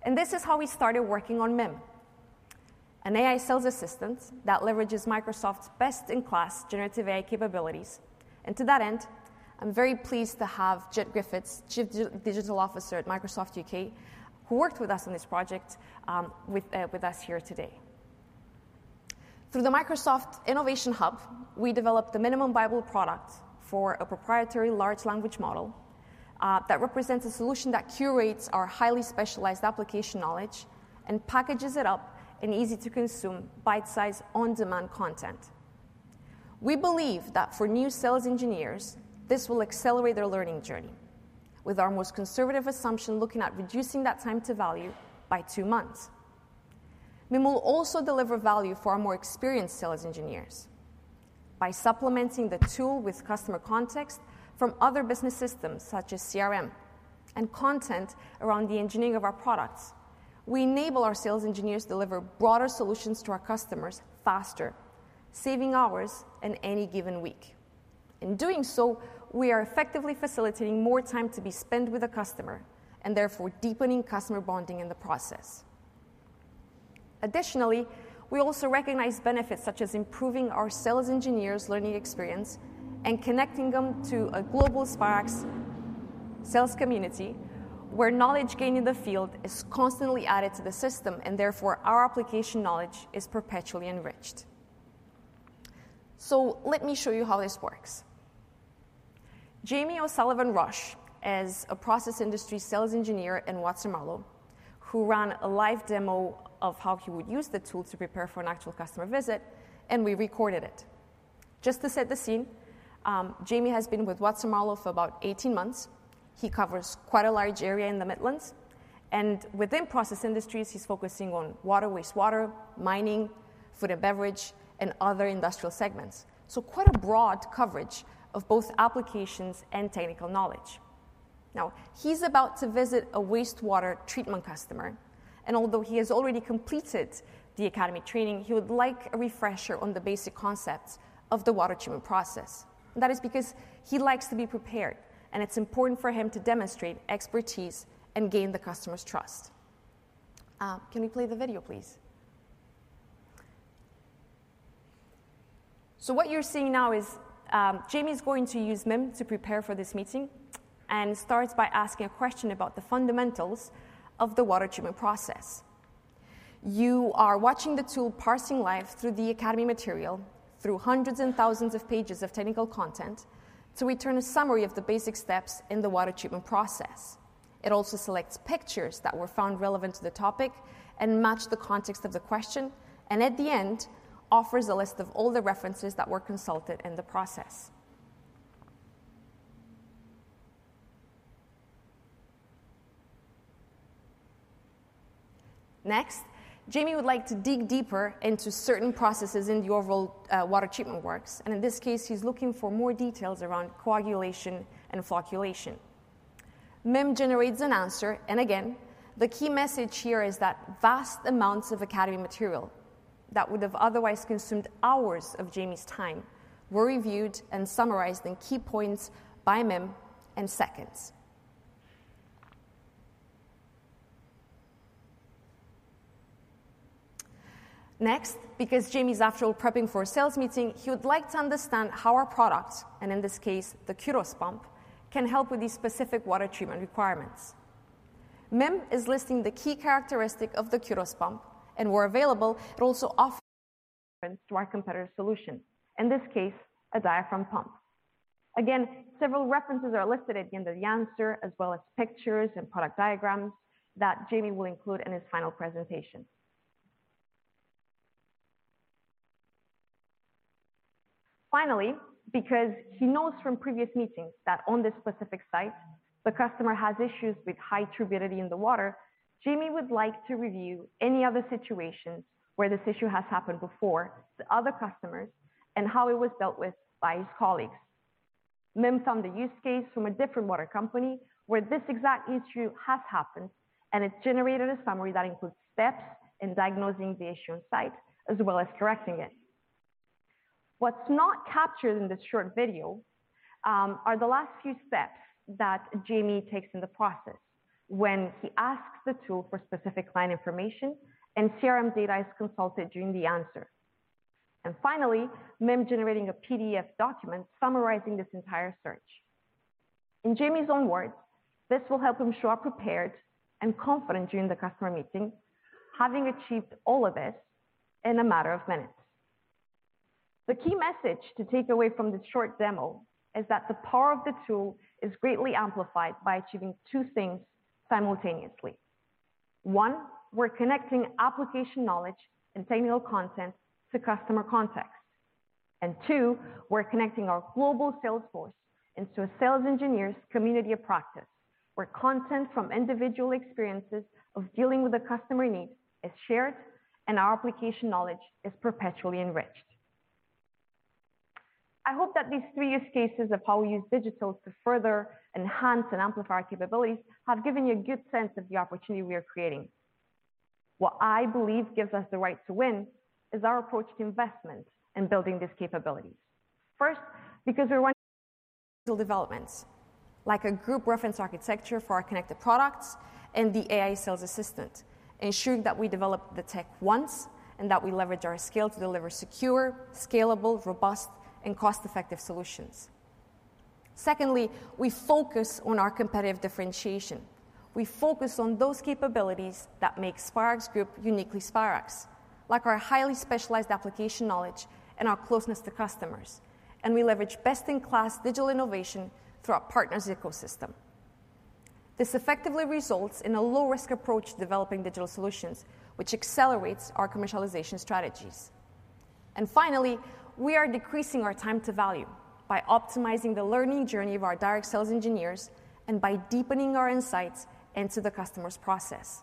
This is how we started working on MIM, an AI sales assistant that leverages Microsoft's best-in-class generative AI capabilities. To that end, I'm very pleased to have Jette Griffiths, Chief Digital Officer at Microsoft U.K., who worked with us on this project, with us here today. Through the Microsoft Innovation Hub, we developed the minimum viable product for a proprietary large language model that represents a solution that curates our highly specialized application knowledge and packages it up in easy-to-consume, bite-size, on-demand content. We believe that for new sales engineers, this will accelerate their learning journey, with our most conservative assumption looking at reducing that time to value by two months. MIM will also deliver value for our more experienced sales engineers. By supplementing the tool with customer context from other business systems, such as CRM and content around the engineering of our products, we enable our sales engineers to deliver broader solutions to our customers faster, saving hours in any given week. In doing so, we are effectively facilitating more time to be spent with the customer and therefore deepening customer bonding in the process. Additionally, we also recognize benefits such as improving our sales engineers' learning experience and connecting them to a global Spirax sales community, where knowledge gained in the field is constantly added to the system, and therefore, our application knowledge is perpetually enriched. So let me show you how this works. Jamie O'Sullivan-Rush as a process industry sales engineer in Watson-Marlow, who ran a live demo of how he would use the tool to prepare for an actual customer visit, and we recorded it. Just to set the scene, Jamie has been with Watson-Marlow for about 18 months. He covers quite a large area in the Midlands, and within process industries, he's focusing on water, wastewater, mining, food and beverage, and other industrial segments. So quite a broad coverage of both applications and technical knowledge. Now, he's about to visit a wastewater treatment customer, and although he has already completed the academy training, he would like a refresher on the basic concepts of the water treatment process. That is because he likes to be prepared, and it's important for him to demonstrate expertise and gain the customer's trust. Can we play the video, please? So what you're seeing now is, Jamie's going to use MIM to prepare for this meeting and starts by asking a question about the fundamentals of the water treatment process. You are watching the tool parsing live through the academy material, through hundreds and thousands of pages of technical content, to return a summary of the basic steps in the water treatment process. It also selects pictures that were found relevant to the topic and match the context of the question, and at the end, offers a list of all the references that were consulted in the process. Next, Jamie would like to dig deeper into certain processes in the overall water treatment works, and in this case, he's looking for more details around coagulation and flocculation. MIM generates an answer, and again, the key message here is that vast amounts of academy material that would have otherwise consumed hours of Jamie's time were reviewed and summarized in key points by MIM in seconds.... Next, because Jamie's after all prepping for a sales meeting, he would like to understand how our product, and in this case, the Qdos pump, can help with these specific water treatment requirements. MIM is listing the key characteristic of the Qdos pump, and where available, it also offers to our competitor solution, in this case, a diaphragm pump. Again, several references are listed at the end of the answer, as well as pictures and product diagrams that Jamie will include in his final presentation. Finally, because he knows from previous meetings that on this specific site, the customer has issues with high turbidity in the water, Jamie would like to review any other situations where this issue has happened before to other customers and how it was dealt with by his colleagues. MIM found a use case from a different water company where this exact issue has happened, and it generated a summary that includes steps in diagnosing the issue on site, as well as correcting it. What's not captured in this short video, are the last few steps that Jamie takes in the process when he asks the tool for specific client information and CRM data is consulted during the answer, and finally, MIM generating a PDF document summarizing this entire search. In Jamie's own words, this will help him show up prepared and confident during the customer meeting, having achieved all of this in a matter of minutes. The key message to take away from this short demo is that the power of the tool is greatly amplified by achieving two things simultaneously. One, we're connecting application knowledge and technical content to customer context. And two, we're connecting our global sales force into a sales engineer's community of practice, where content from individual experiences of dealing with a customer need is shared, and our application knowledge is perpetually enriched. I hope that these three use cases of how we use digital to further enhance and amplify our capabilities have given you a good sense of the opportunity we are creating. What I believe gives us the right to win is our approach to investment in building these capabilities. First, because we're funding developments, like a group reference architecture for our connected products and the AI sales assistant, ensuring that we develop the tech once and that we leverage our scale to deliver secure, scalable, robust, and cost-effective solutions. Secondly, we focus on our competitive differentiation. We focus on those capabilities that make Spirax Group uniquely Spirax, like our highly specialized application knowledge and our closeness to customers, and we leverage best-in-class digital innovation through our partners' ecosystem. This effectively results in a low-risk approach to developing digital solutions, which accelerates our commercialization strategies. Finally, we are decreasing our time to value by optimizing the learning journey of our direct sales engineers and by deepening our insights into the customer's process.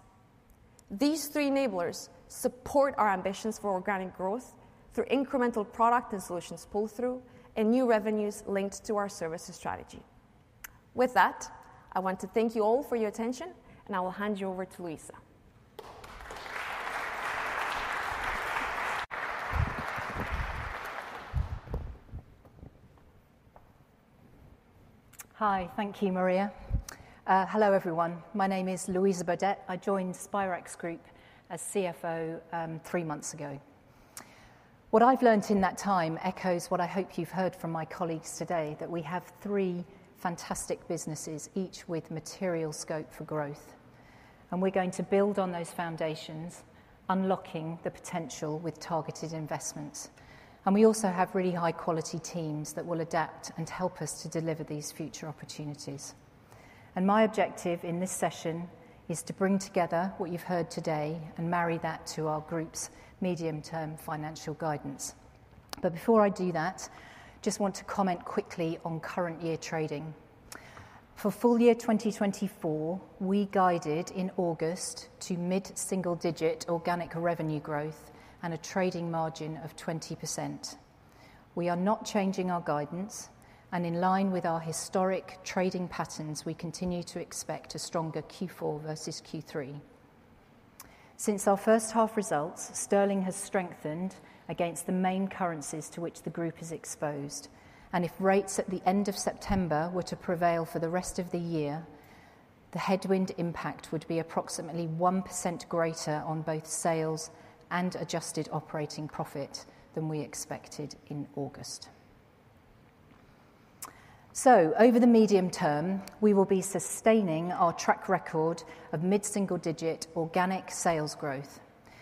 These three enablers support our ambitions for organic growth through incremental product and solutions pull-through, and new revenues linked to our services strategy. With that, I want to thank you all for your attention, and I will hand you over to Louisa. Hi. Thank you, Maria. Hello, everyone. My name is Louisa Burdett. I joined Spirax Group as CFO three months ago. What I've learned in that time echoes what I hope you've heard from my colleagues today, that we have three fantastic businesses, each with material scope for growth, and we're going to build on those foundations, unlocking the potential with targeted investments. We also have really high-quality teams that will adapt and help us to deliver these future opportunities. My objective in this session is to bring together what you've heard today and marry that to our group's medium-term financial guidance. Before I do that, I just want to comment quickly on current year trading. For full year 2024, we guided in August to mid-single digit organic revenue growth and a trading margin of 20%. We are not changing our guidance, and in line with our historic trading patterns, we continue to expect a stronger Q4 versus Q3. Since our first half results, sterling has strengthened against the main currencies to which the group is exposed, and if rates at the end of September were to prevail for the rest of the year, the headwind impact would be approximately 1% greater on both sales and adjusted operating profit than we expected in August. So over the medium term, we will be sustaining our track record of mid-single digit organic sales growth.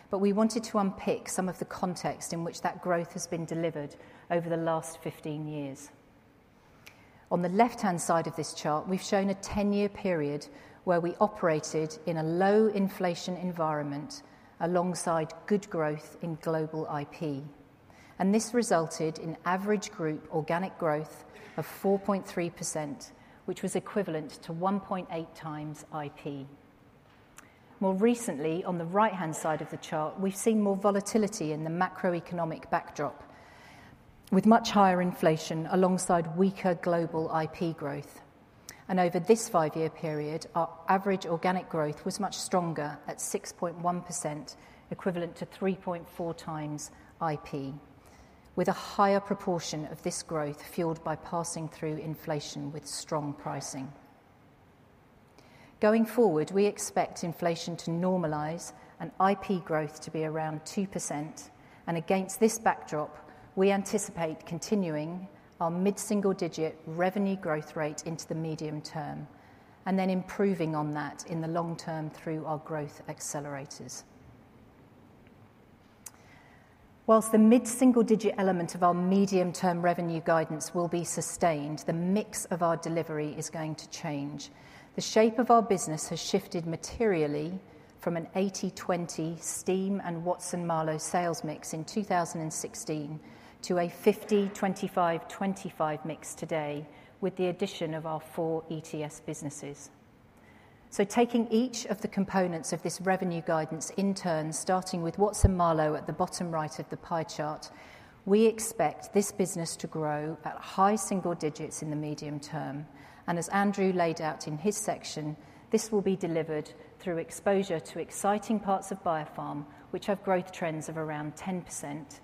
But we wanted to unpick some of the context in which that growth has been delivered over the last fifteen years. On the left-hand side of this chart, we've shown a 10-year period where we operated in a low inflation environment alongside good growth in global IP, and this resulted in average group organic growth of 4.3%, which was equivalent to 1.8 times IP. More recently, on the right-hand side of the chart, we've seen more volatility in the macroeconomic backdrop, with much higher inflation alongside weaker global IP growth, and over this 5-year period, our average organic growth was much stronger at 6.1%, equivalent to 3.4 times IP, with a higher proportion of this growth fueled by passing through inflation with strong pricing. Going forward, we expect inflation to normalize and IP growth to be around 2%, and against this backdrop, we anticipate continuing our mid-single-digit revenue growth rate into the medium term and then improving on that in the long term through our growth accelerators. Whilst the mid-single-digit element of our medium-term revenue guidance will be sustained, the mix of our delivery is going to change. The shape of our business has shifted materially from an 80/20 Steam and Watson-Marlow sales mix in 2016 to a 50/25/25 mix today, with the addition of our four ETS businesses. So taking each of the components of this revenue guidance in turn, starting with Watson-Marlow at the bottom right of the pie chart, we expect this business to grow at high single digits in the medium term. As Andrew laid out in his section, this will be delivered through exposure to exciting parts of Biopharm, which have growth trends of around 10%,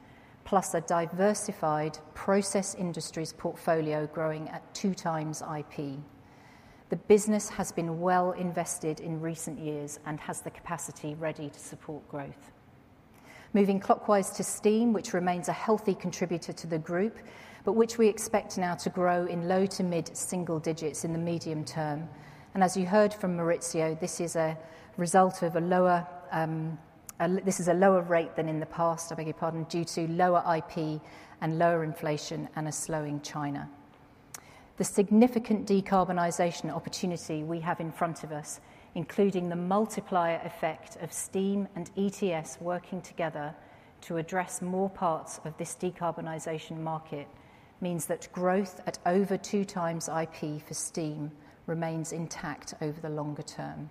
plus a diversified process industries portfolio growing at two times IP. The business has been well invested in recent years and has the capacity ready to support growth. Moving clockwise to Steam, which remains a healthy contributor to the group, but which we expect now to grow in low- to mid-single digits in the medium term. As you heard from Maurizio, this is a result of a lower rate than in the past, I beg your pardon, due to lower IP and lower inflation and a slowing China. The significant decarbonization opportunity we have in front of us, including the multiplier effect of Steam and ETS working together to address more parts of this decarbonization market, means that growth at over two times IP for Steam remains intact over the longer term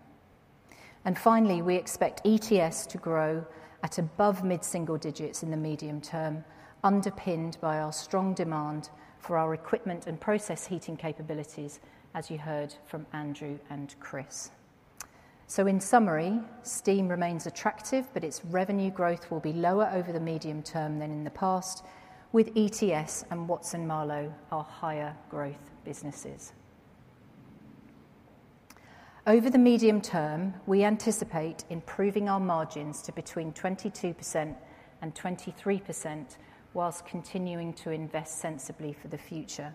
and finally, we expect ETS to grow at above mid-single digits in the medium term, underpinned by our strong demand for our equipment and process heating capabilities, as you heard from Andrew and Chris, so in summary, Steam remains attractive, but its revenue growth will be lower over the medium term than in the past, with ETS and Watson-Marlow, our higher growth businesses. Over the medium term, we anticipate improving our margins to between 22% and 23% whilst continuing to invest sensibly for the future.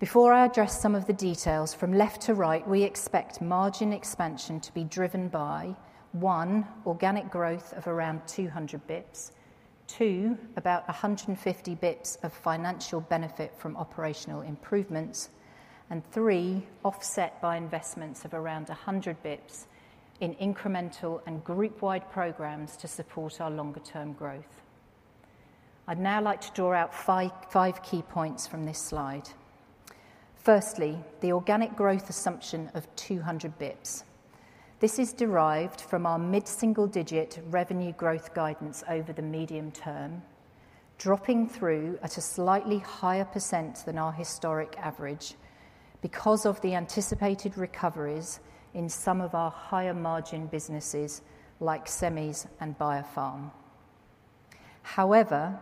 Before I address some of the details, from left to right, we expect margin expansion to be driven by, one, organic growth of around 200 basis points. Two, about 150 basis points of financial benefit from operational improvements. And three, offset by investments of around 100 basis points in incremental and group-wide programs to support our longer-term growth. I'd now like to draw out five key points from this slide. Firstly, the organic growth assumption of 200 basis points. This is derived from our mid-single-digit revenue growth guidance over the medium term, dropping through at a slightly higher % than our historic average because of the anticipated recoveries in some of our higher-margin businesses like Semis and Biopharm. However,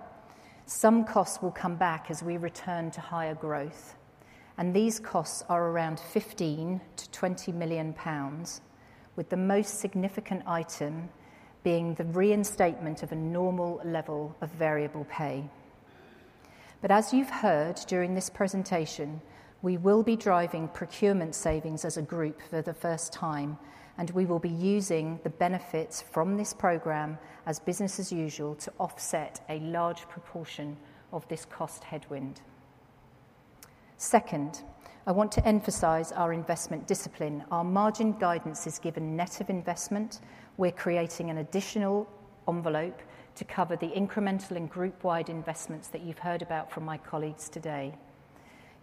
some costs will come back as we return to higher growth, and these costs are around 15-20 million pounds, with the most significant item being the reinstatement of a normal level of variable pay. But as you've heard during this presentation, we will be driving procurement savings as a group for the first time, and we will be using the benefits from this program as business as usual to offset a large proportion of this cost headwind. Second, I want to emphasize our investment discipline. Our margin guidance is given net of investment. We're creating an additional envelope to cover the incremental and group-wide investments that you've heard about from my colleagues today.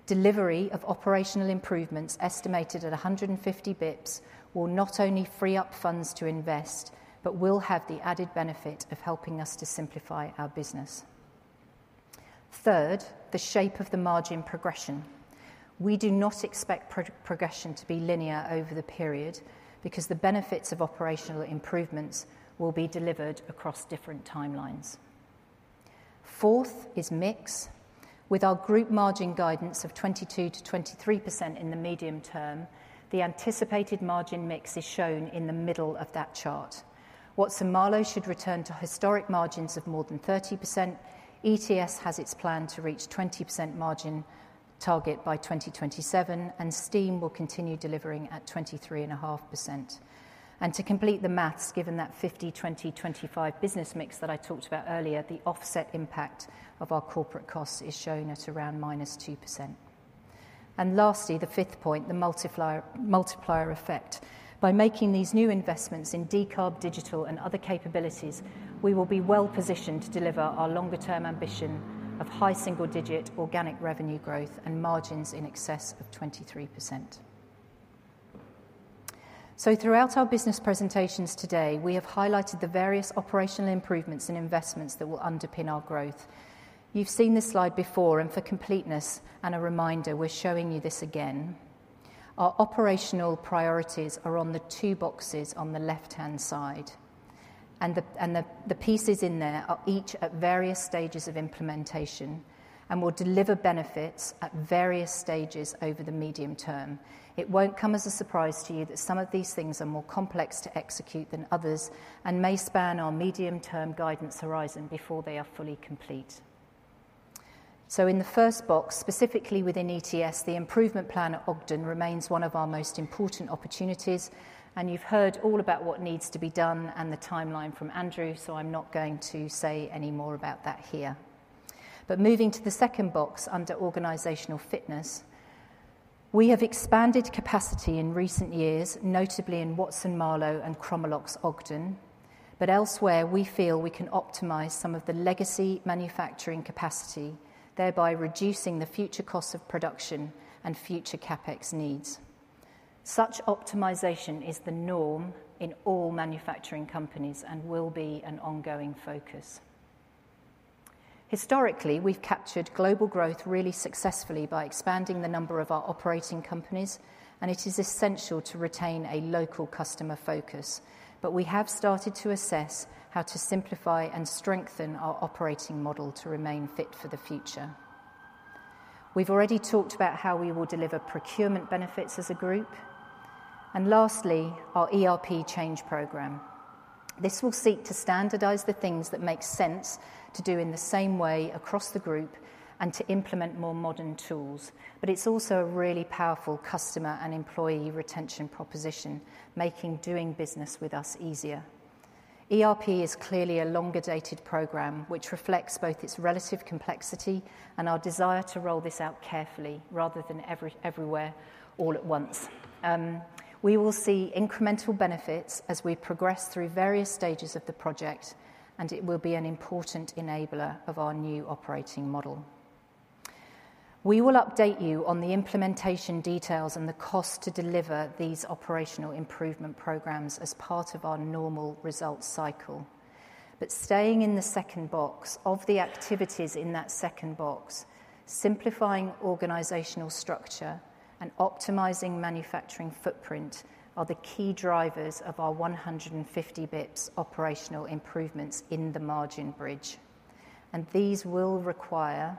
Delivery of operational improvements, estimated at 150 basis points, will not only free up funds to invest, but will have the added benefit of helping us to simplify our business. Third, the shape of the margin progression. We do not expect progression to be linear over the period because the benefits of operational improvements will be delivered across different timelines. Fourth is mix. With our group margin guidance of 22%-23% in the medium term, the anticipated margin mix is shown in the middle of that chart. Watson-Marlow should return to historic margins of more than 30%. ETS has its plan to reach 20% margin target by 2027, and Steam will continue delivering at 23.5%. And to complete the math, given that 50/20/25 business mix that I talked about earlier, the offset impact of our corporate costs is shown at around -2%. And lastly, the fifth point, the multiplier effect. By making these new investments in decarb, digital, and other capabilities, we will be well positioned to deliver our longer-term ambition of high single-digit organic revenue growth and margins in excess of 23%. So throughout our business presentations today, we have highlighted the various operational improvements and investments that will underpin our growth. You've seen this slide before, and for completeness and a reminder, we're showing you this again. Our operational priorities are on the two boxes on the left-hand side, and the pieces in there are each at various stages of implementation and will deliver benefits at various stages over the medium term. It won't come as a surprise to you that some of these things are more complex to execute than others and may span our medium-term guidance horizon before they are fully complete. So in the first box, specifically within ETS, the improvement plan at Ogden remains one of our most important opportunities, and you've heard all about what needs to be done and the timeline from Andrew, so I'm not going to say any more about that here. But moving to the second box under organizational fitness, we have expanded capacity in recent years, notably in Watson-Marlow and Chromalox, Ogden. But elsewhere, we feel we can optimize some of the legacy manufacturing capacity, thereby reducing the future cost of production and future CapEx needs. Such optimization is the norm in all manufacturing companies and will be an ongoing focus. Historically, we've captured global growth really successfully by expanding the number of our operating companies, and it is essential to retain a local customer focus. But we have started to assess how to simplify and strengthen our operating model to remain fit for the future. We've already talked about how we will deliver procurement benefits as a group. And lastly, our ERP change program. This will seek to standardize the things that make sense to do in the same way across the group and to implement more modern tools. But it's also a really powerful customer and employee retention proposition, making doing business with us easier. ERP is clearly a longer-dated program, which reflects both its relative complexity and our desire to roll this out carefully rather than everywhere, all at once. We will see incremental benefits as we progress through various stages of the project, and it will be an important enabler of our new operating model. We will update you on the implementation details and the cost to deliver these operational improvement programs as part of our normal results cycle. But staying in the second box, of the activities in that second box, simplifying organizational structure and optimizing manufacturing footprint are the key drivers of our 150 basis points operational improvements in the margin bridge. And these will require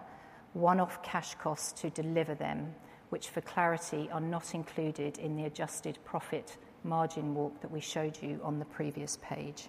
one-off cash costs to deliver them, which, for clarity, are not included in the adjusted profit margin walk that we showed you on the previous page.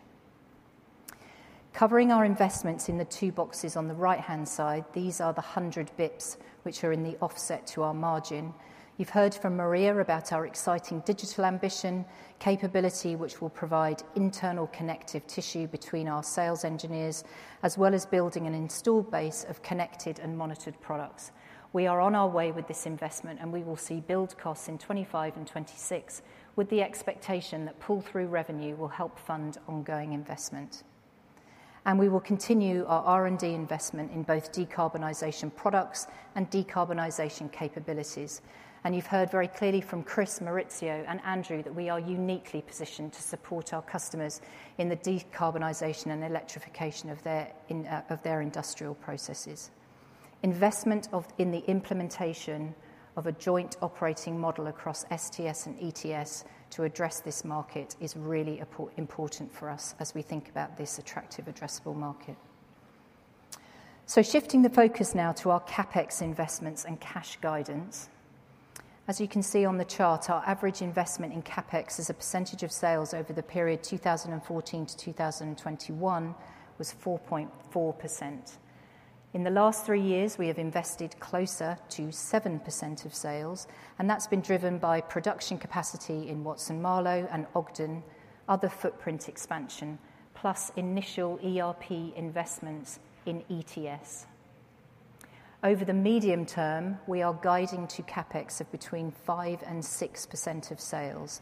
Covering our investments in the two boxes on the right-hand side, these are the 100 basis points, which are in the offset to our margin. You've heard from Maria about our exciting digital ambition, capability, which will provide internal connective tissue between our sales engineers, as well as building an installed base of connected and monitored products. We are on our way with this investment, and we will see build costs in 2025 and 2026, with the expectation that pull-through revenue will help fund ongoing investment. We will continue our R&D investment in both decarbonization products and decarbonization capabilities. You've heard very clearly from Chris, Maurizio, and Andrew that we are uniquely positioned to support our customers in the decarbonization and electrification of their industrial processes. Investment in the implementation of a joint operating model across STS and ETS to address this market is really important for us as we think about this attractive addressable market. We are shifting the focus now to our CapEx investments and cash guidance. As you can see on the chart, our average investment in CapEx as a percentage of sales over the period 2014 to 2021 was 4.4%. In the last three years, we have invested closer to 7% of sales, and that's been driven by production capacity in Watson-Marlow and Ogden, other footprint expansion, plus initial ERP investments in ETS. Over the medium term, we are guiding to CapEx of between 5% and 6% of sales.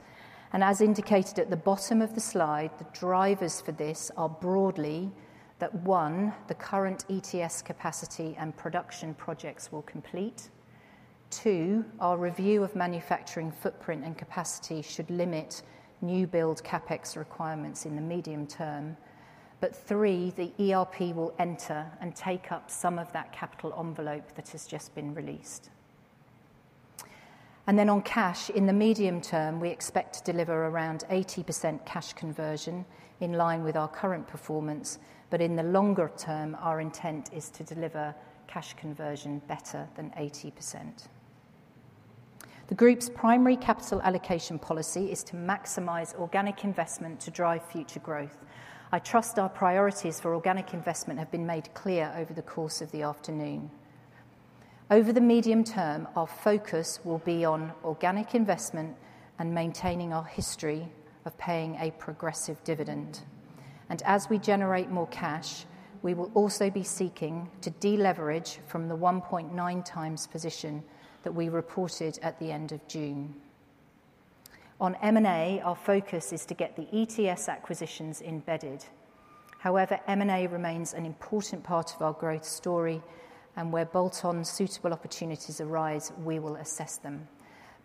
As indicated at the bottom of the slide, the drivers for this are broadly that, one, the current ETS capacity and production projects will complete. Two, our review of manufacturing footprint and capacity should limit new build CapEx requirements in the medium term. But three, the ERP will enter and take up some of that capital envelope that has just been released. Then on cash, in the medium term, we expect to deliver around 80% cash conversion in line with our current performance, but in the longer term, our intent is to deliver cash conversion better than 80%. The group's primary capital allocation policy is to maximize organic investment to drive future growth. I trust our priorities for organic investment have been made clear over the course of the afternoon. Over the medium term, our focus will be on organic investment and maintaining our history of paying a progressive dividend. And as we generate more cash, we will also be seeking to deleverage from the 1.9 times position that we reported at the end of June. On M&A, our focus is to get the ETS acquisitions embedded. However, M&A remains an important part of our growth story, and where bolt-on suitable opportunities arise, we will assess them.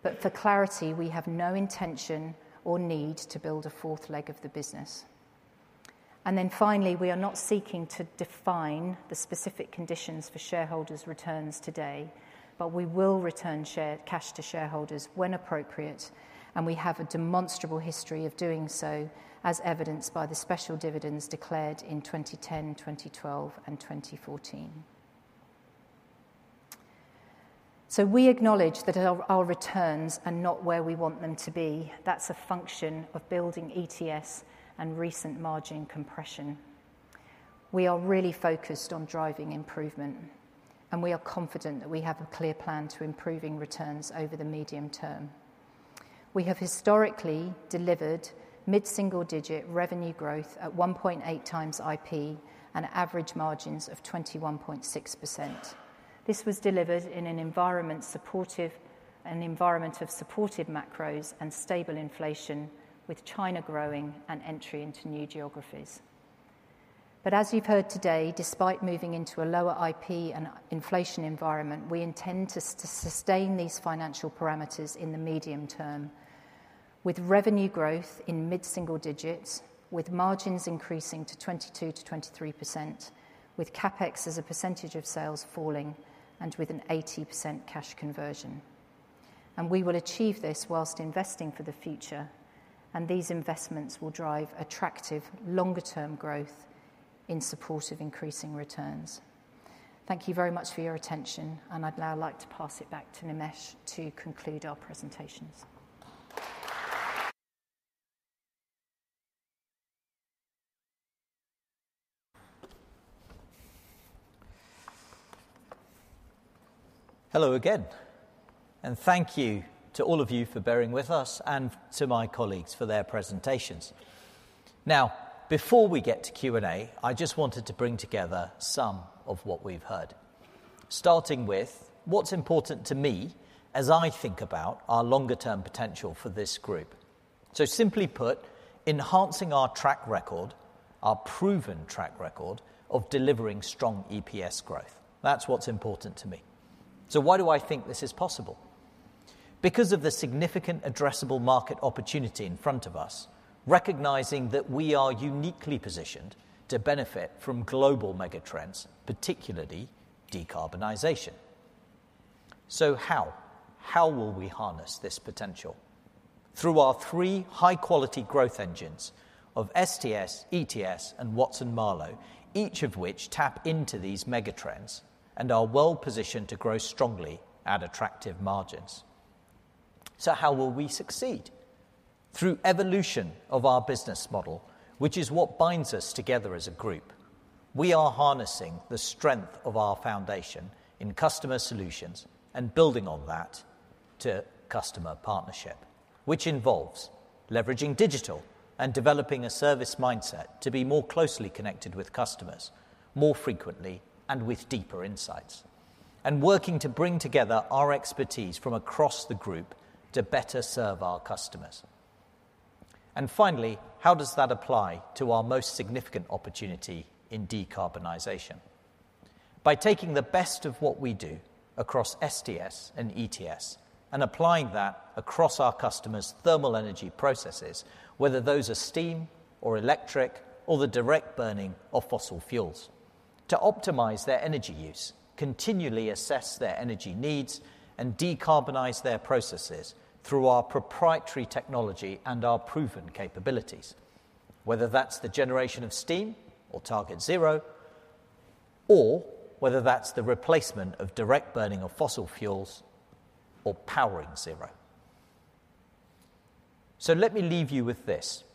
But for clarity, we have no intention or need to build a fourth leg of the business. And then finally, we are not seeking to define the specific conditions for shareholders' returns today, but we will return share, cash to shareholders when appropriate, and we have a demonstrable history of doing so, as evidenced by the special dividends declared in 2010, 2012, and 2014. So we acknowledge that our returns are not where we want them to be. That's a function of building ETS and recent margin compression. We are really focused on driving improvement, and we are confident that we have a clear plan to improving returns over the medium term. We have historically delivered mid-single-digit revenue growth at 1.8 times IP and average margins of 21.6%. This was delivered in an environment supportive, an environment of supportive macros and stable inflation, with China growing and entry into new geographies, but as you've heard today, despite moving into a lower IP and inflation environment, we intend to sustain these financial parameters in the medium term, with revenue growth in mid-single digits, with margins increasing to 22-23%, with CapEx as a percentage of sales falling, and with an 80% cash conversion, and we will achieve this whilst investing for the future, and these investments will drive attractive longer-term growth in support of increasing returns. Thank you very much for your attention, and I'd now like to pass it back to Nimesh to conclude our presentations. Hello again, and thank you to all of you for bearing with us and to my colleagues for their presentations. Now, before we get to Q&A, I just wanted to bring together some of what we've heard, starting with what's important to me as I think about our longer-term potential for this group. So simply put, enhancing our track record, our proven track record, of delivering strong EPS growth. That's what's important to me. So why do I think this is possible? Because of the significant addressable market opportunity in front of us, recognizing that we are uniquely positioned to benefit from global megatrends, particularly decarbonization. So how? How will we harness this potential? Through our three high-quality growth engines of STS, ETS, and Watson-Marlow, each of which tap into these megatrends and are well positioned to grow strongly at attractive margins. So how will we succeed? Through evolution of our business model, which is what binds us together as a group. We are harnessing the strength of our foundation in customer solutions and building on that to customer partnership, which involves leveraging digital and developing a service mindset to be more closely connected with customers more frequently and with deeper insights, and working to bring together our expertise from across the group to better serve our customers. Finally, how does that apply to our most significant opportunity in decarbonization? By taking the best of what we do across STS and ETS and applying that across our customers' thermal energy processes, whether those are steam or electric, or the direct burning of fossil fuels, to optimize their energy use, continually assess their energy needs, and decarbonize their processes through our proprietary technology and our proven capabilities, whether that's the generation of steam or Target Zero, or whether that's the replacement of direct burning of fossil fuels or Powering Zero. So let me leave you with this: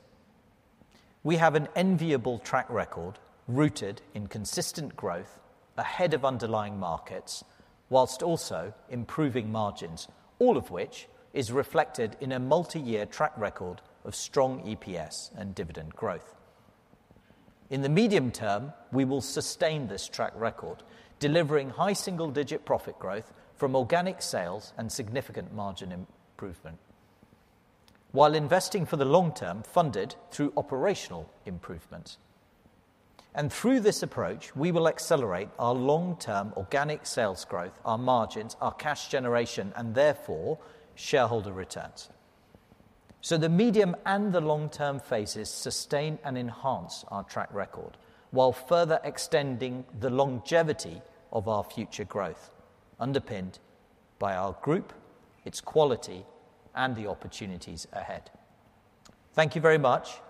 We have an enviable track record rooted in consistent growth ahead of underlying markets, while also improving margins, all of which is reflected in a multi-year track record of strong EPS and dividend growth. In the medium term, we will sustain this track record, delivering high single-digit profit growth from organic sales and significant margin improvement, while investing for the long term, funded through operational improvements, and through this approach, we will accelerate our long-term organic sales growth, our margins, our cash generation, and therefore shareholder returns, so the medium and the long-term phases sustain and enhance our track record, while further extending the longevity of our future growth, underpinned by our group, its quality, and the opportunities ahead. Thank you very much.